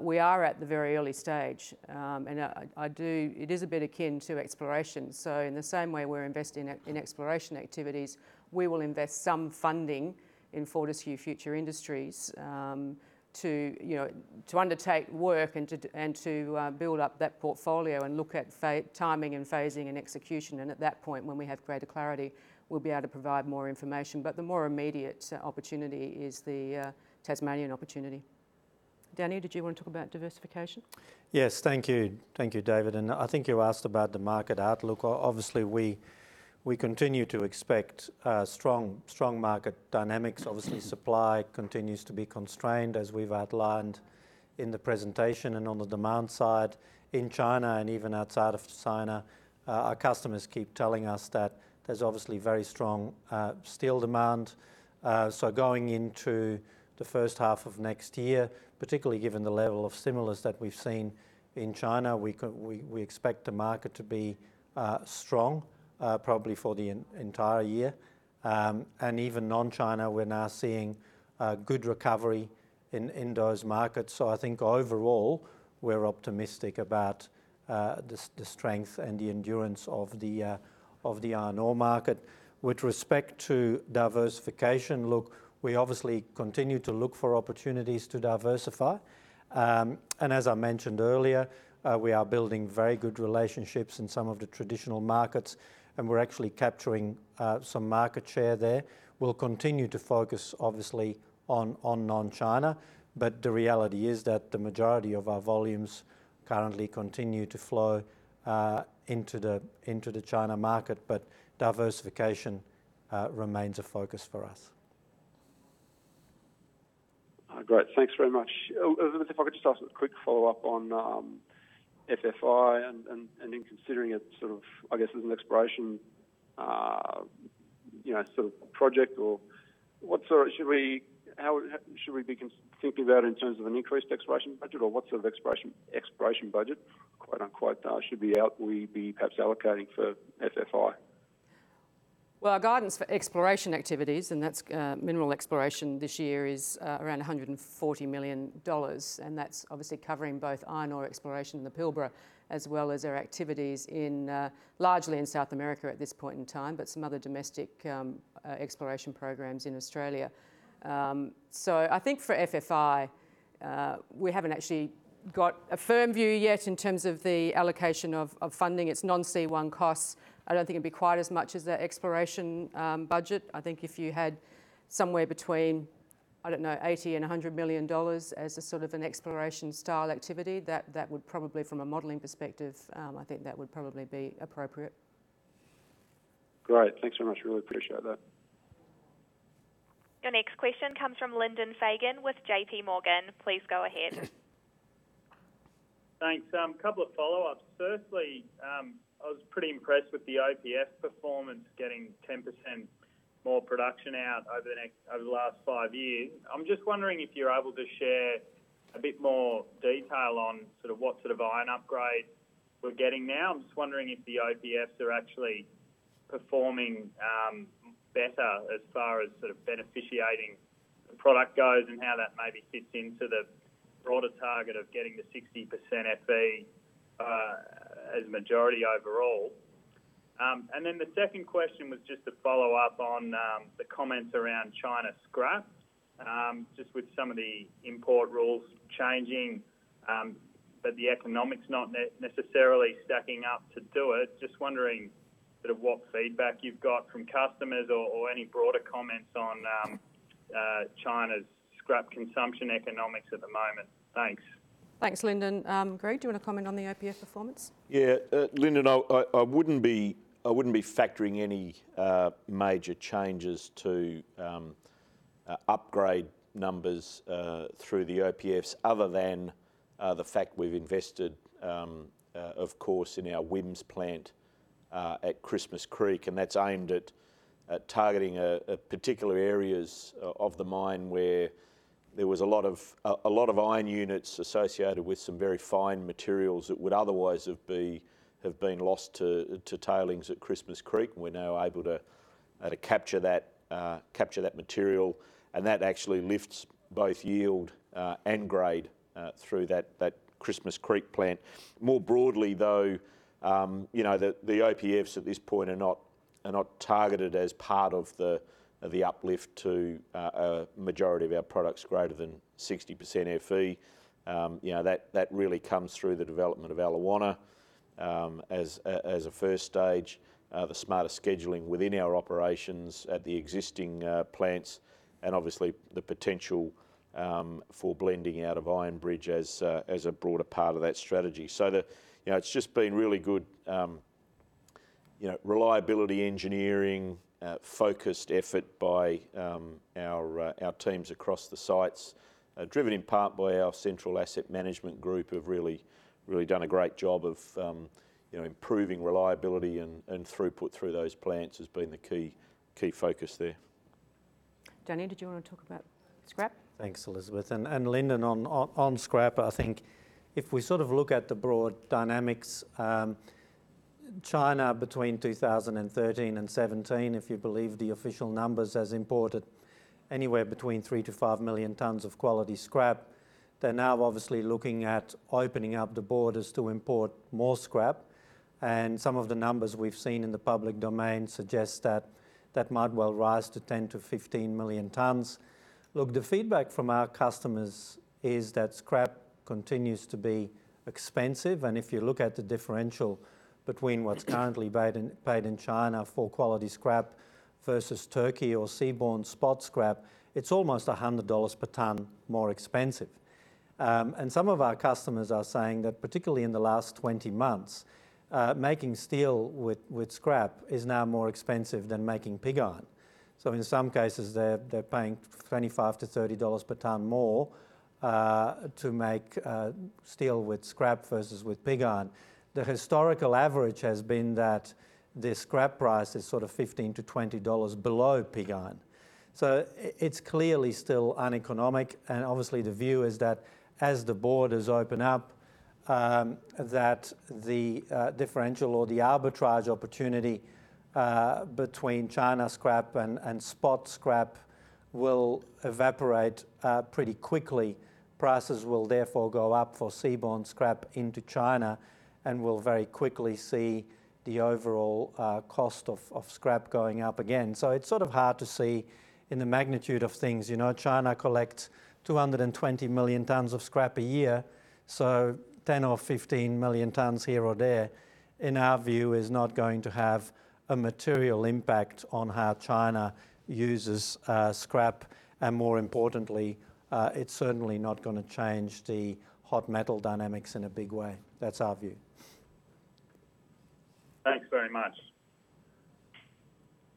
we are at the very early stage. It is a bit akin to exploration. In the same way we're investing in exploration activities, we will invest some funding in Fortescue Future Industries, to undertake work and to build up that portfolio and look at timing and phasing and execution. At that point, when we have greater clarity, we'll be able to provide more information. The more immediate opportunity is the Tasmanian opportunity. Danny, did you want to talk about diversification? Yes. Thank you, David. I think you asked about the market outlook. Obviously, we continue to expect strong market dynamics. Obviously, supply continues to be constrained, as we've outlined in the presentation. On the demand side, in China and even outside of China, our customers keep telling us that there's obviously very strong steel demand. Going into the first half of next year, particularly given the level of stimulus that we've seen in China, we expect the market to be strong probably for the entire year. Even non-China, we're now seeing good recovery in those markets. I think overall, we're optimistic about the strength and the endurance of the iron ore market. With respect to diversification, look, we obviously continue to look for opportunities to diversify. As I mentioned earlier, we are building very good relationships in some of the traditional markets, and we're actually capturing some market share there. We'll continue to focus, obviously, on non-China. The reality is that the majority of our volumes currently continue to flow into the China market. Diversification remains a focus for us. Great. Thanks very much. Elizabeth, if I could just ask a quick follow-up on FFI and in considering it sort of, I guess, as an exploration sort of project. Should we be thinking about it in terms of an increased exploration budget? What sort of exploration budget, quote unquote, should we be perhaps allocating for FFI? Well, our guidance for exploration activities, and that's mineral exploration this year, is around 140 million dollars. That's obviously covering both iron ore exploration in the Pilbara, as well as our activities largely in South America at this point in time, but some other domestic exploration programs in Australia. I think for FFI, we haven't actually got a firm view yet in terms of the allocation of funding. It's non-C1 costs. I don't think it'd be quite as much as the exploration budget. I think if you had somewhere between, I don't know, 80 million and 100 million dollars as a sort of an exploration-style activity, that would probably, from a modeling perspective, I think that would probably be appropriate. Great. Thanks so much. Really appreciate that. Your next question comes from Lyndon Fagan with JPMorgan. Please go ahead. Thanks. Couple of follow-ups. Firstly, I was pretty impressed with the OPF performance, getting 10% more production out over the last five years. I'm just wondering if you're able to share a bit more detail on sort of what sort of iron upgrade we're getting now. I'm just wondering if the OPFs are actually performing better as far as sort of beneficiating the product goes, and how that maybe fits into the broader target of getting to 60% Fe as a majority overall. The second question was just a follow-up on the comments around China scrap. Just with some of the import rules changing, but the economics not necessarily stacking up to do it, just wondering sort of what feedback you've got from customers or any broader comments on China's scrap consumption economics at the moment. Thanks. Thanks, Lyndon. Greg, do you want to comment on the OPF performance? Yeah. Lyndon, I wouldn't be factoring any major changes to upgrade numbers through the OPFs other than the fact we've invested, of course, in our WHIMS plant at Christmas Creek. That's aimed at targeting particular areas of the mine where there was a lot of iron units associated with some very fine materials that would otherwise have been lost to tailings at Christmas Creek, and we're now able to capture that material. That actually lifts both yield and grade through that Christmas Creek plant. More broadly, though, the OPFs at this point are not targeted as part of the uplift to a majority of our products greater than 60% Fe. That really comes through the development of Eliwana as a first stage, the smarter scheduling within our operations at the existing plants, and obviously the potential for blending out of Iron Bridge as a broader part of that strategy. It's just been really good reliability engineering, focused effort by our teams across the sites, driven in part by our central asset management group, who've really done a great job of improving reliability, and throughput through those plants has been the key focus there. Danny, did you want to talk about scrap? Thanks, Elizabeth. Lyndon, on scrap, I think if we look at the broad dynamics, China between 2013 and 2017, if you believe the official numbers, has imported anywhere between 3 million-5 million tons of quality scrap. They're now obviously looking at opening up the borders to import more scrap, and some of the numbers we've seen in the public domain suggest that that might well rise to 10 million-15 million tons. The feedback from our customers is that scrap continues to be expensive, and if you look at the differential between what's currently paid in China for quality scrap versus Turkey or seaborne spot scrap, it's almost 100 dollars per ton more expensive. Some of our customers are saying that, particularly in the last 20 months, making steel with scrap is now more expensive than making pig iron. In some cases, they're paying 25-30 dollars per ton more to make steel with scrap versus with pig iron. The historical average has been that the scrap price is sort of 15-20 dollars below pig iron. It's clearly still uneconomic, and obviously the view is that as the borders open up, that the differential or the arbitrage opportunity between China scrap and spot scrap will evaporate pretty quickly. Prices will therefore go up for seaborne scrap into China, and we'll very quickly see the overall cost of scrap going up again. It's sort of hard to see in the magnitude of things. China collects 220 million tons of scrap a year, so 10 or 15 million tons here or there, in our view, is not going to have a material impact on how China uses scrap, and more importantly, it's certainly not going to change the hot metal dynamics in a big way. That's our view. Thanks very much.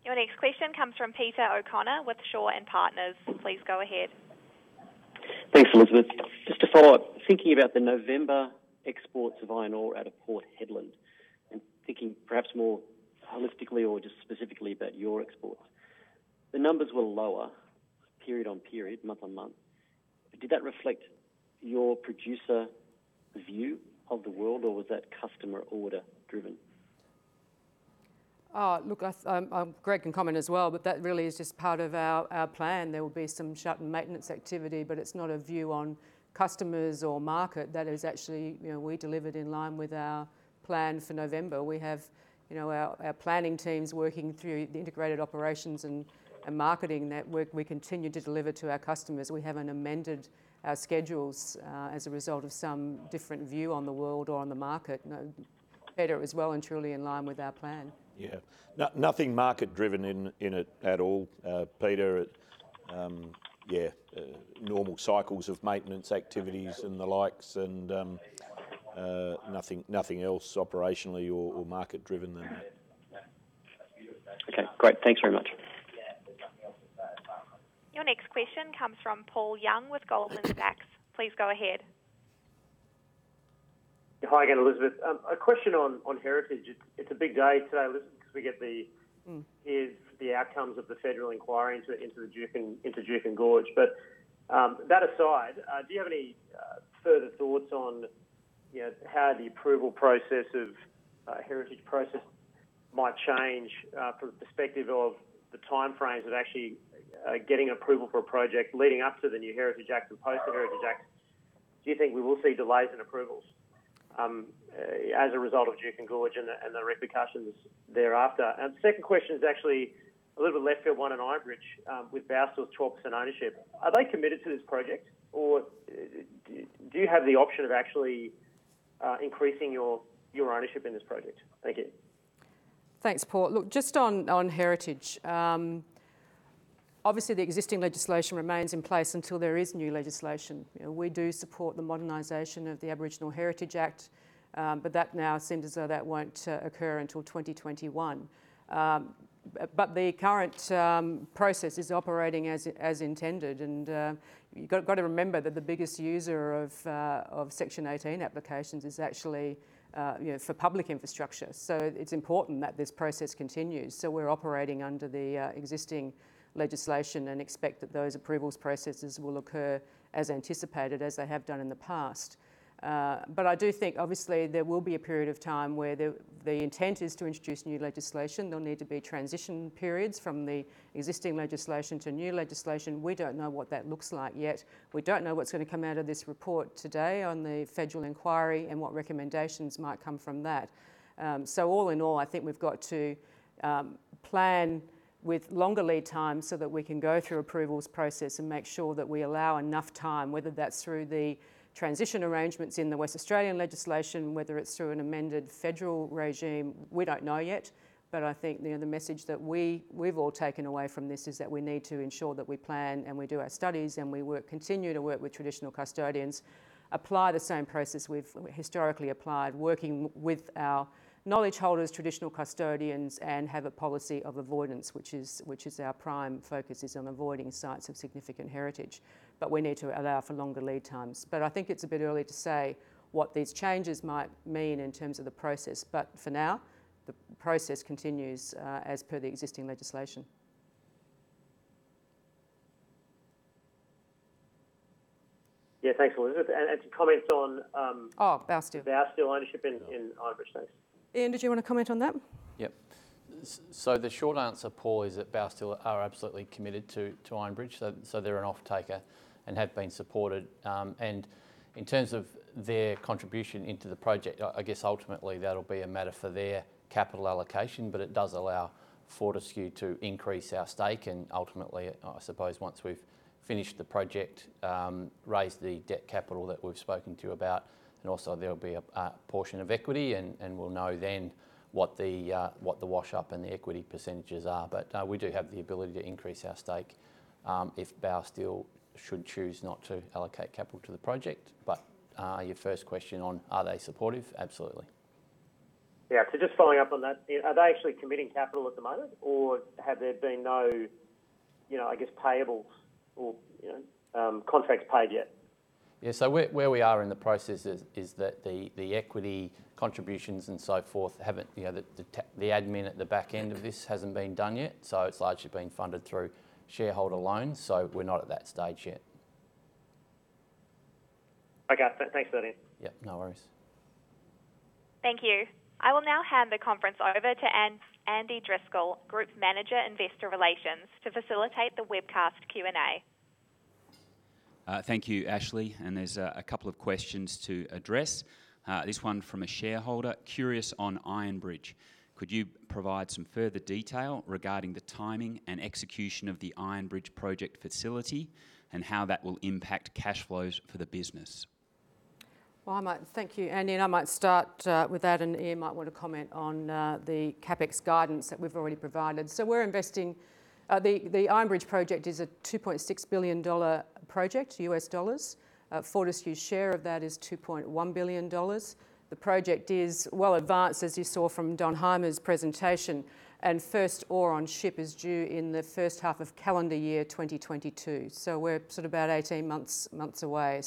Your next question comes from Peter O'Connor with Shaw and Partners. Please go ahead. Thanks, Elizabeth. Just to follow up, thinking about the November exports of iron ore out of Port Hedland, and thinking perhaps more holistically or just specifically about your exports, the numbers were lower period on period, month on month. Did that reflect your producer view of the world, or was that customer order driven? Greg can comment as well, that really is just part of our plan. There will be some shutdown maintenance activity, it's not a view on customers or market. That is actually, we delivered in line with our plan for November. We have our planning teams working through the integrated operations and marketing network. We continue to deliver to our customers. We haven't amended our schedules as a result of some different view on the world or on the market. No, Peter, it was well and truly in line with our plan. Yeah. Nothing market driven in it at all, Peter. Yeah, normal cycles of maintenance activities and the likes, and nothing else operationally or market driven there. Okay, great. Thanks very much. Your next question comes from Paul Young with Goldman Sachs. Please go ahead. Hi again, Elizabeth. A question on heritage. It's a big day today, Elizabeth, because we get to hear the outcomes of the federal inquiry into Juukan Gorge. That aside, do you have any further thoughts on how the approval process of heritage process might change from the perspective of the time frames of actually getting approval for a project leading up to the new Heritage Act and post the Heritage Act? Do you think we will see delays in approvals as a result of Juukan Gorge and the repercussions thereafter? The second question is actually a little bit left field, one on Iron Bridge. With Baosteel's 12% ownership, are they committed to this project or do you have the option of actually increasing your ownership in this project? Thank you. Thanks, Paul. Look, just on heritage, obviously the existing legislation remains in place until there is new legislation. We do support the modernization of the Aboriginal Heritage Act, that now seems as though that won't occur until 2021. The current process is operating as intended, and you've got to remember that the biggest user of Section 18 applications is actually for public infrastructure. It's important that this process continues. We're operating under the existing legislation and expect that those approvals processes will occur as anticipated, as they have done in the past. I do think, obviously, there will be a period of time where the intent is to introduce new legislation. There'll need to be transition periods from the existing legislation to new legislation. We don't know what that looks like yet. We don't know what's going to come out of this report today on the federal inquiry and what recommendations might come from that. All in all, I think we've got to plan with longer lead times so that we can go through approvals process and make sure that we allow enough time, whether that's through the transition arrangements in the Western Australian legislation, whether it's through an amended federal regime. We don't know yet, I think the message that we've all taken away from this is that we need to ensure that we plan and we do our studies, and we continue to work with traditional custodians, apply the same process we've historically applied working with our knowledge holders, traditional custodians, and have a policy of avoidance, which is our prime focus, is on avoiding sites of significant heritage. We need to allow for longer lead times. I think it's a bit early to say what these changes might mean in terms of the process. For now, the process continues as per the existing legislation. Yeah, thanks, Elizabeth. Oh, Baosteel. Baosteel ownership in Iron Bridge space. Ian, did you want to comment on that? Yep. The short answer, Paul, is that Baosteel are absolutely committed to Iron Bridge, so they're an offtaker and have been supported. In terms of their contribution into the project, I guess ultimately that'll be a matter for their capital allocation, but it does allow Fortescue to increase our stake, and ultimately, I suppose once we've finished the project, raise the debt capital that we've spoken to about. Also there'll be a portion of equity, and we'll know then what the wash-up and the equity percentages are. We do have the ability to increase our stake, if Baosteel should choose not to allocate capital to the project. Your first question on are they supportive? Absolutely. Just following up on that, Ian, are they actually committing capital at the moment, or have there been no payables or contracts paid yet? Yeah. Where we are in the process is that the equity contributions and so forth. The admin at the back end of this hasn't been done yet. It's largely been funded through shareholder loans. We're not at that stage yet. Okay. Thanks for that, Ian. Yeah, no worries. Thank you. I will now hand the conference over to Andrew Driscoll, Group Manager, Investor Relations, to facilitate the webcast Q&A. Thank you, Ashley. There's a couple of questions to address. This one from a shareholder curious on Iron Bridge. Could you provide some further detail regarding the timing and execution of the Iron Bridge project facility and how that will impact cash flows for the business? I might. Thank you, Andy, and I might start with that, and Ian might want to comment on the CapEx guidance that we've already provided. The Iron Bridge project is a $2.6 billion project. Fortescue's share of that is $2.1 billion. The project is well advanced, as you saw from Don Hyma's presentation, and first ore on ship is due in the first half of calendar year 2022. We're sort of about 18 months away.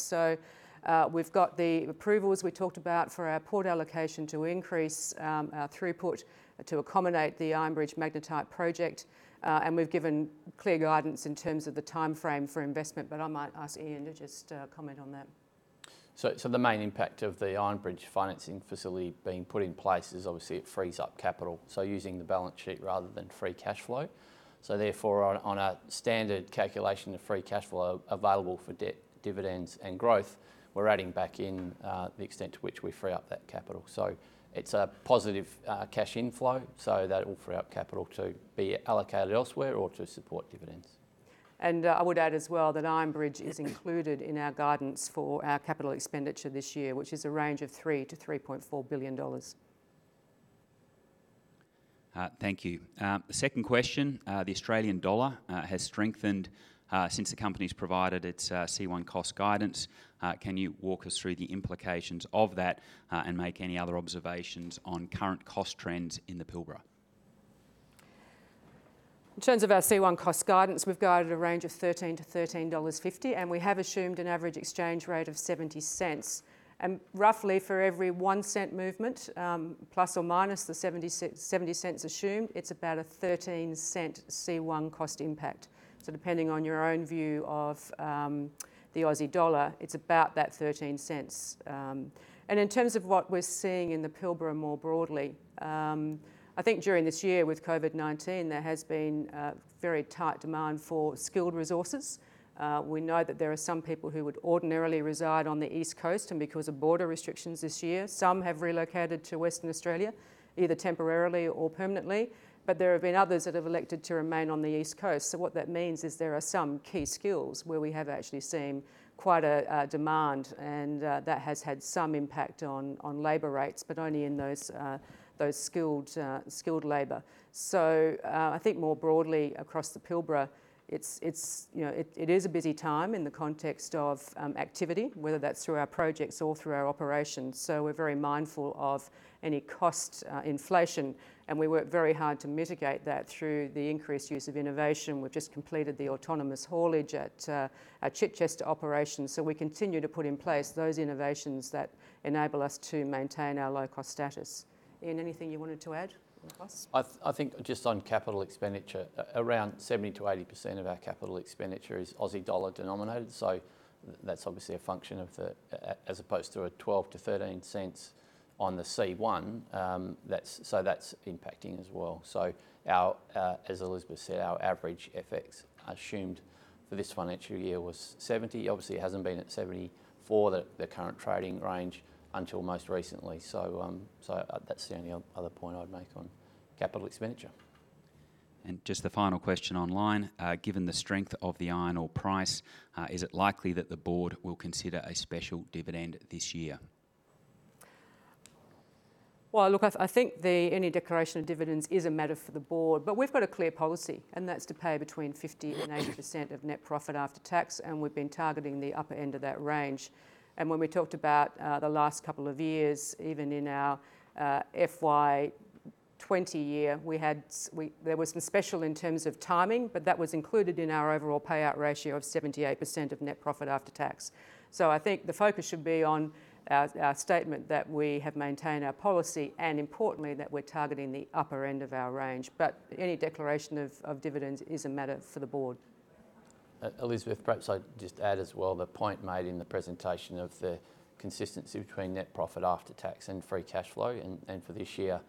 We've got the approvals we talked about for our port allocation to increase our throughput to accommodate the Iron Bridge Magnetite project. We've given clear guidance in terms of the timeframe for investment, but I might ask Ian to just comment on that. The main impact of the Iron Bridge financing facility being put in place is obviously it frees up capital, so using the balance sheet rather than free cash flow. Therefore, on a standard calculation of free cash flow available for debt, dividends, and growth, we're adding back in the extent to which we free up that capital. It's a positive cash inflow, so that will free up capital to be allocated elsewhere or to support dividends. I would add as well that Iron Bridge is included in our guidance for our capital expenditure this year, which is a range of 3 billion-3.4 billion dollars. Thank you. Second question. The Australian dollar has strengthened since the company's provided its C1 cost guidance. Can you walk us through the implications of that, and make any other observations on current cost trends in the Pilbara? In terms of our C1 cost guidance, we've guided a range of 13-13.50 dollars. We have assumed an average exchange rate of 0.70. Roughly for every one AUD 0.01 movement, plus or minus the 0.70 assumed, it's about a 0.13 C1 cost impact. Depending on your own view of the Aussie dollar, it's about that 0.13. In terms of what we're seeing in the Pilbara more broadly, I think during this year with COVID-19, there has been very tight demand for skilled resources. We know that there are some people who would ordinarily reside on the East Coast, and because of border restrictions this year, some have relocated to Western Australia, either temporarily or permanently, but there have been others that have elected to remain on the East Coast. What that means is there are some key skills where we have actually seen quite a demand, and that has had some impact on labor rates, but only in those skilled labor. I think more broadly across the Pilbara, it is a busy time in the context of activity, whether that's through our projects or through our operations. We're very mindful of any cost inflation, and we work very hard to mitigate that through the increased use of innovation. We've just completed the autonomous haulage at our Chichester operation. We continue to put in place those innovations that enable us to maintain our low-cost status. Ian, anything you wanted to add on costs? I think just on capital expenditure, around 70%-80% of our capital expenditure is Aussie dollar denominated. That's obviously a function of the, as opposed to a 0.12-0.13 on the C1, that's impacting as well. As Elizabeth said, our average FX assumed for this financial year was 0.70. Obviously, it hasn't been at 0.70 for the current trading range until most recently. That's the only other point I'd make on capital expenditure. Just the final question online. Given the strength of the iron ore price, is it likely that the board will consider a special dividend this year? Well, look, I think any declaration of dividends is a matter for the board. We've got a clear policy, and that's to pay between 50% and 80% of net profit after tax, and we've been targeting the upper end of that range. When we talked about the last couple of years, even in our FY 2020 year, there was some special in terms of timing, but that was included in our overall payout ratio of 78% of net profit after tax. I think the focus should be on our statement that we have maintained our policy, and importantly, that we're targeting the upper end of our range. Any declaration of dividends is a matter for the board. Elizabeth, perhaps I'd just add as well the point made in the presentation of the consistency between NPAT and free cash flow. And for this year,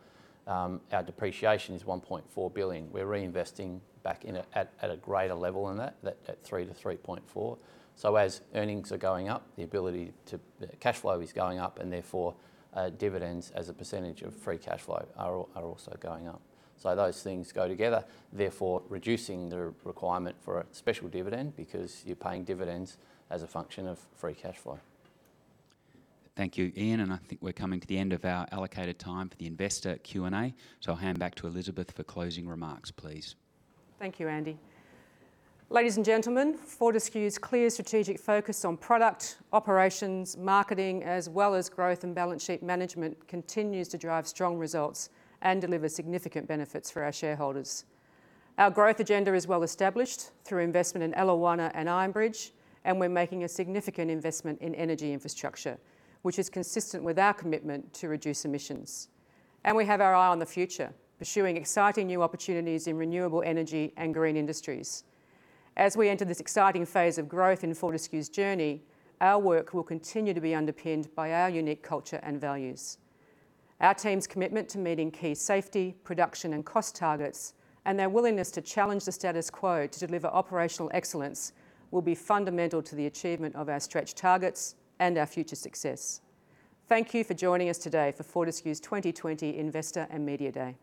our depreciation is 1.4 billion. We're reinvesting back in at a greater level than that, at 3 billion-3.4 billion. So as earnings are going up, cash flow is going up, and therefore, dividends as a percentage of free cash flow are also going up. So those things go together, therefore reducing the requirement for a special dividend because you're paying dividends as a function of free cash flow. Thank you, Ian. I think we're coming to the end of our allocated time for the investor Q&A, so I'll hand back to Elizabeth for closing remarks, please. Thank you, Andy. Ladies and gentlemen, Fortescue's clear strategic focus on product, operations, marketing, as well as growth and balance sheet management continues to drive strong results and deliver significant benefits for our shareholders. Our growth agenda is well established through investment in Eliwana and Iron Bridge. We're making a significant investment in energy infrastructure, which is consistent with our commitment to reduce emissions. We have our eye on the future, pursuing exciting new opportunities in renewable energy and green industries. As we enter this exciting phase of growth in Fortescue's journey, our work will continue to be underpinned by our unique culture and values. Our team's commitment to meeting key safety, production, and cost targets, their willingness to challenge the status quo to deliver operational excellence will be fundamental to the achievement of our stretch targets and our future success. Thank you for joining us today for Fortescue's 2020 Investor and Media Day.